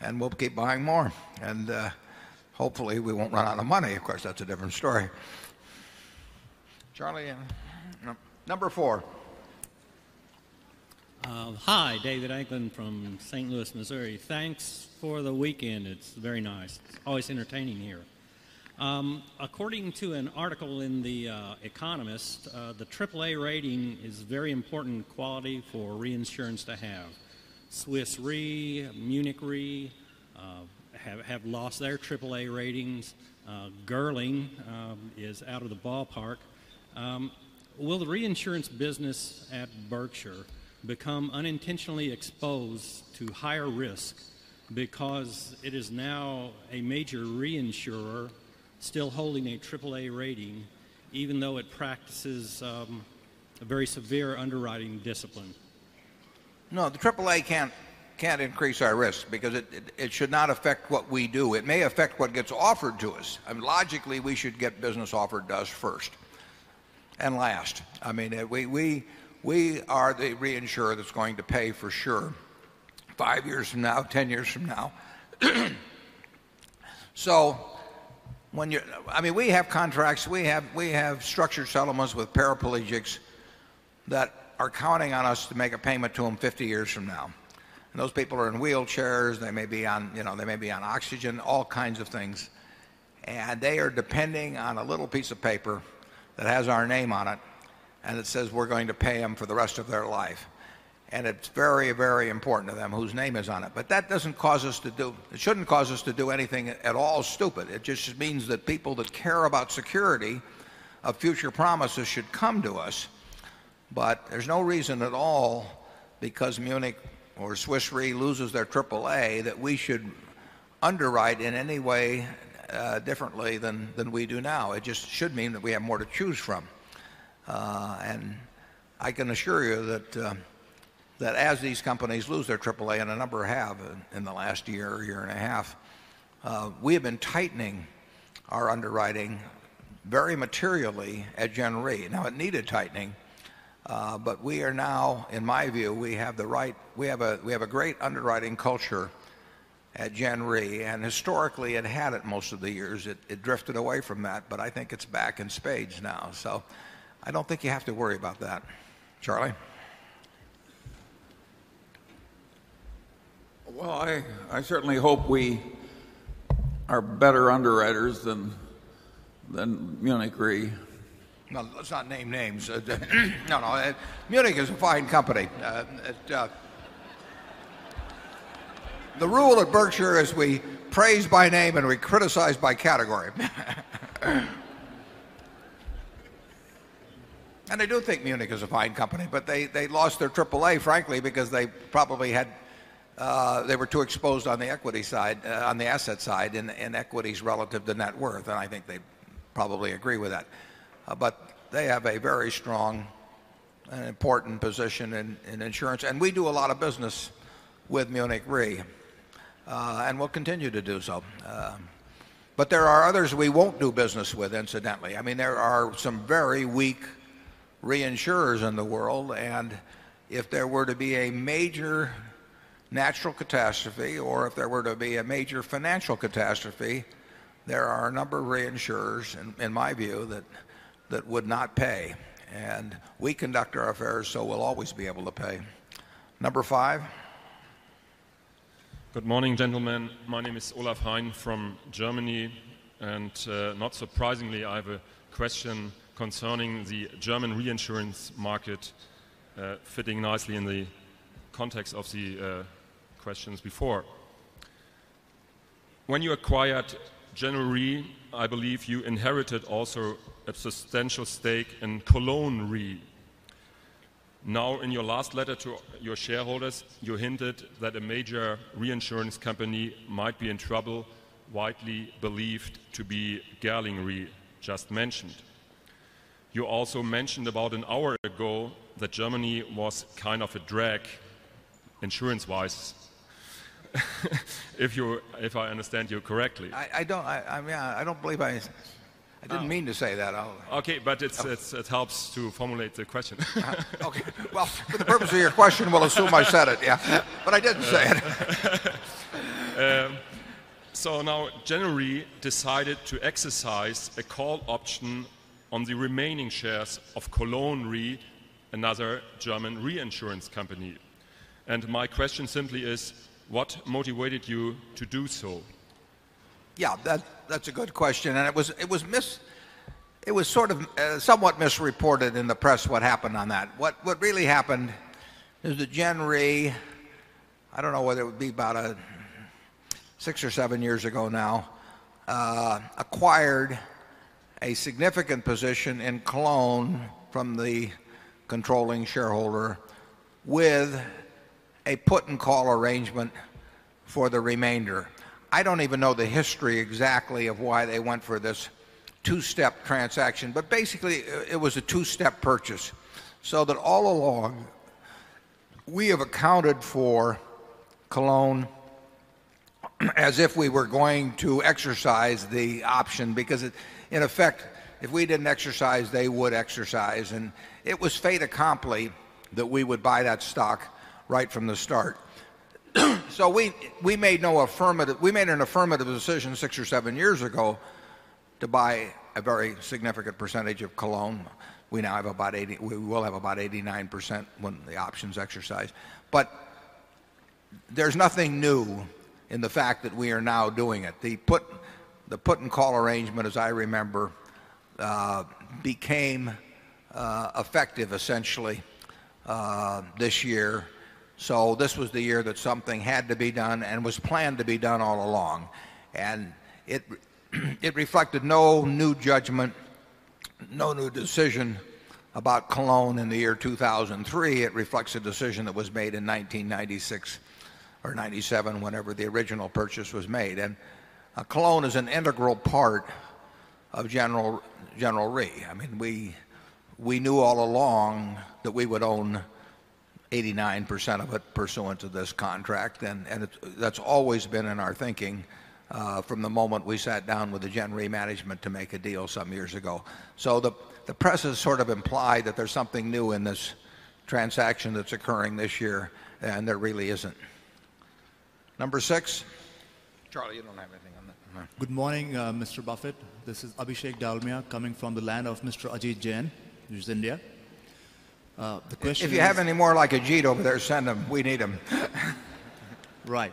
S1: and we'll keep buying more. And hopefully, we won't run out of money. Of course, that's a different story. Charlie, number 4.
S19: Hi, David Anglin from St. Louis, Missouri. Thanks have lost their AAA ratings. Girling is out of the ballpark. Will the reinsurance business at Berkshire become unintentionally exposed to higher risk because it is now a major reinsurer still holding a AAA rating even though it practices a very severe underwriting discipline?
S1: No, the AAA can't increase our risk because it should not affect what we do. It may affect what gets offered to us. Logically, we should get business offered to us first. And last, I mean, we are the reinsurer that's going to pay sure 5 years from now, 10 years from now. So when you I mean, we have contracts, we have structured settlements with paraplegics that are counting on us to make a payment to them 50 years from now. Those people are in wheelchairs. They may be on oxygen, all kinds of things. And they are depending on a little piece of paper that has our name on it and it says we're going to pay them for the rest of their life. And it's very, very important to them whose name is on it. But that doesn't cause us to do it shouldn't cause us to do anything at all stupid. It just means that people that care about security of future promises should come to us. But there's no reason at all because Munich or Swiss Re loses their AAA that we should underwrite in any way differently than we do now. It just should mean that we have more to choose from. And I can assure you that as these companies lose their AAA and a number have in the last year, year and a half, we have been tightening our underwriting very materially at Gen Re. Now it needed tightening. But we are now, in my view, we have the right we have a great underwriting culture at Jan Re. And historically, it had it most of the years. It drifted away from that. But I think it's back in spades now. So I don't think you have to worry about that.
S6: Charlie? Well, I certainly hope we are better underwriters than Munich Re.
S1: Let's not name names. No, no. Munich is a fine company. The rule at Berkshire is we praise by name and we criticize by category. And I do think Munich is a fine company, but they lost their AAA, frankly, because they probably had, they were too exposed on the equity side, on the asset side and equities relative to net worth. And I think they probably agree with that. But they have a very strong and important position in insurance. And we do a lot of business with Munich Re. And we'll continue to do so. But there are others we won't do business with incidentally. I mean, there are some very weak reinsurers in the world. And if there were to be a major natural catastrophe or if there were to be a major financial catastrophe, there are a number of reinsurers, in my view, that would not pay. And we conduct our affairs so we'll always be able to pay. Number 5?
S17: Good morning, gentlemen. My name is Olaf Heine from Germany. And not surprisingly, I have a question concerning the German reinsurance market fitting nicely in the context of the questions before. When you acquired General Re, I believe you inherited also a substantial stake in Cologne Re. Now in your last letter to your shareholders, you hinted that a major reinsurance company might be
S11: in
S17: trouble, widely believed to be gallingry just mentioned. You also mentioned about an hour ago that Germany was kind of a drag insurance wise, If you if I understand you correctly,
S1: I don't I mean, I don't believe I didn't mean to say that
S17: Okay, but it's it's it helps to formulate the question.
S1: Okay. Well for the purpose of your question will assume I said it Yeah, but I didn't say it
S17: So now January decided to exercise a call option on the remaining shares of Colon Re, another German reinsurance company. And my question simply is what motivated you to do so?
S1: Yeah, that's a good question. And it was it was miss it was sort of somewhat misreported in the press what happened on that. What really happened is that January, I don't know whether it would be about 6 or 7 years ago now, acquired a significant position in Cologne from the controlling shareholder with a put and call arrangement for the remainder. I don't even know the history exactly of why they went for this 2 step transaction, but basically it was a 2 step purchase. So that all along, we have accounted for Cologne as if we were going to exercise the option because in effect if we didn't exercise they would exercise and it was fate accompli that we would buy that stock right from the start. So we made no affirmative we made an affirmative decision 6 or 7 years ago to buy a very significant percentage of cologne. We now have about 80 we will have about 89% when the options exercise. But there's nothing new in the fact that we are now doing it. The put and call arrangement as I remember became effective essentially this year. So this was the year that something had to be done and was planned to be done all along. And it reflected no new judgment, no new decision about Cologne in the year 2003. It reflects a decision that was made in 1996 or 97 whenever the original purchase was made. And Cologne is an integral part of General Re. I mean we knew all along that we would own 89% of it pursuant to this contract and that's always been in our thinking from the moment we sat down with the General Re management to make a deal some years ago. So the press has sort of implied that there's something new in this transaction that's occurring this year and there really isn't. Number 6, Charlie, you don't have anything on that.
S15: Good morning, Mr. Buffet. This is Abhishek Dalmia coming from the land of Mr. Ajit Jain, which is India. The question is
S11: If you
S1: have any more like Ajit over there, send them. We need them.
S15: Right.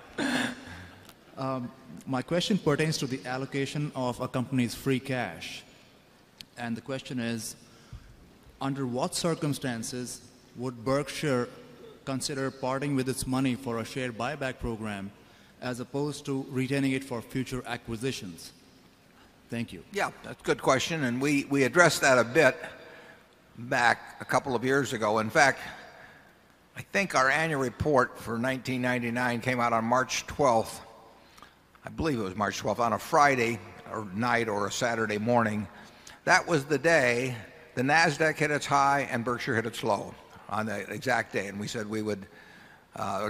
S15: My question pertains to the allocation of a company's free cash. And the question is, under what circumstances would Berkshire consider parting with its money for a share buyback program as opposed to retaining it for future acquisitions? Thank you.
S1: Yes. That's a good question. And we addressed that a bit back a couple of years ago. In fact, I think our annual report for 1999 came out on March 12. I believe it was March 12, on a Friday night or a Saturday morning. That was the day the NASDAQ hit its high and Berkshire hit its low on the exact day. And we said we would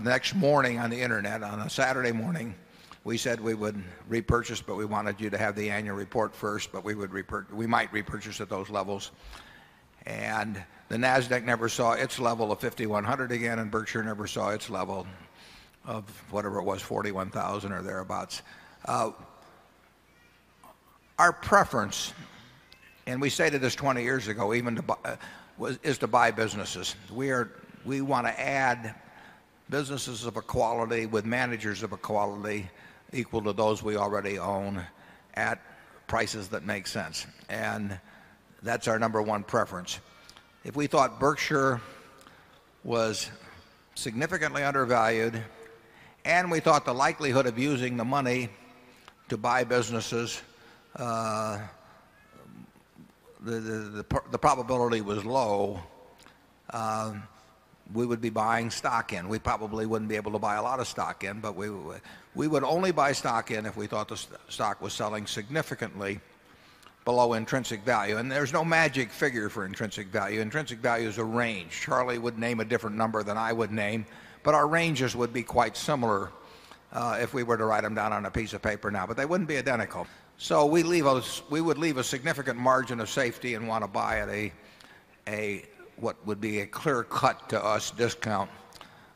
S1: next morning on the Internet on a Saturday morning, we said we would repurchase, but we wanted you to have the annual report first, but we might repurchase at those levels. And the NASDAQ never saw its level of 5,100 again and Berkshire never saw its level of whatever it was, 41,000 or thereabouts. Our preference, and we say that this 20 years ago, is to buy businesses. We want to add businesses of equality with managers of equality equal to those we already own at prices that make sense. And that's our number one preference. If we thought Berkshire was significantly undervalued and we thought the likelihood of using the money to buy businesses, the probability was low, we would be buying stock in. We probably wouldn't be able to buy a lot of stock in, but we would only buy stock in if we thought the stock was selling significantly below intrinsic value. And there is no magic figure for intrinsic value. Intrinsic value is a range. Charlie would name a different number than I would name, but our ranges would be quite similar if we were to write them down on a piece of paper now. But they wouldn't be identical. So we leave us we would leave a significant margin of safety and want to buy at a what would be a clear cut to us discount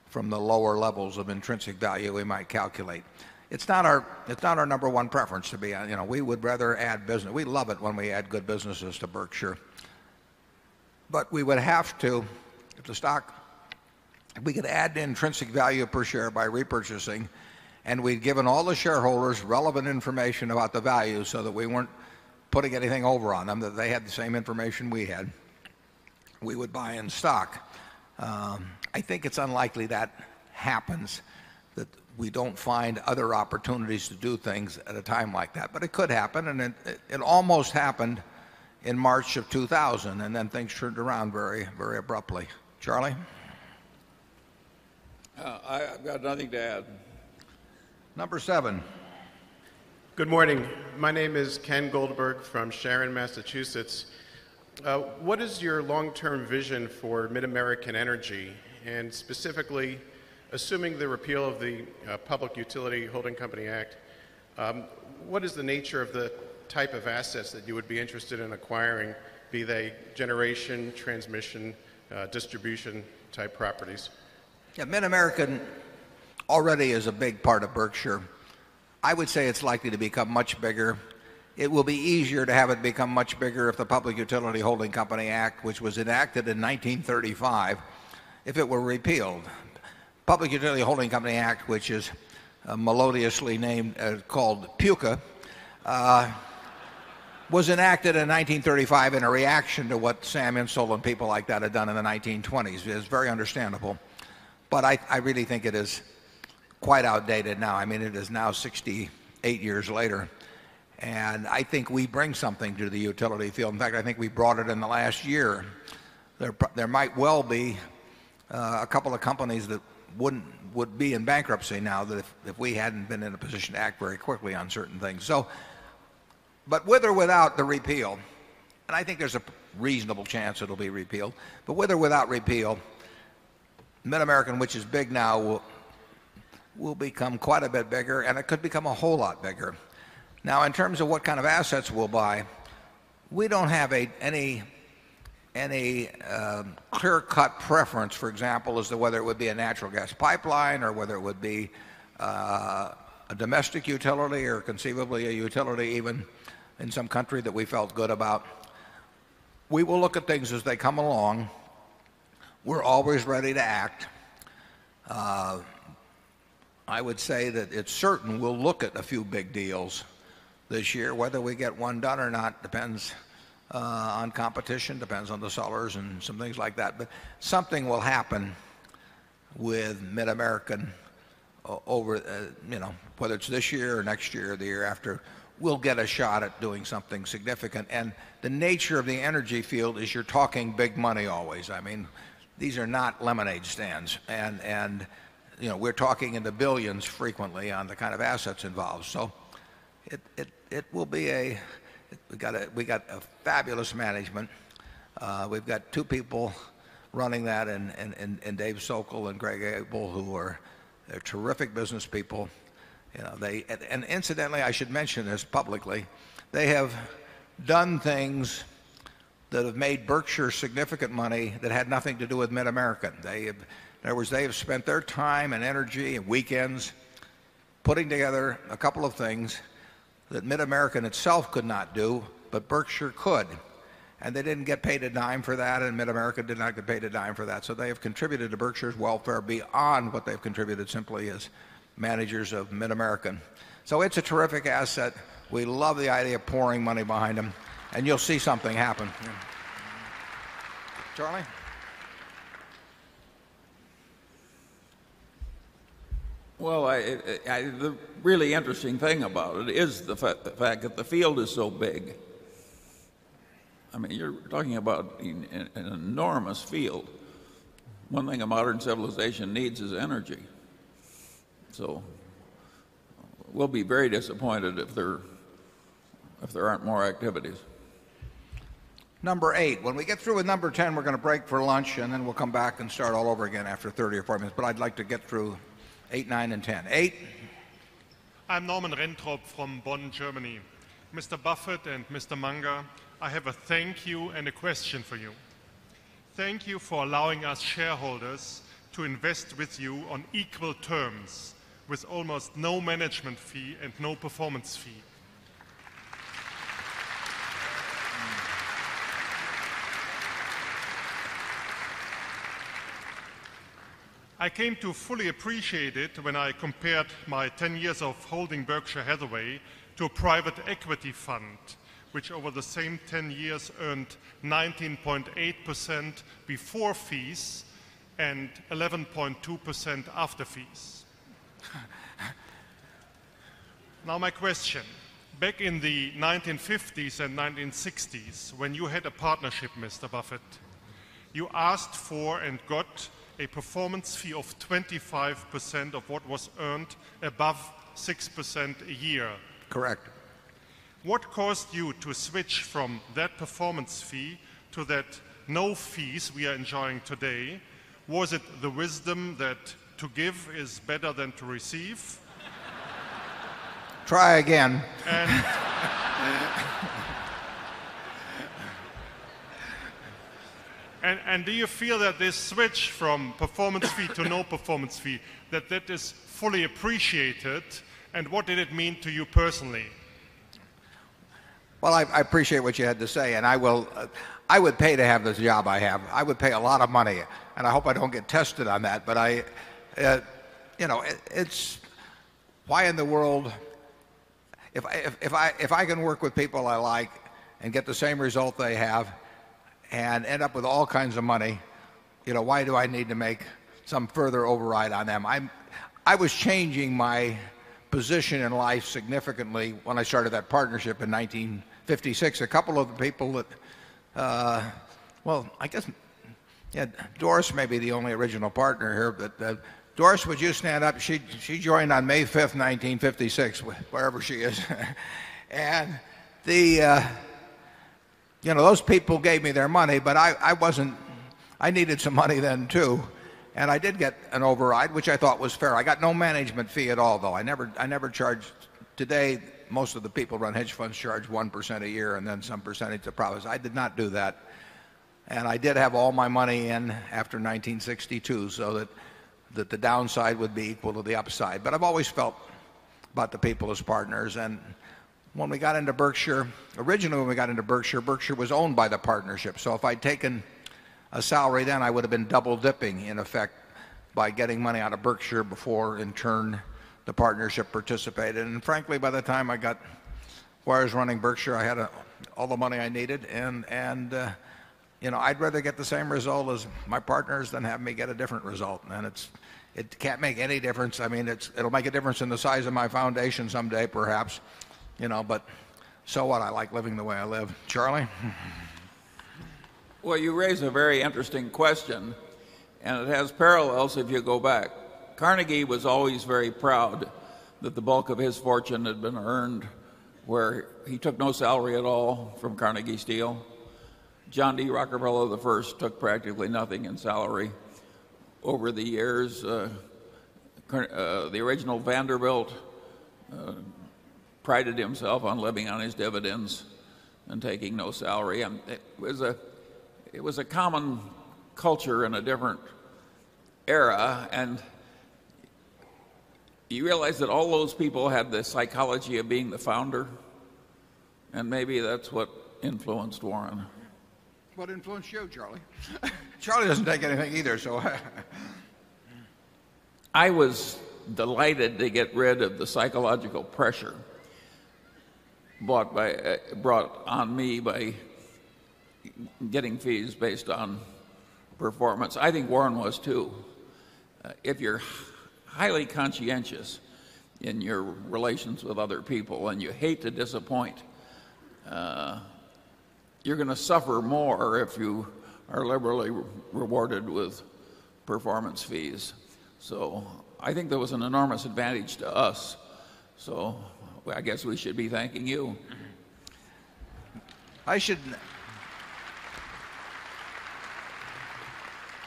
S1: from the lower levels of intrinsic value we might calculate. It's not our number one preference to be. We would rather add business. We love it when we add good businesses to Berkshire. But we would have to the stock, we could add intrinsic value per share by repurchasing and we've given all the shareholders relevant information about the value so that we weren't putting anything over on them that they had the same information we had. We would buy in stock. I think it's unlikely that happens that we don't find other opportunities to do things at a time like that. But it could happen and it almost happened in March of 2000. And then things turned around very, very abruptly.
S6: Charlie? I've got nothing to add.
S1: Number 7.
S20: Good morning. My name is Ken Goldberg from Sharon, Massachusetts. What is your long term vision for Mid American Energy and specifically assuming the repeal of the Public Utility Holding Company Act, what is the nature of the type of assets that you would be interested in acquiring, be they generation, transmission, distribution type properties?
S1: Yes, Mid American already is a big part of Berkshire. I would say it's likely to become much bigger. It will be easier to have it become much bigger if the Public Utility Holding Company Act, which was enacted in 1935, if it were repealed. Public Utility Holding Company Act, which is melodiously named called Puka, was enacted in 1935 in a reaction to what Sam Insull and people like that had done in the 1920s. It is very understandable. But I really think it is quite outdated now. I mean it is now 68 years later. And I think we bring something to the utility field. In fact, I think we brought it in the last year. There might well be a couple of companies that wouldn't would be in bankruptcy now that if we hadn't been in a position to act very quickly on certain things. So but with or without the repeal and I think there's a reasonable chance it'll be repealed. But with or without repeal, Mid American which is big now will become quite a bit bigger and it could become a whole lot bigger. Now in terms of what kind of assets we'll buy, we don't have any clear cut preference for example as to whether it would be a natural gas pipeline or whether it would be a domestic utility or conceivably a utility even in some country that we felt good about. We will look at things as they come along. We're always ready to act. I would say that it's certain we'll look at a few big deals this year. Whether we get one done or not depends on competition, depends on the sellers and some things like that. But something will happen with Mid American over whether it's this year or next year or the year after, we'll get a shot at doing something significant. And the nature of the energy field is you're talking big money always. I mean, these are not lemonade stands. And we're talking in the billions frequently on the kind of assets involved. So it will be a we got a fabulous management. We've got 2 people running that and Dave Sokol and Greg Abel who are terrific business people. And incidentally, I should mention this publicly. They have done things that have made Berkshire significant money that had nothing to do with Mid America. They have spent their time and energy and weekends putting together a couple of things that Mid American itself could not do, but Berkshire could. And they didn't get paid a dime for that and Mid America did not get paid a dime for that. So they have contributed to Berkshire's welfare beyond what they've contributed simply as managers of Mid America. So it's a terrific asset. We love the idea of pouring money behind them and you'll see something happen. Charlie.
S6: Well, the really interesting thing about it is the fact that the field is so big. I mean, you're talking about an enormous field. One thing a modern civilization needs is energy. So we'll be very disappointed if there aren't more activities.
S1: Number 8. When we get through with number 10, we're going to break for lunch and then we'll come back and start all over again after 30 or 40 minutes. But I'd like to get through 8, 9 and 10. 8?
S21: I'm Norman Renthrop from Bonn, Germany. Mr. Buffet and Mr. Munger, I have a thank you and a question for you. Thank you for allowing us shareholders to invest with you on equal terms with almost no management fee and no performance fee. I came to fully appreciate it when I compared my 10 years of holding Berkshire Hathaway to a private equity fund, which over the same 10 years earned 19.8% before fees and 11.2% after fees. Now my question. Back in the 19 fifties and 1960s, when you had a partnership, Mr. Buffett, you asked for and got a performance fee of 25% of what was earned above 6% a year. Correct. What caused you to switch from that performance fee to that no fees we are enjoying today? Was it the wisdom that to give is better than to receive?
S1: Try again.
S21: And do you feel that this switch from performance fee to no performance fee, that that is fully appreciated? And what did it mean to you personally?
S1: Well, I appreciate what you had to say and I will I would pay to have this job I have. I would pay a lot of money and I hope I don't get tested on that. But I, you know, it's why in the world, if I can work with people I like and get the same result they have and end up with all kinds of money, why do I need to make some further override on them? I was changing my position in life significantly when I started that partnership in 1956. A couple of the people that, well, I guess, Doris may be the only original partner here, but Doris, would you stand up? She joined on May 5, 1956, wherever she is. And the you know, those people gave me their money, but I wasn't I needed some money then too. And I did get an override, which I thought was fair. I got no management fee at all, though. I never I never charged today.
S14: Most of
S1: the people who run hedge funds charge 1% a year and then some percentage of profits. I did not do that. And I did have all my money in after 1962 so that the downside would be equal to the upside. But I've always felt about the people as partners and when we got into Berkshire originally we got into Berkshire, Berkshire was owned by the partnership. So if I'd taken a salary then I would have been double dipping in effect by getting money out of Berkshire before in turn the partnership participated. And frankly by the time I got wires running Berkshire I had all the money I needed. And you know I'd rather get the same result as my partners than have me get a different result. And it's it can't make any difference. I mean, it's it'll make a difference in the size of my foundation someday perhaps, you know, but so what I like living the way I live. Charlie?
S6: Well, you raise a very interesting question and it has parallels if you go back. Carnegie was always very proud that the bulk of his fortune had been earned where he took no salary at all from Carnegie Steel. John D. Rockefeller, the first, took practically nothing in salary Over the years, the original Vanderbilt prided himself on living on his dividends and taking no salary. And it was a common culture in a different era. And you realize that all those people have the psychology of being the founder. And maybe that's what influenced Warren.
S1: What influenced you, Charlie? Charlie doesn't take anything either. So
S6: I was delighted to get rid of the psychological pressure brought on me by getting fees based on performance. I think Warren was too. If you're highly conscientious in your relations with other people and you hate to disappoint, you're going to suffer more if you are liberally rewarded with performance fees. So I think there was an enormous advantage to us. So I guess we should be thanking you.
S1: I should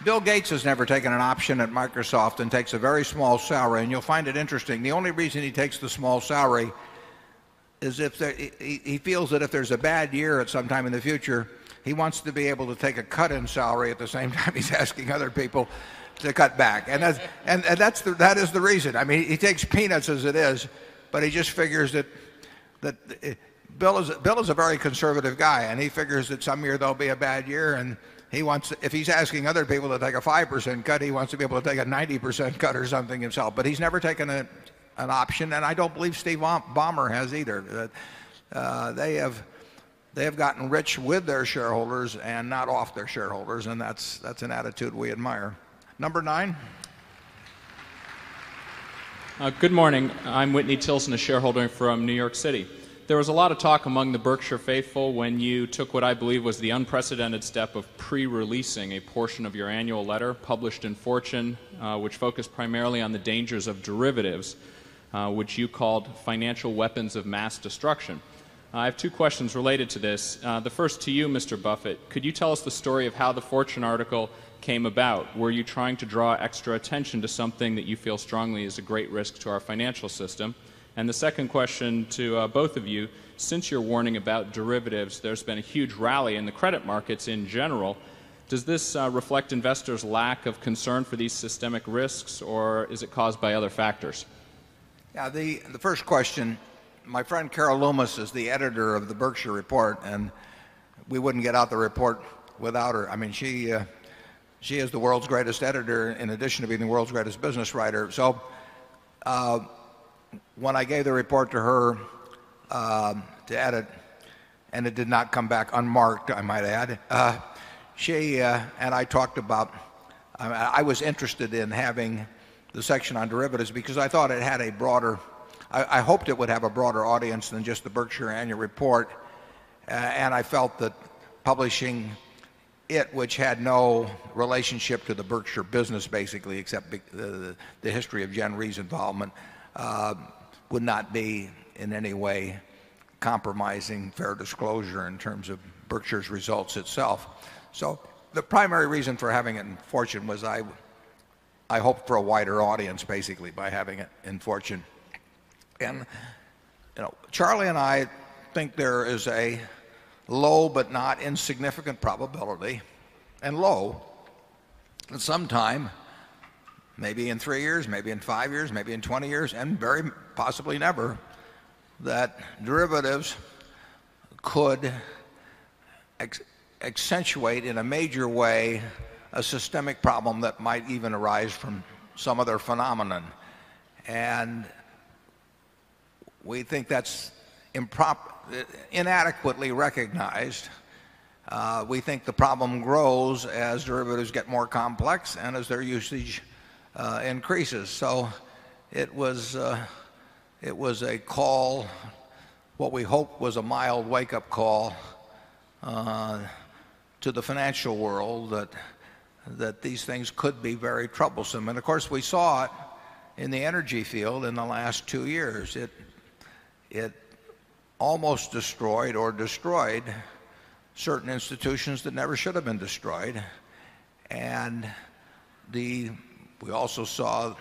S1: Bill Gates has never taken an option at Microsoft and takes a very small salary and you'll find it interesting. The only reason he takes the small salary is if he feels that if there's a bad year at sometime in the future, he wants to be able to take a cut in salary at the same time he's asking other people to cut back. And that's and that's the that is the reason. I mean, he takes peanuts as it is, but he just figures that that Bill is a very conservative guy and he figures that some year there'll be a bad year and he wants if he's asking other people to take a 5% cut, he wants to be able to take a 90% cut or something himself. But he's never taken an option and I don't believe Steve Ballmer has either. They have gotten rich with their shareholders and not off their shareholders and that's an attitude we admire. Number 9.
S22: Good morning. I'm Whitney Tilson, a shareholder from New York City. There was a lot of talk among the Berkshire faithful when you took what I believe was the unprecedented step of pre releasing a portion of your annual letter published in Fortune, which focused primarily on the dangers of derivatives, which you called financial weapons of mass destruction. I have two questions related to this. The first to you, Mr. Buffett, could you tell us the story of how the Fortune article came about? Were you trying to draw extra attention to something that you feel strongly is a great risk to our financial system? And the second question to both of you, since your warning about derivatives, there's been a huge rally in the credit markets in general. Does this reflect investors' lack of concern for these systemic risks? Or is it caused by other factors?
S1: The first question, my friend Carol Loomis is the editor of the Berkshire report and we wouldn't get out the report without her. I mean, she is the world's greatest editor in addition to being the world's greatest business writer. So when I gave the report to her, to add it and it did not come back unmarked I might add. She and I talked about I was interested in having the section on derivatives because I thought it had a broader, I hoped it would have a broader audience than just the Berkshire annual report and I felt that publishing it which had no relationship to the Berkshire business basically except the history of Gen Re's involvement would not be in any way compromising fair disclosure in terms of Berkshire's results itself. So the primary reason for having in Fortune was I hope for a wider audience basically by having it in Fortune. And you know, Charlie and I think there is a low but not insignificant probability and low sometime maybe in 3 years, maybe in 5 years, maybe in 20 years and very possibly never, that derivatives could accentuate in a major way a systemic problem that might even arise from some other phenomenon. And we think that's inadequately recognized. We think the problem grows as derivatives get more complex and as their usage increases. So it was, it was a call, what we hope was a mild wake up call, to the financial world that these things could be very troublesome. And of course, we saw it in the energy field in the last 2 years. It almost destroyed or destroyed certain institutions that never should have been destroyed. And we also saw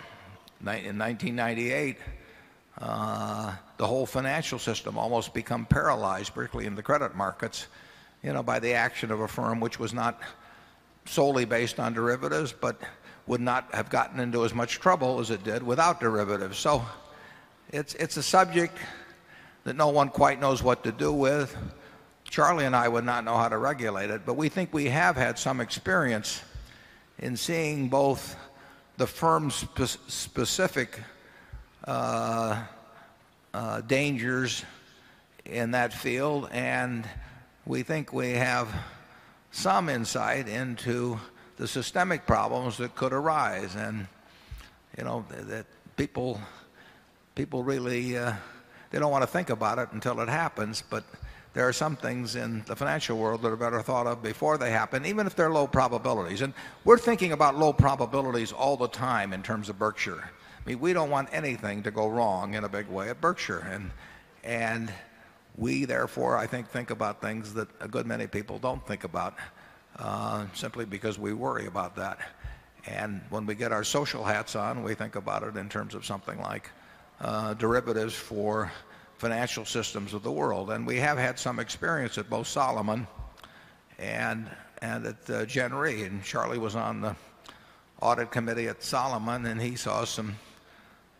S1: in 1998, the whole financial system almost become paralyzed, particularly in the credit markets, you know, by the action of a firm which was not solely based on derivatives, but would not have gotten into as much trouble as it did without derivatives. So it's a subject that no one quite knows what to do with. Charlie and I would not know how to regulate it, but we think we have had some experience in seeing both the firm's specific, dangers in that field. And we think we have some insight into the systemic problems that could arise. And you know, that people, people really, they don't want to think about it until it happens. But there are some things in the financial world that are better thought of before they happen, even if they're low probabilities. And we're thinking about low probabilities all the time in terms of Berkshire. I mean, we don't want anything to go wrong in a big way at Berkshire. And and we therefore, I think think about things that a good many people don't think about, simply because we worry about that. And when we get our social hats on, we think about it in terms of something like, derivatives for financial systems of the world. And we have had some experience at both Solomon and and at, January. And Charlie was on the audit committee at Solomon and he saw some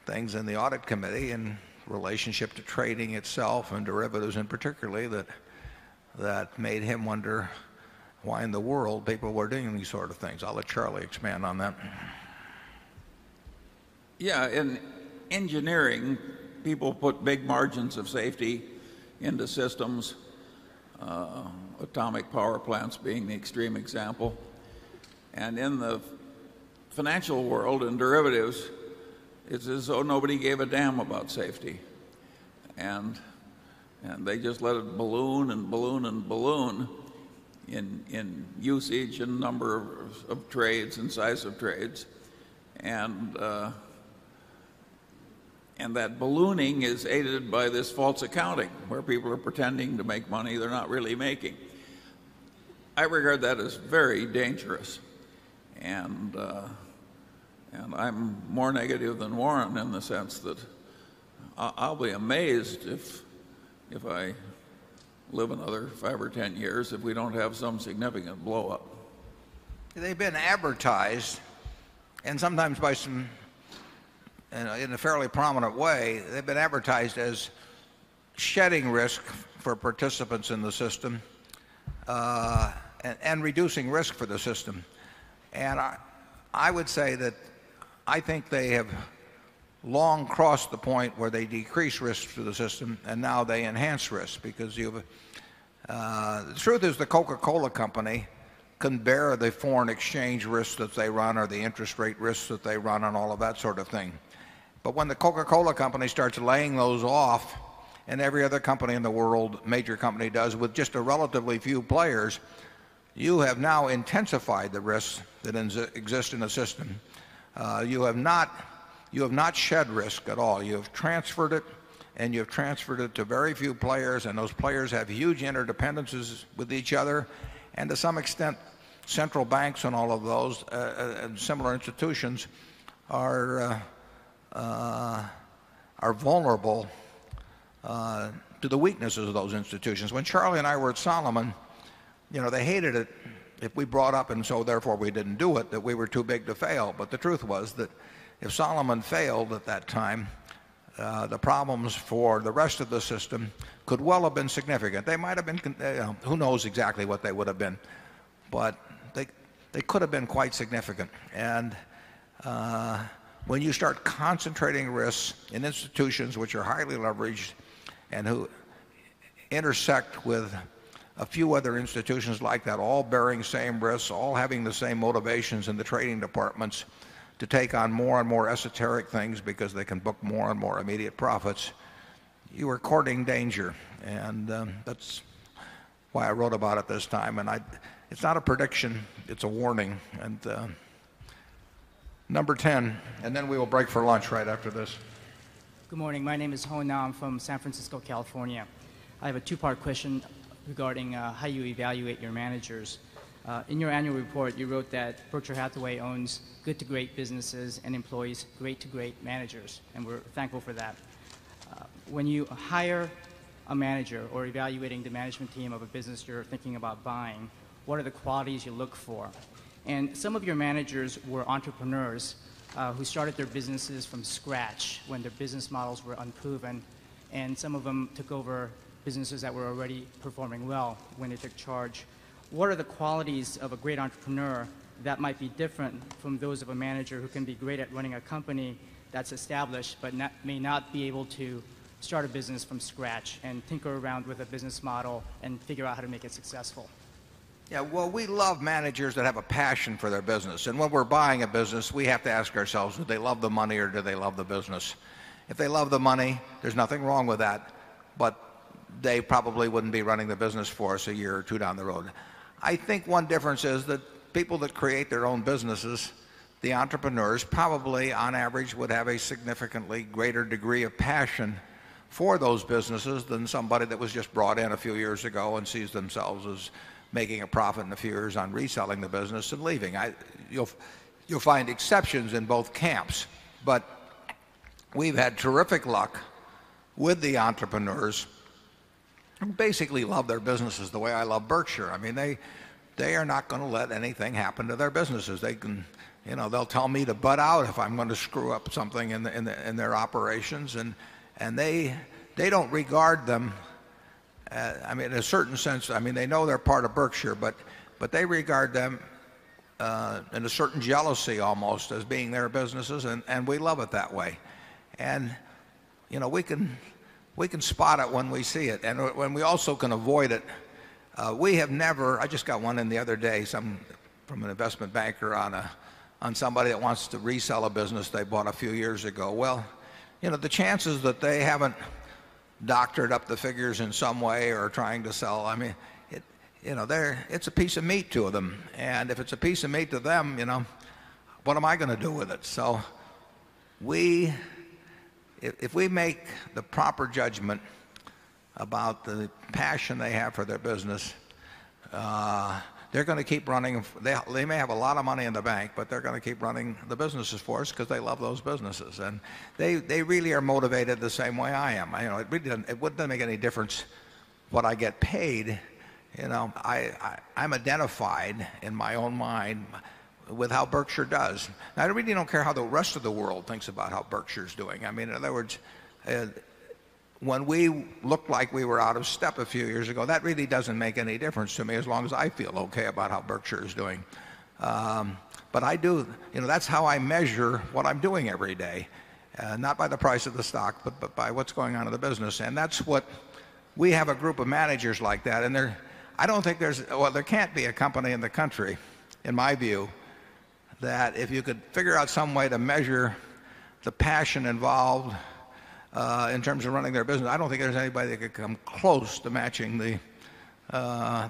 S1: things in the audit committee in relationship to trading itself and derivatives in particularly that that made him wonder why in the world people were doing these sort of things. I'll let Charlie expand on that.
S6: Yeah. In engineering, people put big margins of safety into systems, atomic power plants being the extreme example. And in the financial world and derivatives, it's as though nobody gave a damn about safety. And they just let it balloon and balloon and balloon in usage and number of trades and size of trades. And that ballooning is aided by this false accounting where people are pretending to make money they're not really making. I regard that as very dangerous and I'm more negative than Warren in the sense that I'll be amazed if I live another 5 or 10 years if we don't have some significant blow up.
S1: They've been advertised and sometimes by some in a fairly prominent way, they've been advertised as shedding risk for participants in the system and reducing risk for the system. And I would say that I think they have long crossed the point where they decrease risk to the system and now they enhance risk because you the truth is the Coca Cola company can bear the foreign exchange risks that they run or the interest rate risks that they run and all of that sort of thing. But when the Coca Cola company starts laying those off and every other company in the world, major company does with just a relatively few players, you have now intensified the risks that exist in the system. You have not shed risk at all. You have transferred it and you have transferred it to very few players and those players have huge interdependences with each other. And to some extent, central banks and all of those and similar institutions are are vulnerable to the weaknesses of those institutions. When Charlie and I were at Solomon, you know, they hated it if we brought up and so therefore we didn't do it, that we were too big to fail. But the truth was that if Solomon failed at that time, the problems for the rest of the system could well have been significant. They might have been who knows exactly what they would have been, but they could have been quite significant. And when you start concentrating risks in institutions which are highly leveraged and who intersect with a few other institutions like that, all bearing same risks, all having the same motivations and the trading departments to take on more and more esoteric things because they can book more and more immediate profits. You are courting danger. And, that's why I wrote about it this time. And I, it's not a prediction. It's a warning. And number 10 and then we will break for lunch right after this.
S23: Good morning. My name is Ho Nam from San Francisco, California. I have a 2 part question regarding how you evaluate your managers. In your annual report, you wrote that Berkshire Hathaway owns good to great businesses and employees great to great managers, and we're thankful for that. When you hire a manager or evaluating the management team of a business you're thinking about buying, what are the qualities you look for? And some of your managers were entrepreneurs, who started their businesses from scratch when their business models were unproven, and some of them took over businesses that were already performing well when they took charge. What are the qualities of a great entrepreneur that might be different from those of a manager who can be great at running a company that's established but may not be able to start a business from scratch and tinker around with a business model and figure out how to make it successful?
S1: Yeah. Well, we love managers that have a passion for their business. And when we're buying a business, we have to ask ourselves, do they love the money or do they love the business? If they love the money, there's nothing wrong with that. But they probably wouldn't be running the business for us a year or 2 down the road. I think one difference is that people that create their own businesses, the entrepreneurs probably on average would have a significantly greater degree of passion for those businesses than somebody that was just brought in a few years ago and sees themselves as making a profit in a few years on reselling the business and leaving. You'll find exceptions in both camps. But we've had terrific luck with the entrepreneurs and basically love their businesses the way I love Berkshire. I mean they they are not going to let anything happen to their businesses. They can you know they'll tell me to butt out if I'm going to screw up something in their operations and and they they don't regard them. I mean, in a certain sense, I mean, they know they're part of Berkshire, but they regard them in a certain jealousy almost as being their businesses and we love it that way. And we can spot it when we see it and when we also can avoid it. We have never I just got one in the other day, some from an investment banker on somebody that wants to resell a business they bought a few years ago. Well, you know, the chances that they haven't doctored up the figures in some way or trying to sell. I mean, you know, they're it's a piece of meat to them. And if it's a piece of meat to them, you know, what am I going to do with it? So we if we make the proper judgment about the passion they have for their business, they're going to keep running. They may have a lot of money in the bank, but they're going to keep running the businesses for us because they love those businesses. And they they really are motivated the same way I am. I know it wouldn't make any difference what I get paid. You know, I I I'm identified in my own mind with how Berkshire does. I really don't care how the rest of the world thinks about how Berkshire is doing. I mean, in other words, when we look like we were out of step a few years ago, that really doesn't make any difference to me as long as I feel okay about how Berkshire is doing. But I do, you know, that's how I measure what I'm doing every day. Not by the price of the stock, but by what's going on in the business. And that's what we have a group of managers like that. And there, I don't think there's, well, there can't be a company in the country, in my view, that if you could figure out some way to measure the passion involved in terms of running their business. I don't think there's anybody that could come close to matching the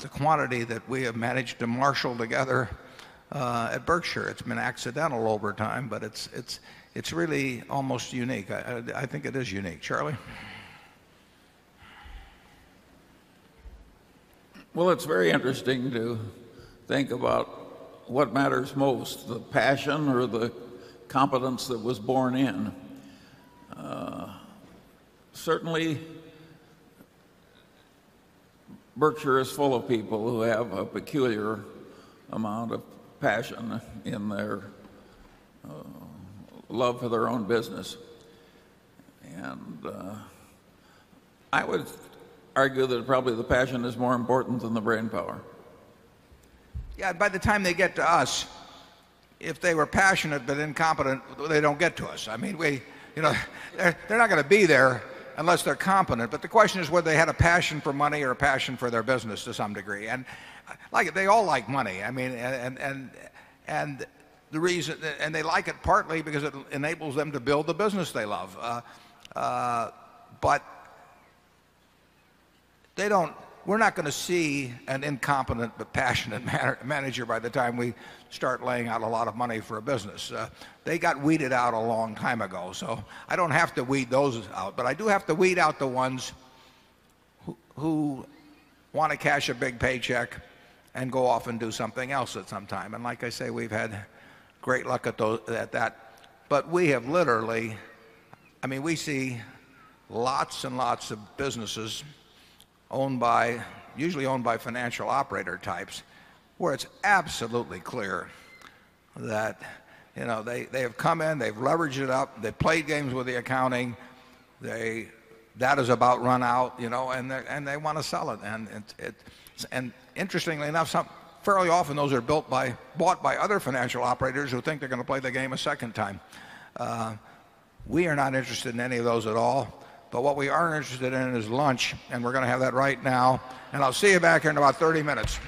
S1: quantity that we have managed to marshal together at Berkshire. It's been accidental over time, but it's really almost unique. I think it is unique. Charlie?
S6: Well, it's very interesting to think about what matters most, the passion or the competence that was born in. Certainly, Berkshire is full of people who have a peculiar amount of passion in their love for their own business. And I would argue that probably the passion is more important than the brainpower.
S1: Yeah. By the time they get to us, if they were passionate but incompetent, they don't get to us. I mean, we they're not going to be there unless they're competent. But the question is whether they had a passion for money or a passion for their business to some degree. And like they all like money. I mean, and and and the reason and they like it partly because it enables them to build the business they love. But they don't we're not going to see an incompetent, but passionate manager by the time we start laying out a lot of money for a business. They got weeded out a long time ago. So I don't have to weed those out. But I do have to weed out the ones who want to cash a big paycheck and go off and do something else at some time. And like I say, we've had great luck at that. But we have literally, I mean, we see lots and lots of businesses owned by usually owned by financial operator types where it's absolutely clear that they have come in, they've leveraged it up, they played games with the accounting, That is about run out you know and they want to sell it. And interestingly enough some fairly often those are built by bought by other financial operators who think they're going to play the game a second time. We are not interested in any of those at all. But what we are interested in is lunch and we're going to have that right now and I'll see you back in about 30 minutes.